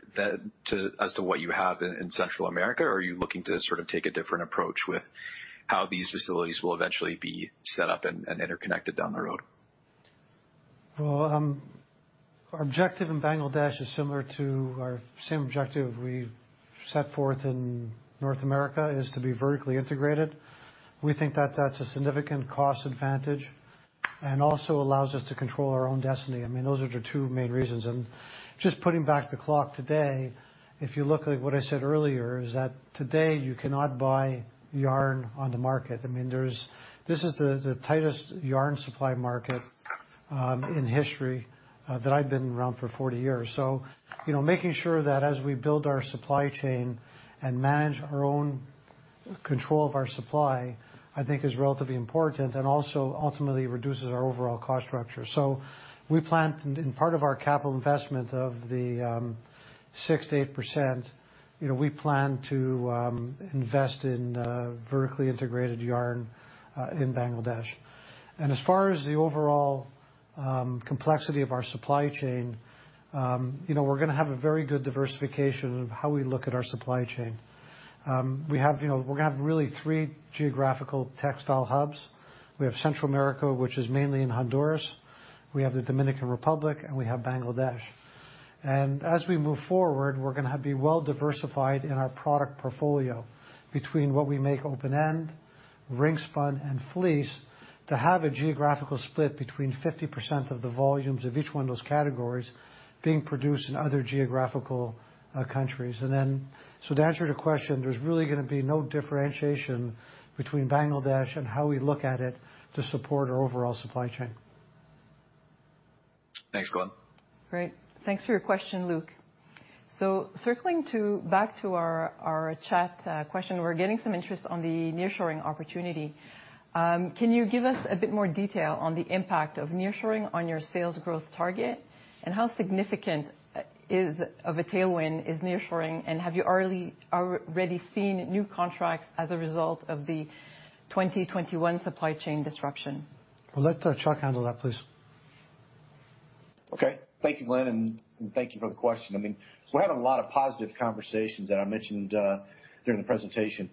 to what you have in Central America? Are you looking to sort of take a different approach with how these facilities will eventually be set up and interconnected down the road? Well, our objective in Bangladesh is similar to our same objective we've set forth in North America, is to be vertically integrated. We think that that's a significant cost advantage, and also allows us to control our own destiny. I mean, those are the two main reasons. Just putting back the clock today, if you look at what I said earlier, is that today you cannot buy yarn on the market. I mean, this is the tightest yarn supply market in history that I've been around for 40 years. You know, making sure that as we build our supply chain and manage our own control of our supply, I think is relatively important and also ultimately reduces our overall cost structure. We plan in part of our capital investment of the 6%-8%, you know, we plan to invest in vertically integrated yarn in Bangladesh. As far as the overall complexity of our supply chain, you know, we're gonna have a very good diversification of how we look at our supply chain. We have, you know, we're gonna have really three geographical textile hubs. We have Central America, which is mainly in Honduras. We have the Dominican Republic, and we have Bangladesh. As we move forward, we're gonna be well diversified in our product portfolio between what we make open end, ring spin, and fleece to have a geographical split between 50% of the volumes of each one of those categories being produced in other geographical countries. To answer the question, there's really gonna be no differentiation between Bangladesh and how we look at it to support our overall supply chain. Thanks, Glenn. Great. Thanks for your question, Luke. Back to our chat question, we're getting some interest on the nearshoring opportunity. Can you give us a bit more detail on the impact of nearshoring on your sales growth target, and how significant of a tailwind is nearshoring, and have you already seen new contracts as a result of the 2021 supply chain disruption? We'll let Chuck handle that, please. Okay. Thank you, Glenn, and thank you for the question. I mean, we're having a lot of positive conversations that I mentioned during the presentation.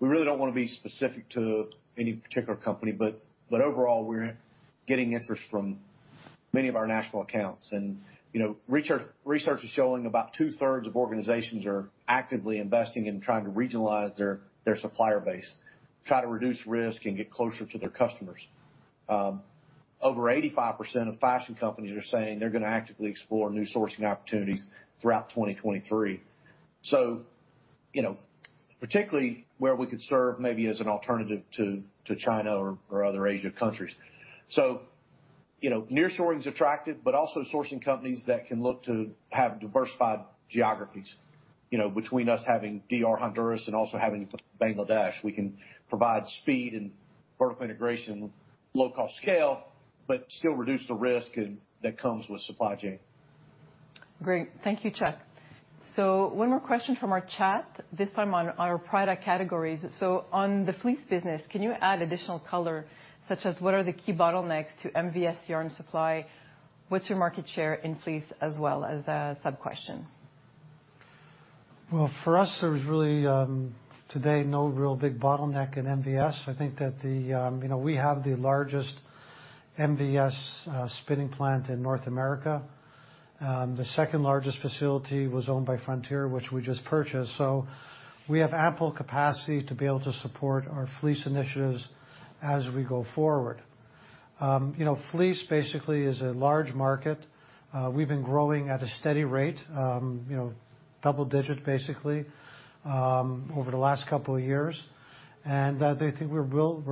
We really don't wanna be specific to any particular company, but overall, we're getting interest from many of our national accounts. You know, research is showing about two-thirds of organizations are actively investing in trying to regionalize their supplier base, try to reduce risk and get closer to their customers. Over 85% of fashion companies are saying they're gonna actively explore new sourcing opportunities throughout 2023. You know, particularly where we could serve maybe as an alternative to China or other Asian countries. You know, nearshoring's attractive, but also sourcing companies that can look to have diversified geographies. You know, between us having DR, Honduras, and also having Bangladesh, we can provide speed and vertical integration, low cost scale, but still reduce the risk and that comes with supply chain. Great. Thank you, Chuck. One more question from our chat, this time on our product categories. On the fleece business, can you add additional color, such as what are the key bottlenecks to MVS yarn supply? What's your market share in fleece, as well, as a sub-question? Well, for us, there's really today no real big bottleneck in MVS. I think that. You know, we have the largest MVS spinning plant in North America. The second largest facility was owned by Frontier, which we just purchased. So we have ample capacity to be able to support our fleece initiatives as we go forward. You know, fleece basically is a large market. We've been growing at a steady rate, you know, double digit basically over the last couple of years. I think we're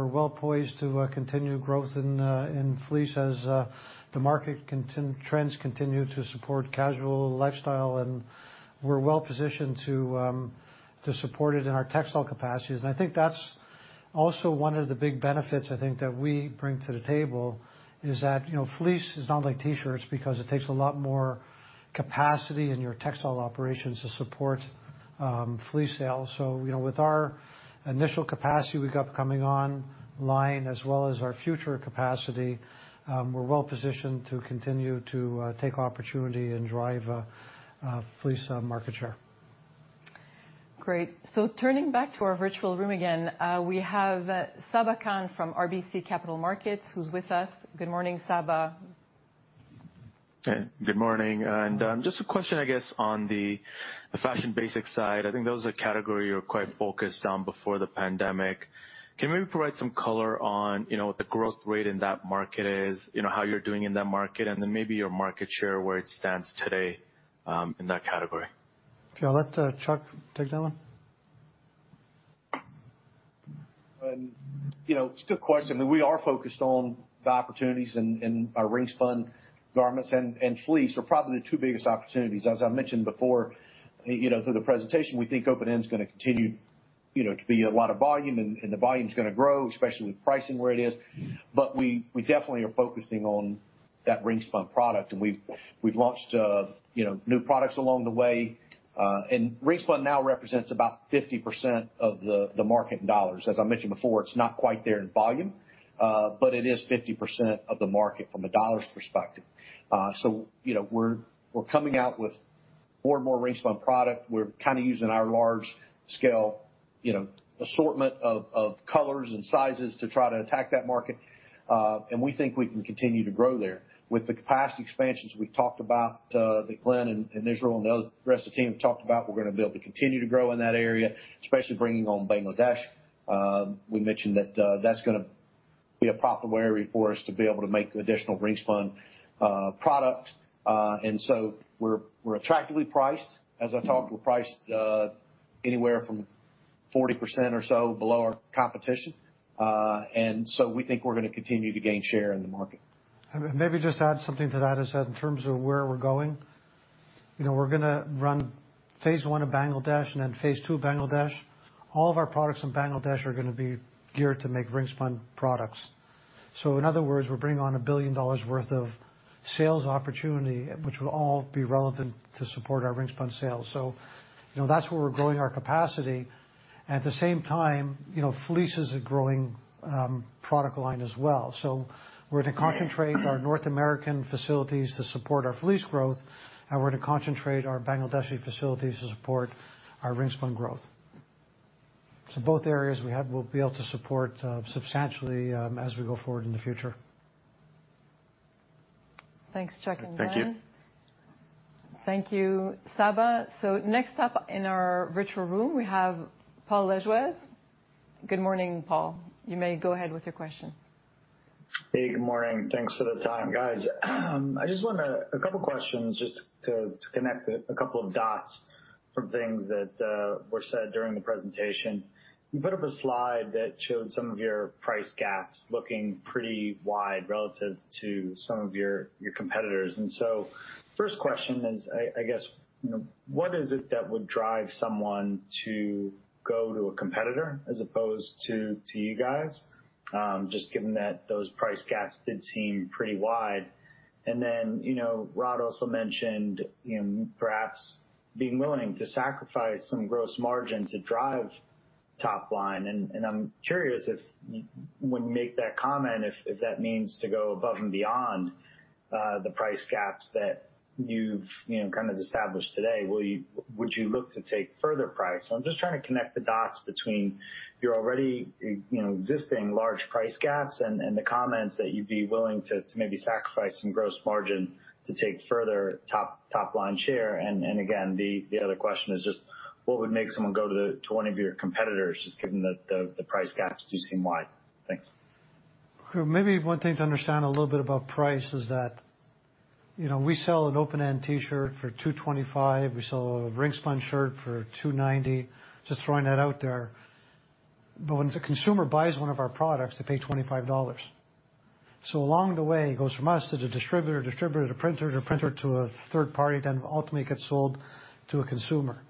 well-poised to continue growth in fleece as the market trends continue to support casual lifestyle. We're well positioned to support it in our textile capacities. I think that's also one of the big benefits, I think, that we bring to the table, is that, you know, fleece is not like T-shirts because it takes a lot more capacity in your textile operations to support fleece sales. You know, with our initial capacity we got coming online as well as our future capacity, we're well positioned to continue to take opportunity and drive fleece market share. Great. Turning back to our virtual room again, we have Sabahat Khan from RBC Capital Markets, who's with us. Good morning, Saba. Hey, good morning. Just a question, I guess, on the fashion basic side. I think that was a category you were quite focused on before the pandemic. Can you maybe provide some color on what the growth rate in that market is? How you're doing in that market, and then maybe your market share, where it stands today, in that category? Okay. I'll let Chuck take that one. You know, it's a good question. I mean, we are focused on the opportunities in our ring spun garments, and fleece are probably the two biggest opportunities. As I mentioned before, you know, through the presentation, we think open-end's gonna continue, you know, to be a lot of volume, and the volume's gonna grow, especially with pricing where it is. But we definitely are focusing on that ring spun product, and we've launched, you know, new products along the way. And ring spun now represents about 50% of the market in dollars. As I mentioned before, it's not quite there in volume, but it is 50% of the market from a dollars perspective. So, you know, we're coming out with more and more ring spun product. We're kinda using our large scale, you know, assortment of colors and sizes to try to attack that market. We think we can continue to grow there. With the capacity expansions we've talked about, that Glenn and Israel and the other rest of the team have talked about, we're gonna be able to continue to grow in that area, especially bringing on Bangladesh. We mentioned that's gonna be a profitable area for us to be able to make additional ring spun products. We're attractively priced. As I talked, we're priced anywhere from 40% or so below our competition. We think we're gonna continue to gain share in the market. Maybe just add something to that, is that in terms of where we're going, you know, we're gonna run phase one of Bangladesh and then phase two of Bangladesh. All of our products in Bangladesh are gonna be geared to make ring spun products. In other words, we're bringing on $1 billion worth of sales opportunity, which will all be relevant to support our ring spun sales. You know, that's where we're growing our capacity. At the same time, you know, fleece is a growing product line as well. We're to concentrate our North American facilities to support our fleece growth, and we're to concentrate our Bangladeshi facilities to support our ring spun growth. Both areas we have, we'll be able to support substantially as we go forward in the future. Thanks, Chuck and Dan. Thank you. Thank you, Saba. Next up in our virtual room, we have Paul Lejuez. Good morning, Paul. You may go ahead with your question. Hey, good morning. Thanks for the time, guys. I just wanted a couple questions just to connect a couple of dots from things that were said during the presentation. You put up a slide that showed some of your price gaps looking pretty wide relative to some of your competitors. First question is, I guess, you know, what is it that would drive someone to go to a competitor as opposed to you guys. Just given that those price gaps did seem pretty wide. You know, Rhod also mentioned, you know, perhaps being willing to sacrifice some gross margin to drive top line. I'm curious if when you make that comment, if that means to go above and beyond the price gaps that you've, you know, kind of established today. Would you look to take further price? I'm just trying to connect the dots between your already you know, existing large price gaps and the comments that you'd be willing to maybe sacrifice some gross margin to take further top line share. Again, the other question is just what would make someone go to one of your competitors, just given that the price gaps do seem wide? Thanks. Maybe one thing to understand a little bit about price is that, you know, we sell an open-end T-shirt for $2.25. We sell a ring spun shirt for $2.90. Just throwing that out there. When the consumer buys one of our products, they pay $25. Along the way, it goes from us to the distributor to printer, to printer to a third party, then ultimately gets sold to a consumer.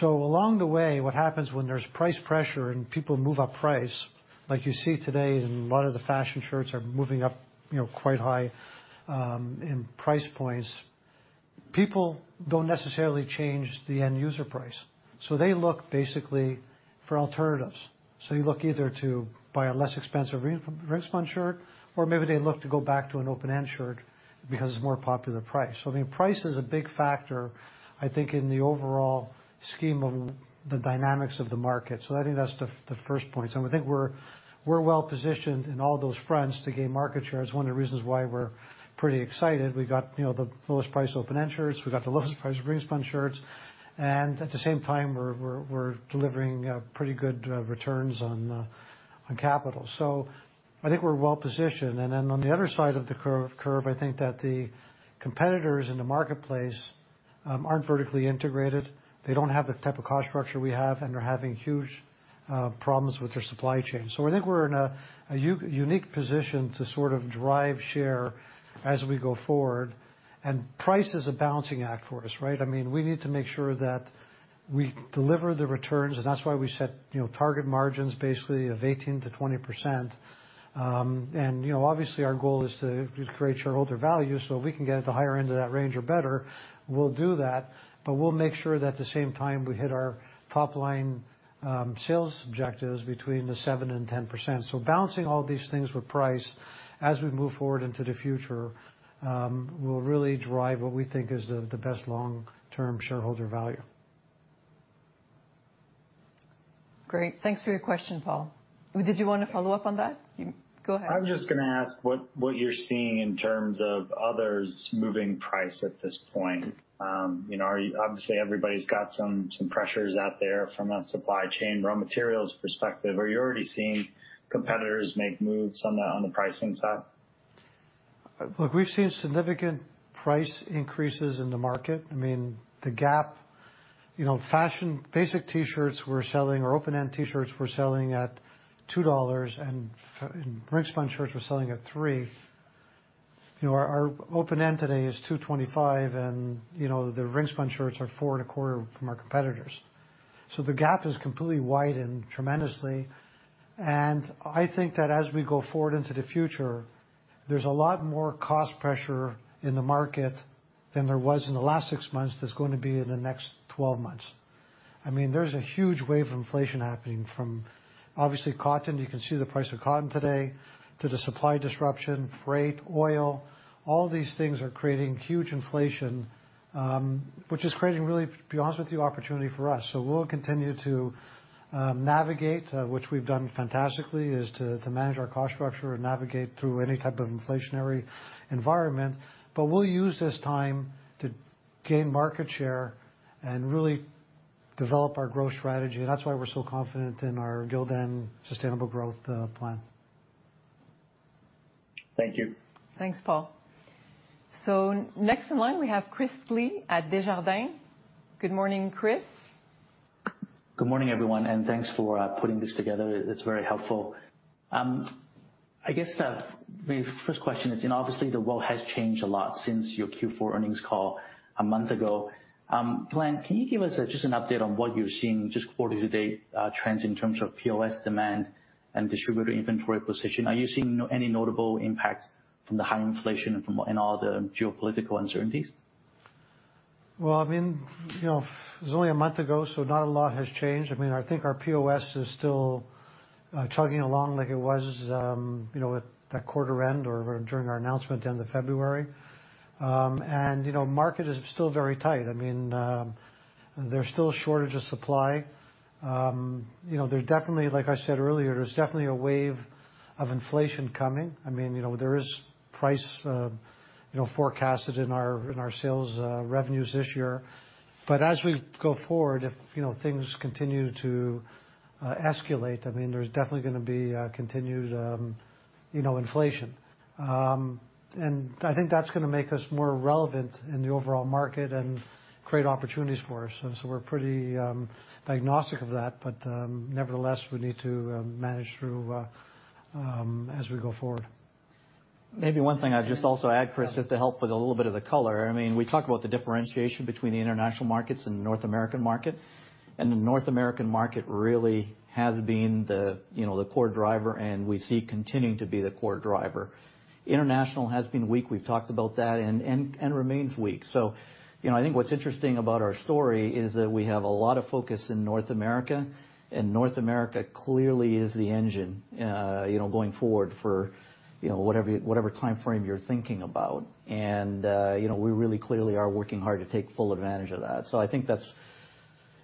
Along the way, what happens when there's price pressure and people move up price, like you see today in a lot of the fashion shirts are moving up, you know, quite high, in price points. People don't necessarily change the end user price, so they look basically for alternatives. You look either to buy a less expensive ring-spun shirt, or maybe they look to go back to an open-end shirt because it's a more popular price. I mean, price is a big factor, I think, in the overall scheme of the dynamics of the market. I think that's the first point. I think we're well positioned in all those fronts to gain market share. It's one of the reasons why we're pretty excited. We've got, you know, the lowest priced open-end shirts. We've got the lowest priced ring-spun shirts, and at the same time we're delivering pretty good returns on capital. I think we're well positioned. Then on the other side of the curve, I think that the competitors in the marketplace aren't vertically integrated. They don't have the type of cost structure we have, and they're having huge problems with their supply chain. I think we're in a unique position to sort of drive share as we go forward. Price is a balancing act for us, right? I mean, we need to make sure that we deliver the returns, and that's why we set, you know, target margins basically of 18%-20%. You know, obviously our goal is to create shareholder value, so if we can get at the higher end of that range or better, we'll do that, but we'll make sure that at the same time we hit our top line sales objectives between 7% and 10%. Balancing all these things with price as we move forward into the future, will really drive what we think is the best long-term shareholder value. Great. Thanks for your question, Paul. Did you wanna follow up on that? Go ahead. I'm just gonna ask what you're seeing in terms of others moving price at this point. You know, obviously everybody's got some pressures out there from a supply chain, raw materials perspective. Are you already seeing competitors make moves on the pricing side? Look, we've seen significant price increases in the market. I mean, the gap, you know, fashion, basic T-shirts we're selling or open-end T-shirts we're selling at $2 and ring spun shirts we're selling at $3. You know, our open end today is $2.25, and, you know, the ring spun shirts are $4.25 from our competitors. The gap is completely widened tremendously. I think that as we go forward into the future, there's a lot more cost pressure in the market than there was in the last six months that's going to be in the next twelve months. I mean, there's a huge wave of inflation happening from obviously cotton, you can see the price of cotton today, to the supply disruption, freight, oil, all these things are creating huge inflation, which is creating really, to be honest with you, opportunity for us. We'll continue to navigate, which we've done fantastically, to manage our cost structure and navigate through any type of inflationary environment. We'll use this time to gain market share and really develop our growth strategy. That's why we're so confident in our Gildan Sustainable Growth Plan. Thank you. Thanks, Paul. Next in line, we have Chris Li at Desjardins. Good morning, Chris. Good morning, everyone, and thanks for putting this together. It's very helpful. I guess the first question is, you know, obviously the world has changed a lot since your Q4 earnings call a month ago. Glenn, can you give us just an update on what you're seeing just quarter to date, trends in terms of POS demand and distributor inventory position? Are you seeing any notable impact from the high inflation and from what and all the geopolitical uncertainties? Well, I mean, you know, it was only a month ago, so not a lot has changed. I mean, I think our POS is still chugging along like it was, you know, at that quarter end or during our announcement at the end of February. You know, market is still very tight. I mean, there's still a shortage of supply. You know, there's definitely, like I said earlier, there's definitely a wave of inflation coming. I mean, you know, there is price, you know, forecasted in our sales revenues this year. As we go forward, if, you know, things continue to escalate, I mean, there's definitely gonna be continued, you know, inflation. I think that's gonna make us more relevant in the overall market and create opportunities for us. We're pretty agnostic of that. Nevertheless, we need to manage through as we go forward. Maybe one thing I'd just also add, Chris, just to help with a little bit of the color. I mean, we talked about the differentiation between the international markets and the North American market, and the North American market really has been the, you know, the core driver, and we see continuing to be the core driver. International has been weak, we've talked about that and remains weak. You know, I think what's interesting about our story is that we have a lot of focus in North America, and North America clearly is the engine, you know, going forward for, you know, whatever time frame you're thinking about. You know, we really clearly are working hard to take full advantage of that. I think that's.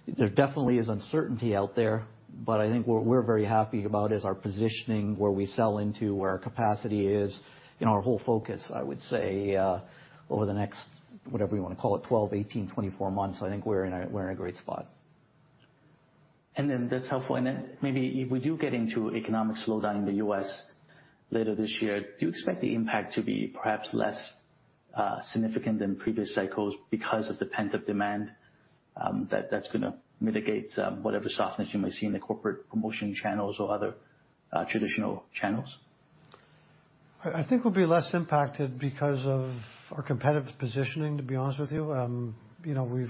There definitely is uncertainty out there, but I think what we're very happy about is our positioning, where we sell into, where our capacity is, you know, our whole focus, I would say, over the next, whatever you wanna call it, 12, 18, 24 months, I think we're in a great spot. That's helpful. Maybe if we do get into economic slowdown in the U.S. later this year, do you expect the impact to be perhaps less significant than previous cycles because of the pent-up demand that's gonna mitigate whatever softness you may see in the corporate promotion channels or other traditional channels? I think we'll be less impacted because of our competitive positioning, to be honest with you. You know,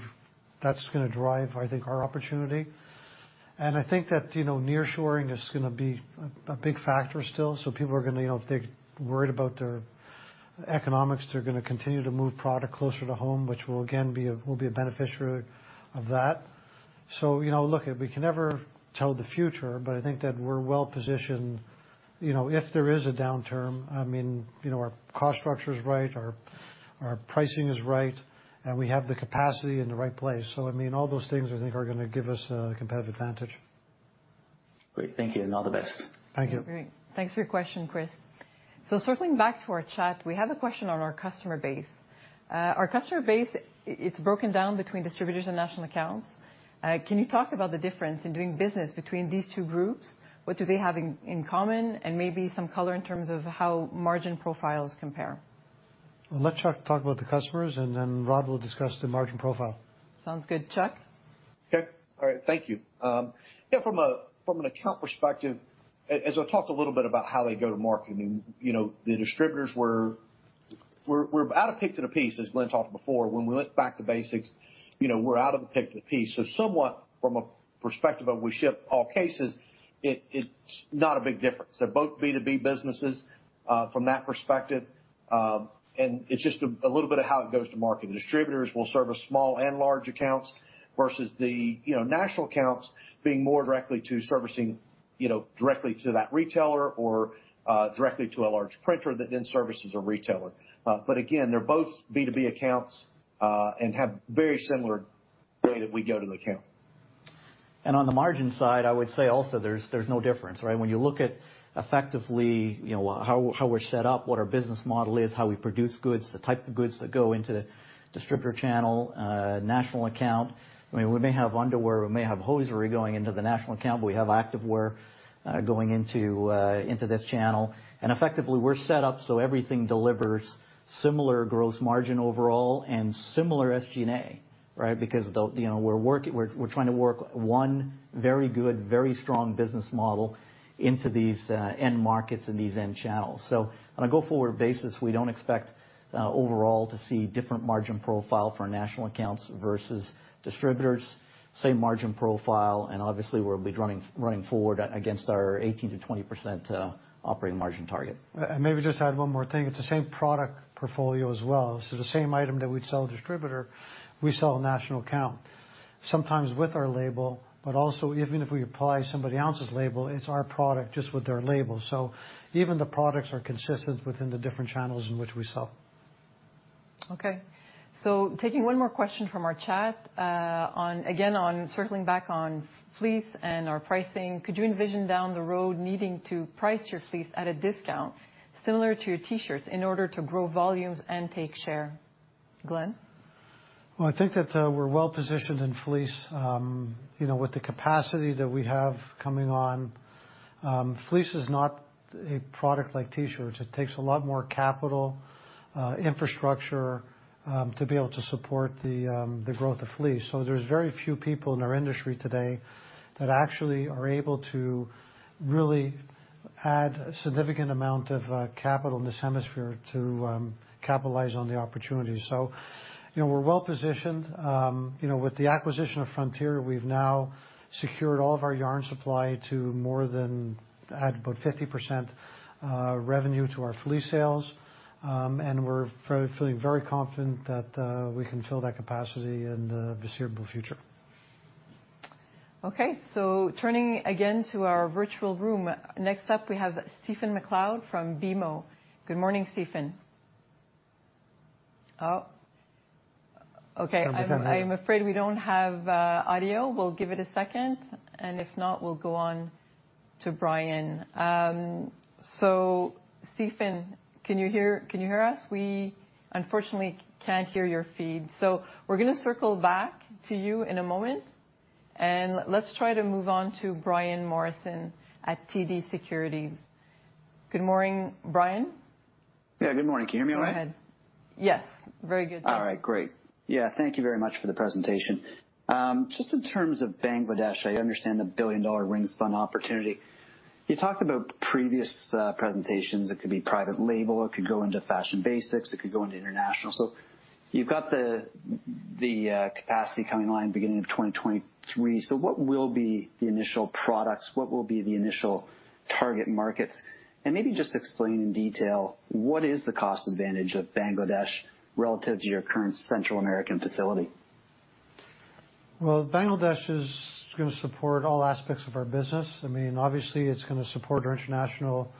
that's gonna drive, I think, our opportunity. I think that, you know, nearshoring is gonna be a big factor still. People are gonna, you know, if they're worried about their economics, they're gonna continue to move product closer to home, which we'll again be a beneficiary of that. You know, look, we can never tell the future, but I think that we're well positioned. You know, if there is a downturn, I mean, you know, our cost structure is right, our pricing is right, and we have the capacity in the right place. I mean, all those things I think are gonna give us a competitive advantage. Great. Thank you, and all the best. Thank you. Great. Thanks for your question, Chris. Circling back to our chat, we have a question on our customer base. Our customer base, it's broken down between distributors and national accounts. Can you talk about the difference in doing business between these two groups? What do they have in common? And maybe some color in terms of how margin profiles compare. I'll let Chuck talk about the customers, and then Rhod will discuss the margin profile. Sounds good. Chuck? Okay. All right. Thank you. Yeah, from an account perspective, as I talked a little bit about how they go to market, I mean, you know, the distributors we're out of pick to the piece, as Glenn talked before. When we went back to basics, you know, we're out of the pick to the piece. Somewhat from a perspective of we ship all cases, it's not a big difference. They're both B2B businesses, from that perspective, and it's just a little bit of how it goes to market. Distributors will service small and large accounts versus the, you know, national accounts being more directly to servicing, you know, directly to that retailer or directly to a large printer that then services a retailer. Again, they're both B2B accounts, and have very similar way that we go to the account. On the margin side, I would say also there's no difference, right? When you look at effectively, you know, how we're set up, what our business model is, how we produce goods, the type of goods that go into distributor channel, national account. I mean, we may have underwear, we may have hosiery going into the national account, but we have activewear going into this channel. Effectively, we're set up so everything delivers similar gross margin overall and similar SG&A, right? Because you know, we're trying to work one very good, very strong business model into these end markets and these end channels. On a go-forward basis, we don't expect overall to see different margin profile for national accounts versus distributors, same margin profile, and obviously we'll be running forward against our 18%-20% operating margin target. Maybe just add one more thing. It's the same product portfolio as well. The same item that we'd sell to a distributor, we sell to a national account, sometimes with our label, but also even if we apply somebody else's label, it's our product just with their label. Even the products are consistent within the different channels in which we sell. Okay. Taking one more question from our chat, on again, on circling back on fleece and our pricing. Could you envision down the road needing to price your fleece at a discount similar to your T-shirts in order to grow volumes and take share? Glenn? Well, I think that we're well-positioned in fleece, you know, with the capacity that we have coming on. Fleece is not a product like T-shirts. It takes a lot more capital, infrastructure, to be able to support the growth of fleece. There's very few people in our industry today that actually are able to really add a significant amount of capital in this hemisphere to capitalize on the opportunity. You know, we're well-positioned, you know, with the acquisition of Frontier, we've now secured all of our yarn supply to more than add about 50% revenue to our fleece sales. We're feeling very confident that we can fill that capacity in the foreseeable future. Okay. Turning again to our virtual room. Next up, we have Stephen MacLeod from BMO. Good morning, Stephen. Oh. Okay. I'm just gonna- I'm afraid we don't have audio. We'll give it a second, and if not, we'll go on to Brian. Stephen, can you hear us? We unfortunately can't hear your feed. We're gonna circle back to you in a moment, and let's try to move on to Brian Morrison at TD Securities. Good morning, Brian. Yeah, good morning. Can you hear me all right? Go ahead. Yes. Very good. All right. Great. Yeah. Thank you very much for the presentation. Just in terms of Bangladesh, I understand the $1 billion ring-spun opportunity. You talked about previous presentations. It could be private label, it could go into fashion basics, it could go into international. You've got the capacity coming online beginning of 2023. What will be the initial products? What will be the initial target markets? And maybe just explain in detail what is the cost advantage of Bangladesh relative to your current Central American facility? Well, Bangladesh is gonna support all aspects of our business. I mean, obviously, it's gonna support our international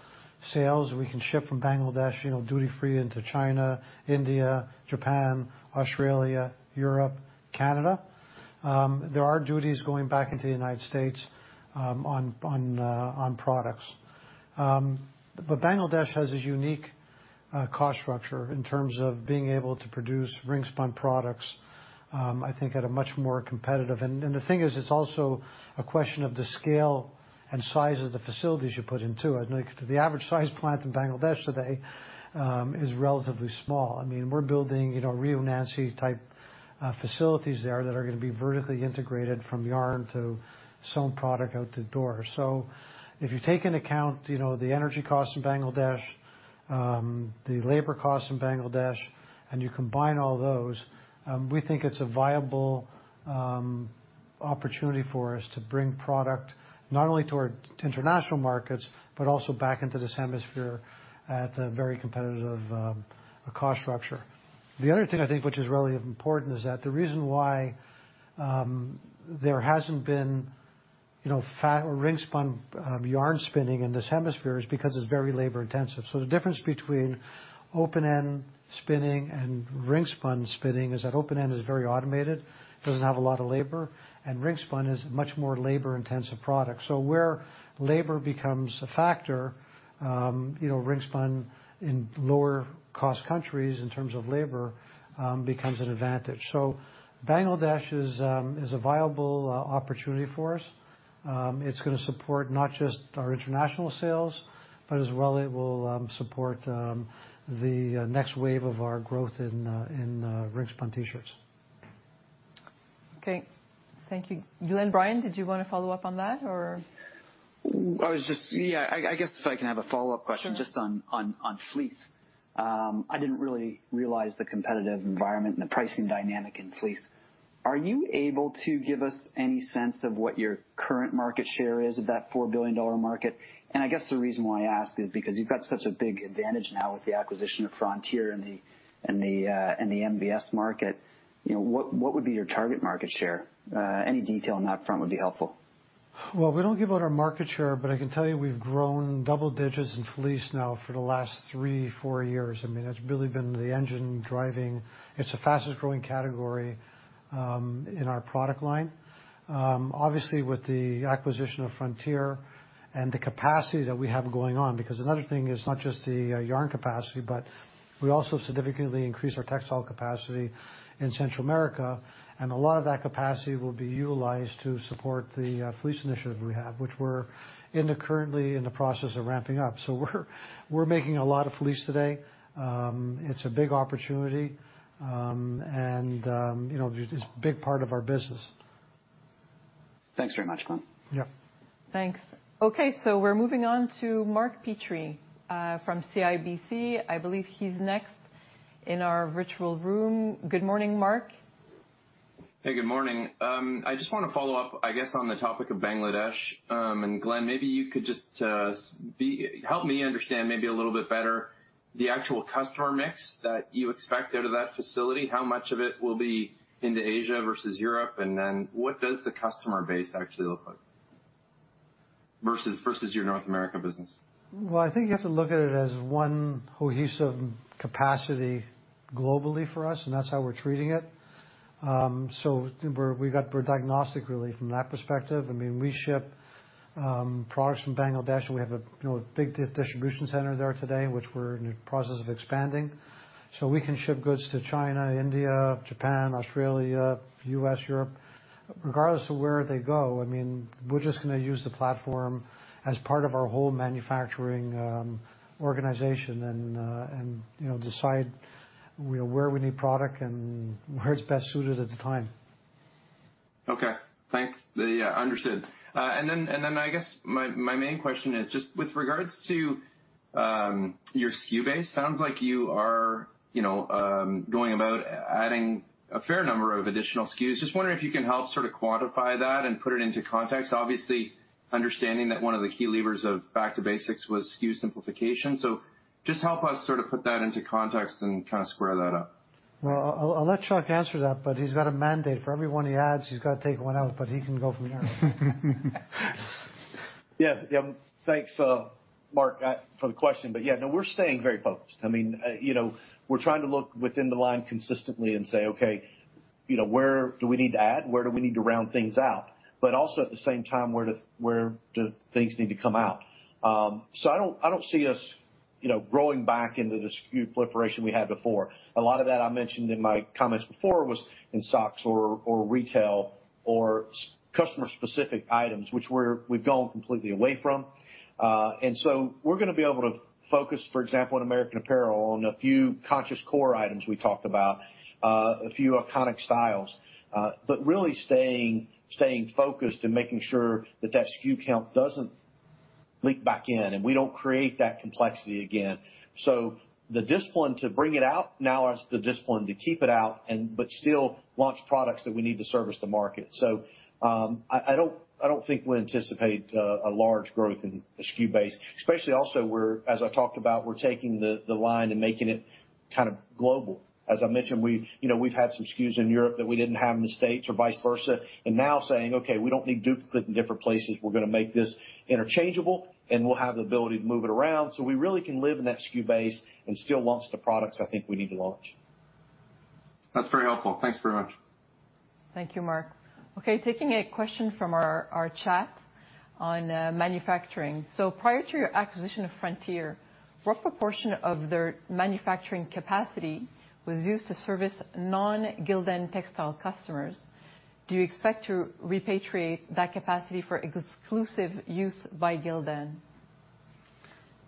sales. We can ship from Bangladesh, you know, duty-free into China, India, Japan, Australia, Europe, Canada. There are duties going back into the United States on products. Bangladesh has a unique cost structure in terms of being able to produce ring-spun products, I think at a much more competitive. The thing is, it's also a question of the scale and size of the facilities you put in, too. I think the average size plant in Bangladesh today is relatively small. I mean, we're building, you know, Rio Nance type facilities there that are gonna be vertically integrated from yarn to sewn product out the door. If you take into account, you know, the energy costs in Bangladesh, the labor costs in Bangladesh, and you combine all those, we think it's a viable opportunity for us to bring product not only to our international markets, but also back into this hemisphere at a very competitive cost structure. The other thing I think which is really important is that the reason why, you know, there hasn't been ring-spun yarn spinning in this hemisphere is because it's very labor intensive. The difference between open-end spinning and ring-spun spinning is that open-end is very automated, doesn't have a lot of labor, and ring-spun is much more labor-intensive product. Where labor becomes a factor, you know, ring-spun in lower cost countries in terms of labor becomes an advantage. Bangladesh is a viable opportunity for us. It's gonna support not just our international sales, but as well it will support the next wave of our growth in ring-spun T-shirts. Okay. Thank you. Glenn, Brian, did you wanna follow up on that or? I guess if I can have a follow-up question. Sure. Just on fleece. I didn't really realize the competitive environment and the pricing dynamic in fleece. Are you able to give us any sense of what your current market share is of that $4 billion market? I guess the reason why I ask is because you've got such a big advantage now with the acquisition of Frontier and the MVS market. What would be your target market share? Any detail on that front would be helpful. Well, we don't give out our market share, but I can tell you we've grown double digits in fleece now for the last three, four years. I mean, it's really been the engine driving. It's the fastest growing category in our product line. Obviously, with the acquisition of Frontier and the capacity that we have going on, because another thing is not just the yarn capacity, but we also significantly increased our textile capacity in Central America, and a lot of that capacity will be utilized to support the fleece initiative we have, which we're currently in the process of ramping up. We're making a lot of fleece today. It's a big opportunity. You know, it's a big part of our business. Thanks very much, Glenn. Yeah. Thanks. Okay, so we're moving on to Mark Petrie from CIBC. I believe he's next in our virtual room. Good morning, Mark. Hey, good morning. I just wanna follow up, I guess, on the topic of Bangladesh. Glenn, maybe you could just help me understand maybe a little bit better the actual customer mix that you expect out of that facility, how much of it will be into Asia versus Europe, and then what does the customer base actually look like versus your North America business? Well, I think you have to look at it as one cohesive capacity globally for us, and that's how we're treating it. We're diagnostic really from that perspective. I mean, we ship products from Bangladesh, and we have a, you know, big distribution center there today, which we're in the process of expanding. We can ship goods to China, India, Japan, Australia, U.S., Europe. Regardless of where they go, I mean, we're just gonna use the platform as part of our whole manufacturing organization and, you know, decide where we need product and where it's best suited at the time. Okay. Thanks. Yeah, understood. I guess my main question is just with regards to your SKU base. Sounds like you are, you know, going about adding a fair number of additional SKUs. Just wondering if you can help sort of quantify that and put it into context. Obviously, understanding that one of the key levers of back to basics was SKU simplification. Just help us sort of put that into context and kinda square that up. Well, I'll let Chuck answer that, but he's got a mandate. For every one he adds, he's gotta take one out, but he can go from there. Yeah. Thanks, Mark, for the question. Yeah, no, we're staying very focused. I mean, you know, we're trying to look within the line consistently and say, "Okay, you know, where do we need to add? Where do we need to round things out?" Also at the same time, where do things need to come out? I don't see us, you know, growing back into the SKU proliferation we had before. A lot of that I mentioned in my comments before was in socks or retail or customer specific items, which we've gone completely away from. We're gonna be able to focus, for example, on American Apparel and a few conscious core items we talked about, a few iconic styles, but really staying focused and making sure that that SKU count doesn't leak back in and we don't create that complexity again. The discipline to bring it out now is the discipline to keep it out, but still launch products that we need to service the market. I don't think we anticipate a large growth in the SKU base, especially also we're taking the line and making it kind of global. As I mentioned, we've had some SKUs in Europe that we didn't have in the States or vice versa, and now saying, "Okay, we don't need duplicate in different places. We're gonna make this interchangeable, and we'll have the ability to move it around, so we really can live in that SKU base and still launch the products I think we need to launch. That's very helpful. Thanks very much. Thank you, Mark. Okay, taking a question from our chat on manufacturing. Prior to your acquisition of Frontier, what proportion of their manufacturing capacity was used to service non-Gildan textile customers? Do you expect to repatriate that capacity for exclusive use by Gildan?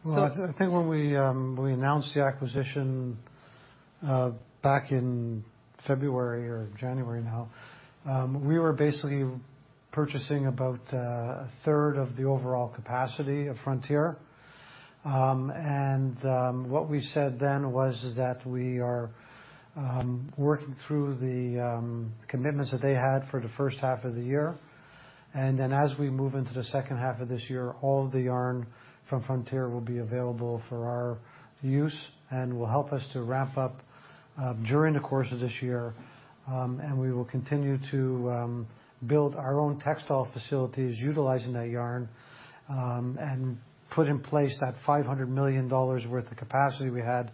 Well, I think when we announced the acquisition back in February or January now, we were basically purchasing about a third of the overall capacity of Frontier. What we said then was that we are working through the commitments that they had for the first half of the year. Then as we move into the second half of this year, all the yarn from Frontier will be available for our use and will help us to ramp up during the course of this year, and we will continue to build our own textile facilities utilizing that yarn, and put in place that $500 million worth of capacity we had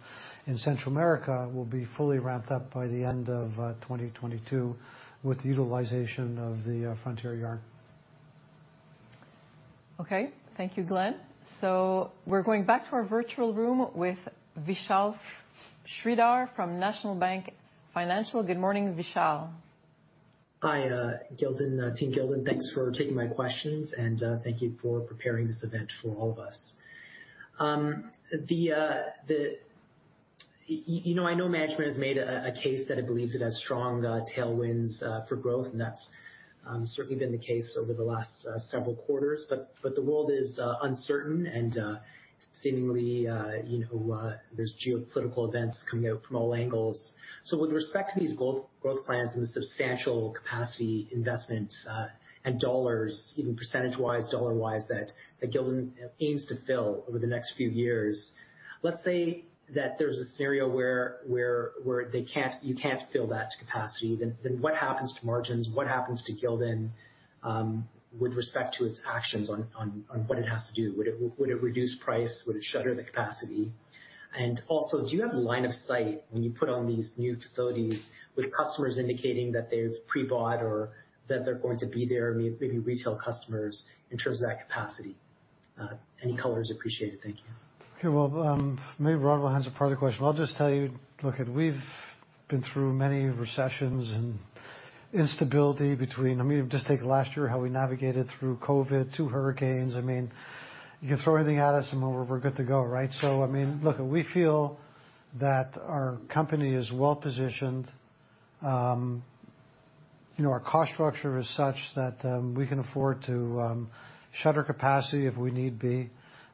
in Central America will be fully ramped up by the end of 2022 with the utilization of the Frontier yarn. Okay. Thank you, Glenn. We're going back to our virtual room with Vishal Shreedhar from National Bank Financial. Good morning, Vishal. Hi, Gildan, Team Gildan. Thanks for taking my questions, and thank you for preparing this event for all of us. You know, I know management has made a case that it believes it has strong tailwinds for growth, and that's certainly been the case over the last several quarters. The world is uncertain and seemingly you know there's geopolitical events coming out from all angles. With respect to these growth plans and the substantial capacity investment and dollars, even percentage-wise, dollar-wise, that Gildan aims to fill over the next few years, let's say that there's a scenario where you can't fill that to capacity. What happens to margins? What happens to Gildan with respect to its actions on what it has to do? Would it reduce price? Would it shutter the capacity? Also, do you have line of sight when you put on these new facilities with customers indicating that they've pre-bought or that they're going to be there, maybe retail customers, in terms of that capacity? Any color is appreciated. Thank you. Okay. Well, maybe Rhodri will answer part of the question. I'll just tell you, look it, we've been through many recessions and instability between. I mean, just take last year, how we navigated through COVID, two hurricanes. I mean, you can throw anything at us, and we're good to go, right? I mean, look, we feel that our company is well-positioned. You know, our cost structure is such that, we can afford to shutter capacity if we need be,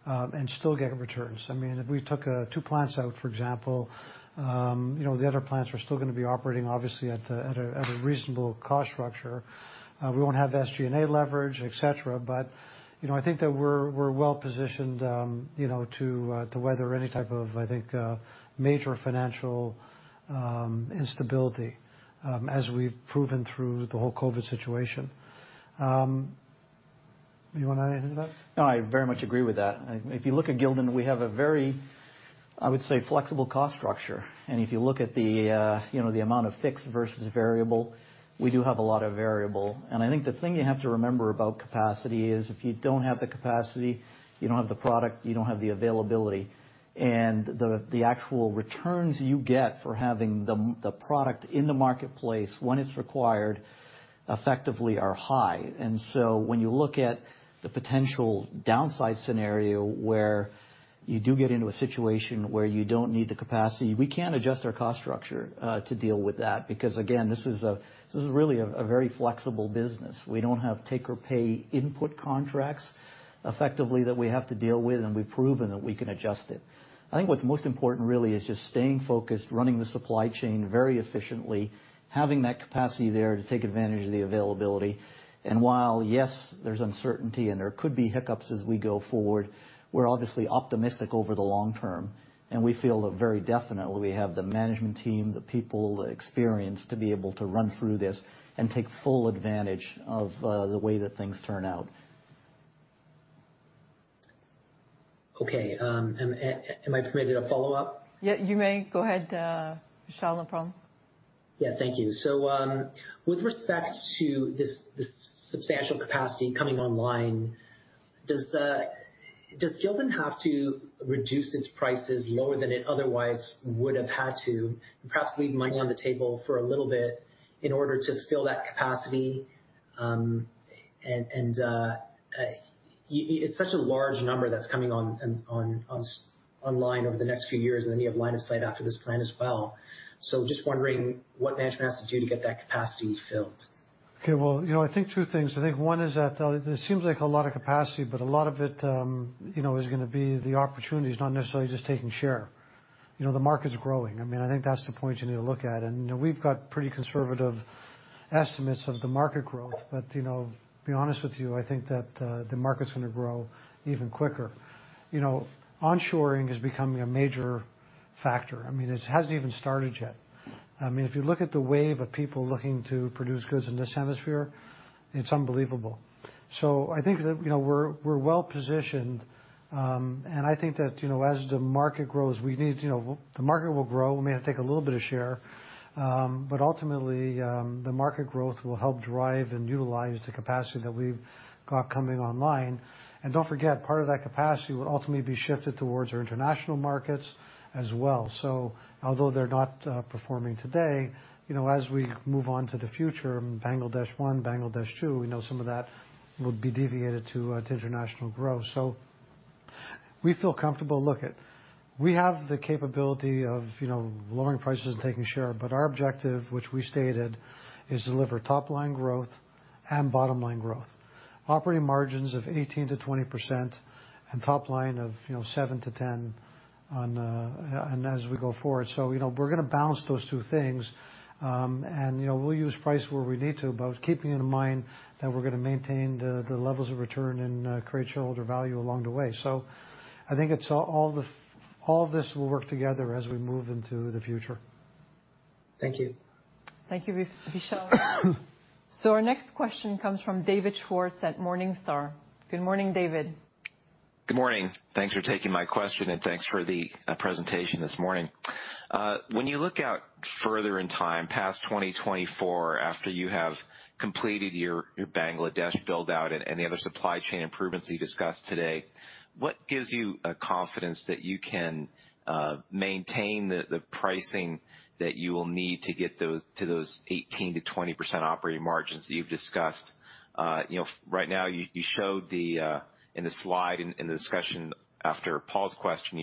and still get returns. I mean, if we took two plants out, for example, you know, the other plants are still gonna be operating obviously at a reasonable cost structure. We won't have SG&A leverage, et cetera, but you know, I think that we're well-positioned, you know, to weather any type of, I think, major financial instability, as we've proven through the whole COVID situation. You wanna add anything to that? No, I very much agree with that. If you look at Gildan, we have a very, I would say, flexible cost structure. If you look at the, you know, the amount of fixed versus variable, we do have a lot of variable. I think the thing you have to remember about capacity is, if you don't have the capacity, you don't have the product, you don't have the availability. The actual returns you get for having the product in the marketplace when it's required effectively are high. When you look at the potential downside scenario, where you do get into a situation where you don't need the capacity, we can adjust our cost structure to deal with that because, again, this is a, this is really a very flexible business. We don't have take or pay input contracts effectively that we have to deal with, and we've proven that we can adjust it. I think what's most important really is just staying focused, running the supply chain very efficiently, having that capacity there to take advantage of the availability. While, yes, there's uncertainty and there could be hiccups as we go forward, we're obviously optimistic over the long term, and we feel very definitely we have the management team, the people, the experience to be able to run through this and take full advantage of the way that things turn out. Okay, am I permitted a follow-up? Yeah, you may. Go ahead, Vishal. No problem. Yeah. Thank you. With respect to this substantial capacity coming online, does Gildan have to reduce its prices lower than it otherwise would have had to and perhaps leave money on the table for a little bit in order to fill that capacity? It's such a large number that's coming online over the next few years, and then you have line of sight after this plan as well. Just wondering what management has to do to get that capacity filled. Okay. Well, you know, I think two things. I think one is that it seems like a lot of capacity, but a lot of it, you know, is gonna be the opportunities, not necessarily just taking share. You know, the market's growing. I mean, I think that's the point you need to look at. You know, we've got pretty conservative estimates of the market growth, but, you know, to be honest with you, I think that the market's gonna grow even quicker. You know, onshoring is becoming a major factor. I mean, it hasn't even started yet. I mean, if you look at the wave of people looking to produce goods in this hemisphere, it's unbelievable. I think that, you know, we're well-positioned, and I think that, you know, as the market grows, we need, you know, the market will grow. We may take a little bit of share. Ultimately, the market growth will help drive and utilize the capacity that we've got coming online. Don't forget, part of that capacity will ultimately be shifted towards our international markets as well. Although they're not performing today, you know, as we move on to the future, Bangladesh One, Bangladesh Two, we know some of that will be deviated to international growth. We feel comfortable. Look it, we have the capability of, you know, lowering prices and taking share, but our objective, which we stated, is deliver top line growth and bottom line growth. Operating margins of 18%-20% and top line of, you know, 7%-10% on and as we go forward. You know, we're gonna balance those two things. You know, we'll use price where we need to, but keeping in mind that we're gonna maintain the levels of return and create shareholder value along the way. I think it's all this will work together as we move into the future. Thank you. Thank you, Vishal. Our next question comes from David Swartz at Morningstar. Good morning, David. Good morning. Thanks for taking my question, and thanks for the presentation this morning. When you look out further in time past 2024, after you have completed your Bangladesh build-out and the other supply chain improvements that you discussed today, what gives you a confidence that you can maintain the pricing that you will need to get to those 18%-20% operating margins that you've discussed? You know, right now, you showed the pricing gaps that you have in the slide in the discussion after Paul's question.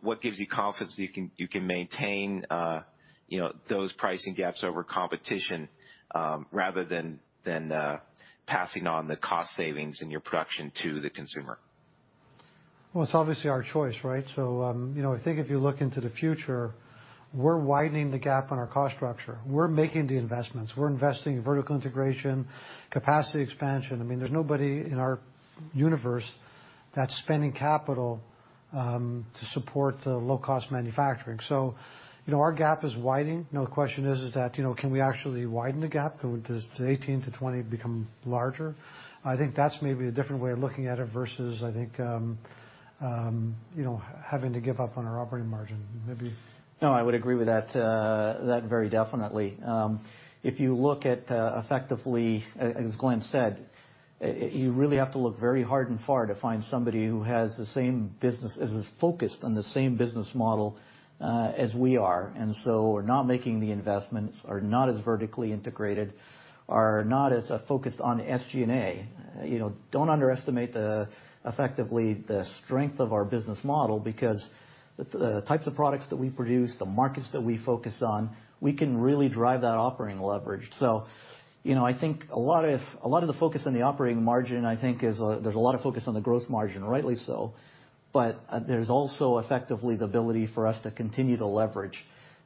What gives you confidence that you can maintain, you know, those pricing gaps over competition, rather than passing on the cost savings in your production to the consumer? Well, it's obviously our choice, right? You know, I think if you look into the future, we're widening the gap on our cost structure. We're making the investments. We're investing in vertical integration, capacity expansion. I mean, there's nobody in our universe that's spending capital to support the low-cost manufacturing. You know, our gap is widening. Now the question is that, you know, can we actually widen the gap? Does the 18%-20% become larger? I think that's maybe a different way of looking at it versus, I think, you know, having to give up on our operating margin. Maybe. No, I would agree with that very definitely. If you look at, effectively, as Glenn said, you really have to look very hard and far to find somebody who has the same business, is as focused on the same business model, as we are. We're not making the investments, are not as vertically integrated, are not as, focused on SG&A. You know, don't underestimate the, effectively the strength of our business model, because the types of products that we produce, the markets that we focus on, we can really drive that operating leverage. You know, I think a lot of the focus on the operating margin, I think, is, there's a lot of focus on the gross margin, rightly so. There's also effectively the ability for us to continue to leverage.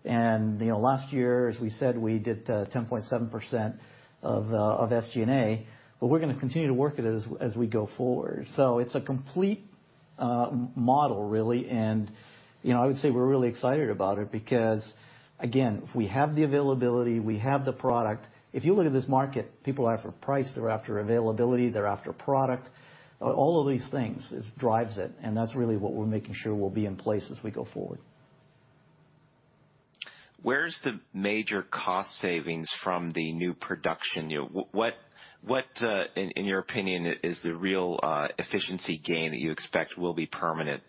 You know, last year, as we said, we did 10.7% of SG&A, but we're gonna continue to work it as we go forward. So it's a complete model, really. You know, I would say we're really excited about it because, again, we have the availability, we have the product. If you look at this market, people are after price, they're after availability, they're after product. All of these things drives it, and that's really what we're making sure will be in place as we go forward. Where's the major cost savings from the new production? You know, what in your opinion is the real efficiency gain that you expect will be permanent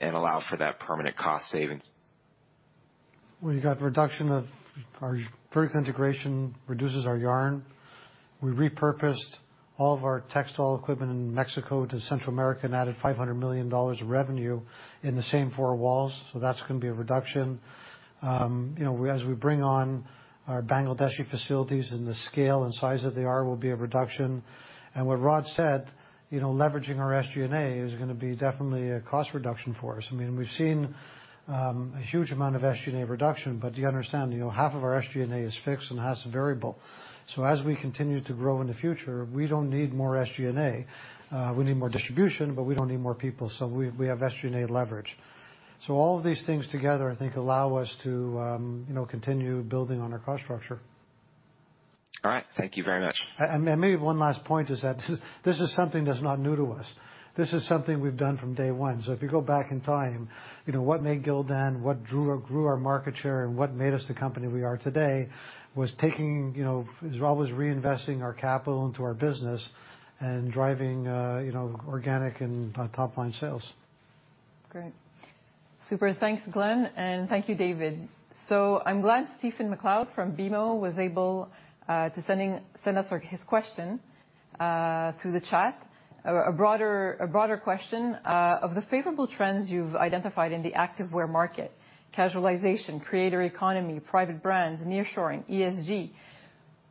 and allow for that permanent cost savings? Vertical integration reduces our yarn. We repurposed all of our textile equipment in Mexico to Central America and added $500 million of revenue in the same four walls. That's gonna be a reduction. You know, as we bring on our Bangladeshi facilities and the scale and size that they are will be a reduction. What Rhod said, you know, leveraging our SG&A is gonna be definitely a cost reduction for us. I mean, we've seen a huge amount of SG&A reduction, but you understand, you know, half of our SG&A is fixed and half is variable. As we continue to grow in the future, we don't need more SG&A. We need more distribution, but we don't need more people. We have SG&A leverage. All of these things together, I think, allow us to, you know, continue building on our cost structure. All right. Thank you very much. Maybe one last point is that this is something that's not new to us. This is something we've done from day one. If you go back in time, you know, what made Gildan, what drew or grew our market share and what made us the company we are today was taking, you know, is always reinvesting our capital into our business and driving, you know, organic and top-line sales. Great. Super. Thanks, Glenn, and thank you, David. I'm glad Stephen MacLeod from BMO was able to send us his question through the chat. A broader question. Of the favorable trends you've identified in the activewear market, casualization, creator economy, private brands, nearshoring, ESG,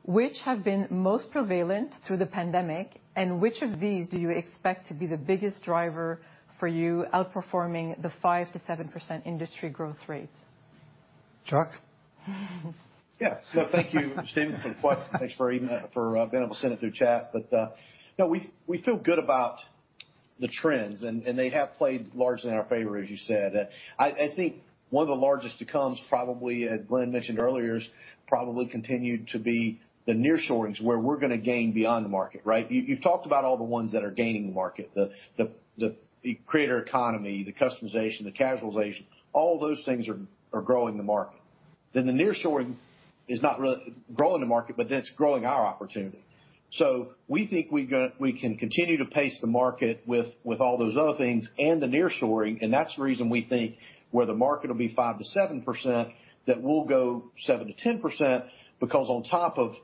which have been most prevalent through the pandemic and which of these do you expect to be the biggest driver for you outperforming the 5%-7% industry growth rates? Chuck? No, thank you, Stephen, for the question. Thanks for being able to send it through chat. No, we feel good about the trends, and they have played largely in our favor, as you said. I think one of the largest tailwinds to come probably, as Glenn mentioned earlier, is probably continued to be the nearshoring where we're gonna gain beyond the market, right? You've talked about all the ones that are gaining the market, the creator economy, the customization, the casualization, all those things are growing the market. The nearshoring is not really growing the market, but that's growing our opportunity. We think we can continue to pace the market with all those other things and the nearshoring, and that's the reason we think the market will be 5%-7%, that we'll go 7%-10% because,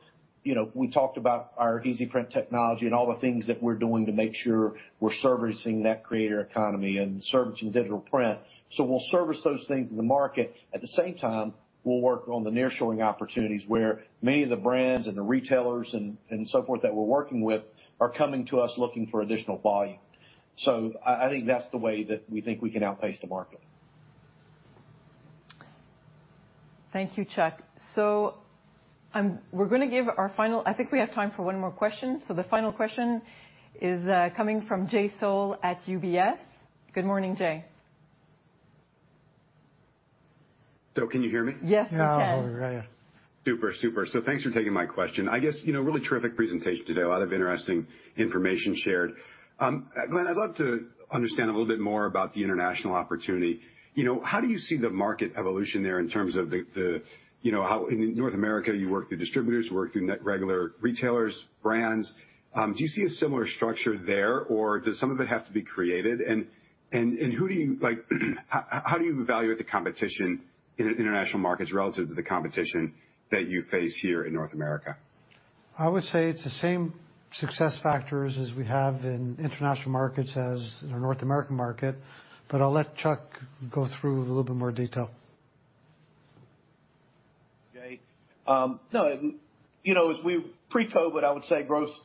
you know, we talked about our EZ Print technology and all the things that we're doing to make sure we're servicing that creator economy and servicing digital print. We'll service those things in the market. At the same time, we'll work on the nearshoring opportunities where many of the brands and the retailers and so forth that we're working with are coming to us looking for additional volume. I think that's the way that we think we can outpace the market. Thank you, Chuck. We're gonna give our final. I think we have time for one more question. The final question is coming from Jay Sole at UBS. Good morning, Jay. Can you hear me? Yes, we can. Yeah. Oh, yeah. Super. Thanks for taking my question. I guess, you know, really terrific presentation today. A lot of interesting information shared. Glenn, I'd love to understand a little bit more about the international opportunity. You know, how do you see the market evolution there in terms of the, you know, how in North America, you work through distributors, you work through major retailers, brands. Do you see a similar structure there, or does some of it have to be created? Like, how do you evaluate the competition in international markets relative to the competition that you face here in North America? I would say it's the same success factors as we have in international markets as in our North American market, but I'll let Chuck go through with a little bit more detail. No, you know, pre-COVID, I would say growth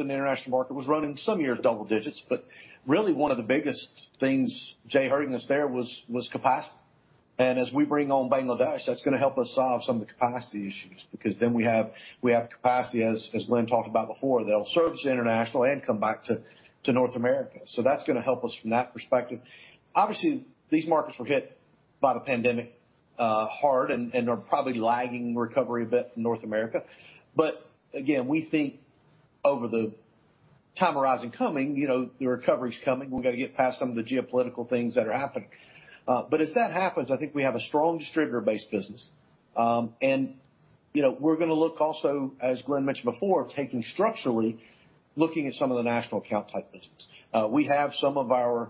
in the international market was running some years double digits, but really one of the biggest things, Jay, hurting us there was capacity. As we bring on Bangladesh, that's gonna help us solve some of the capacity issues, because then we have capacity, as Glenn talked about before, that'll service international and come back to North America. That's gonna help us from that perspective. Obviously, these markets were hit by the pandemic hard and are probably lagging recovery a bit from North America. Again, we think over the time horizon coming, you know, the recovery's coming, we've gotta get past some of the geopolitical things that are happening. As that happens, I think we have a strong distributor-based business. You know, we're gonna look also, as Glenn mentioned before, taking structurally, looking at some of the national account type business. We have some of our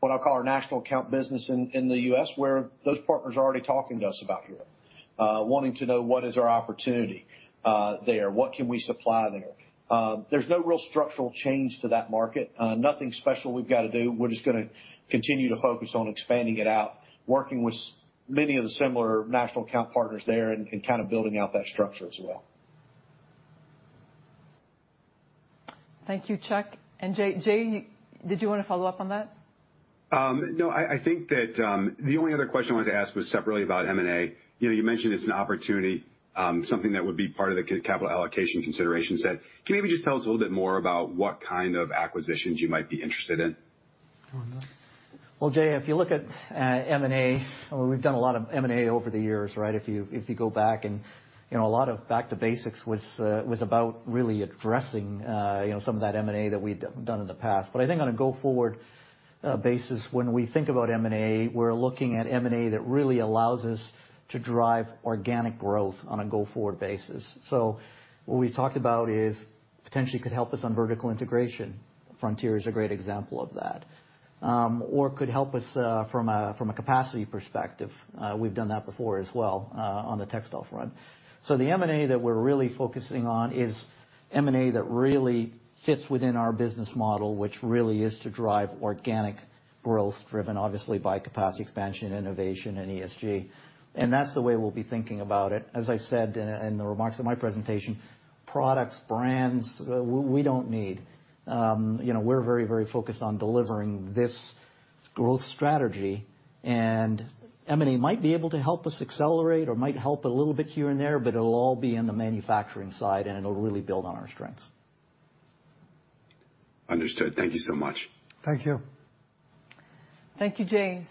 what I'll call our national account business in the U.S., where those partners are already talking to us about here wanting to know what is our opportunity there? What can we supply there? There's no real structural change to that market, nothing special we've gotta do. We're just gonna continue to focus on expanding it out, working with many of the similar national account partners there and kinda building out that structure as well. Thank you, Chuck. Jay, did you wanna follow up on that? No. I think that the only other question I wanted to ask was separately about M&A. You know, you mentioned it's an opportunity, something that would be part of the capital allocation consideration set. Can you maybe just tell us a little bit more about what kind of acquisitions you might be interested in? You wanna go? Well, Jay, if you look at M&A, we've done a lot of M&A over the years, right? If you go back and, you know, a lot of back to basics was about really addressing, you know, some of that M&A that we'd done in the past. But I think on a go-forward basis, when we think about M&A, we're looking at M&A that really allows us to drive organic growth on a go-forward basis. So what we talked about is potentially could help us on vertical integration. Frontier is a great example of that. Or could help us from a capacity perspective. We've done that before as well on the textile front. The M&A that we're really focusing on is M&A that really fits within our business model, which really is to drive organic growth, driven obviously by capacity expansion, innovation, and ESG. That's the way we'll be thinking about it. As I said in the remarks of my presentation, products, brands, we don't need. You know, we're very focused on delivering this growth strategy, and M&A might be able to help us accelerate or might help a little bit here and there, but it'll all be in the manufacturing side, and it'll really build on our strengths. Understood. Thank you so much. Thank you. Thank you, Jay.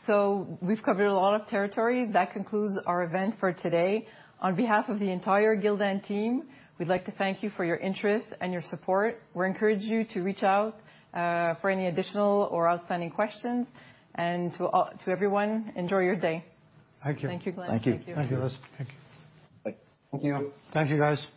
We've covered a lot of territory. That concludes our event for today. On behalf of the entire Gildan team, we'd like to thank you for your interest and your support. We encourage you to reach out for any additional or outstanding questions. To everyone, enjoy your day. Thank you. Thank you, Glenn. Thank you. Thank you. Thank you, guys. Thank you. Bye. Thank you. Thank you, guys.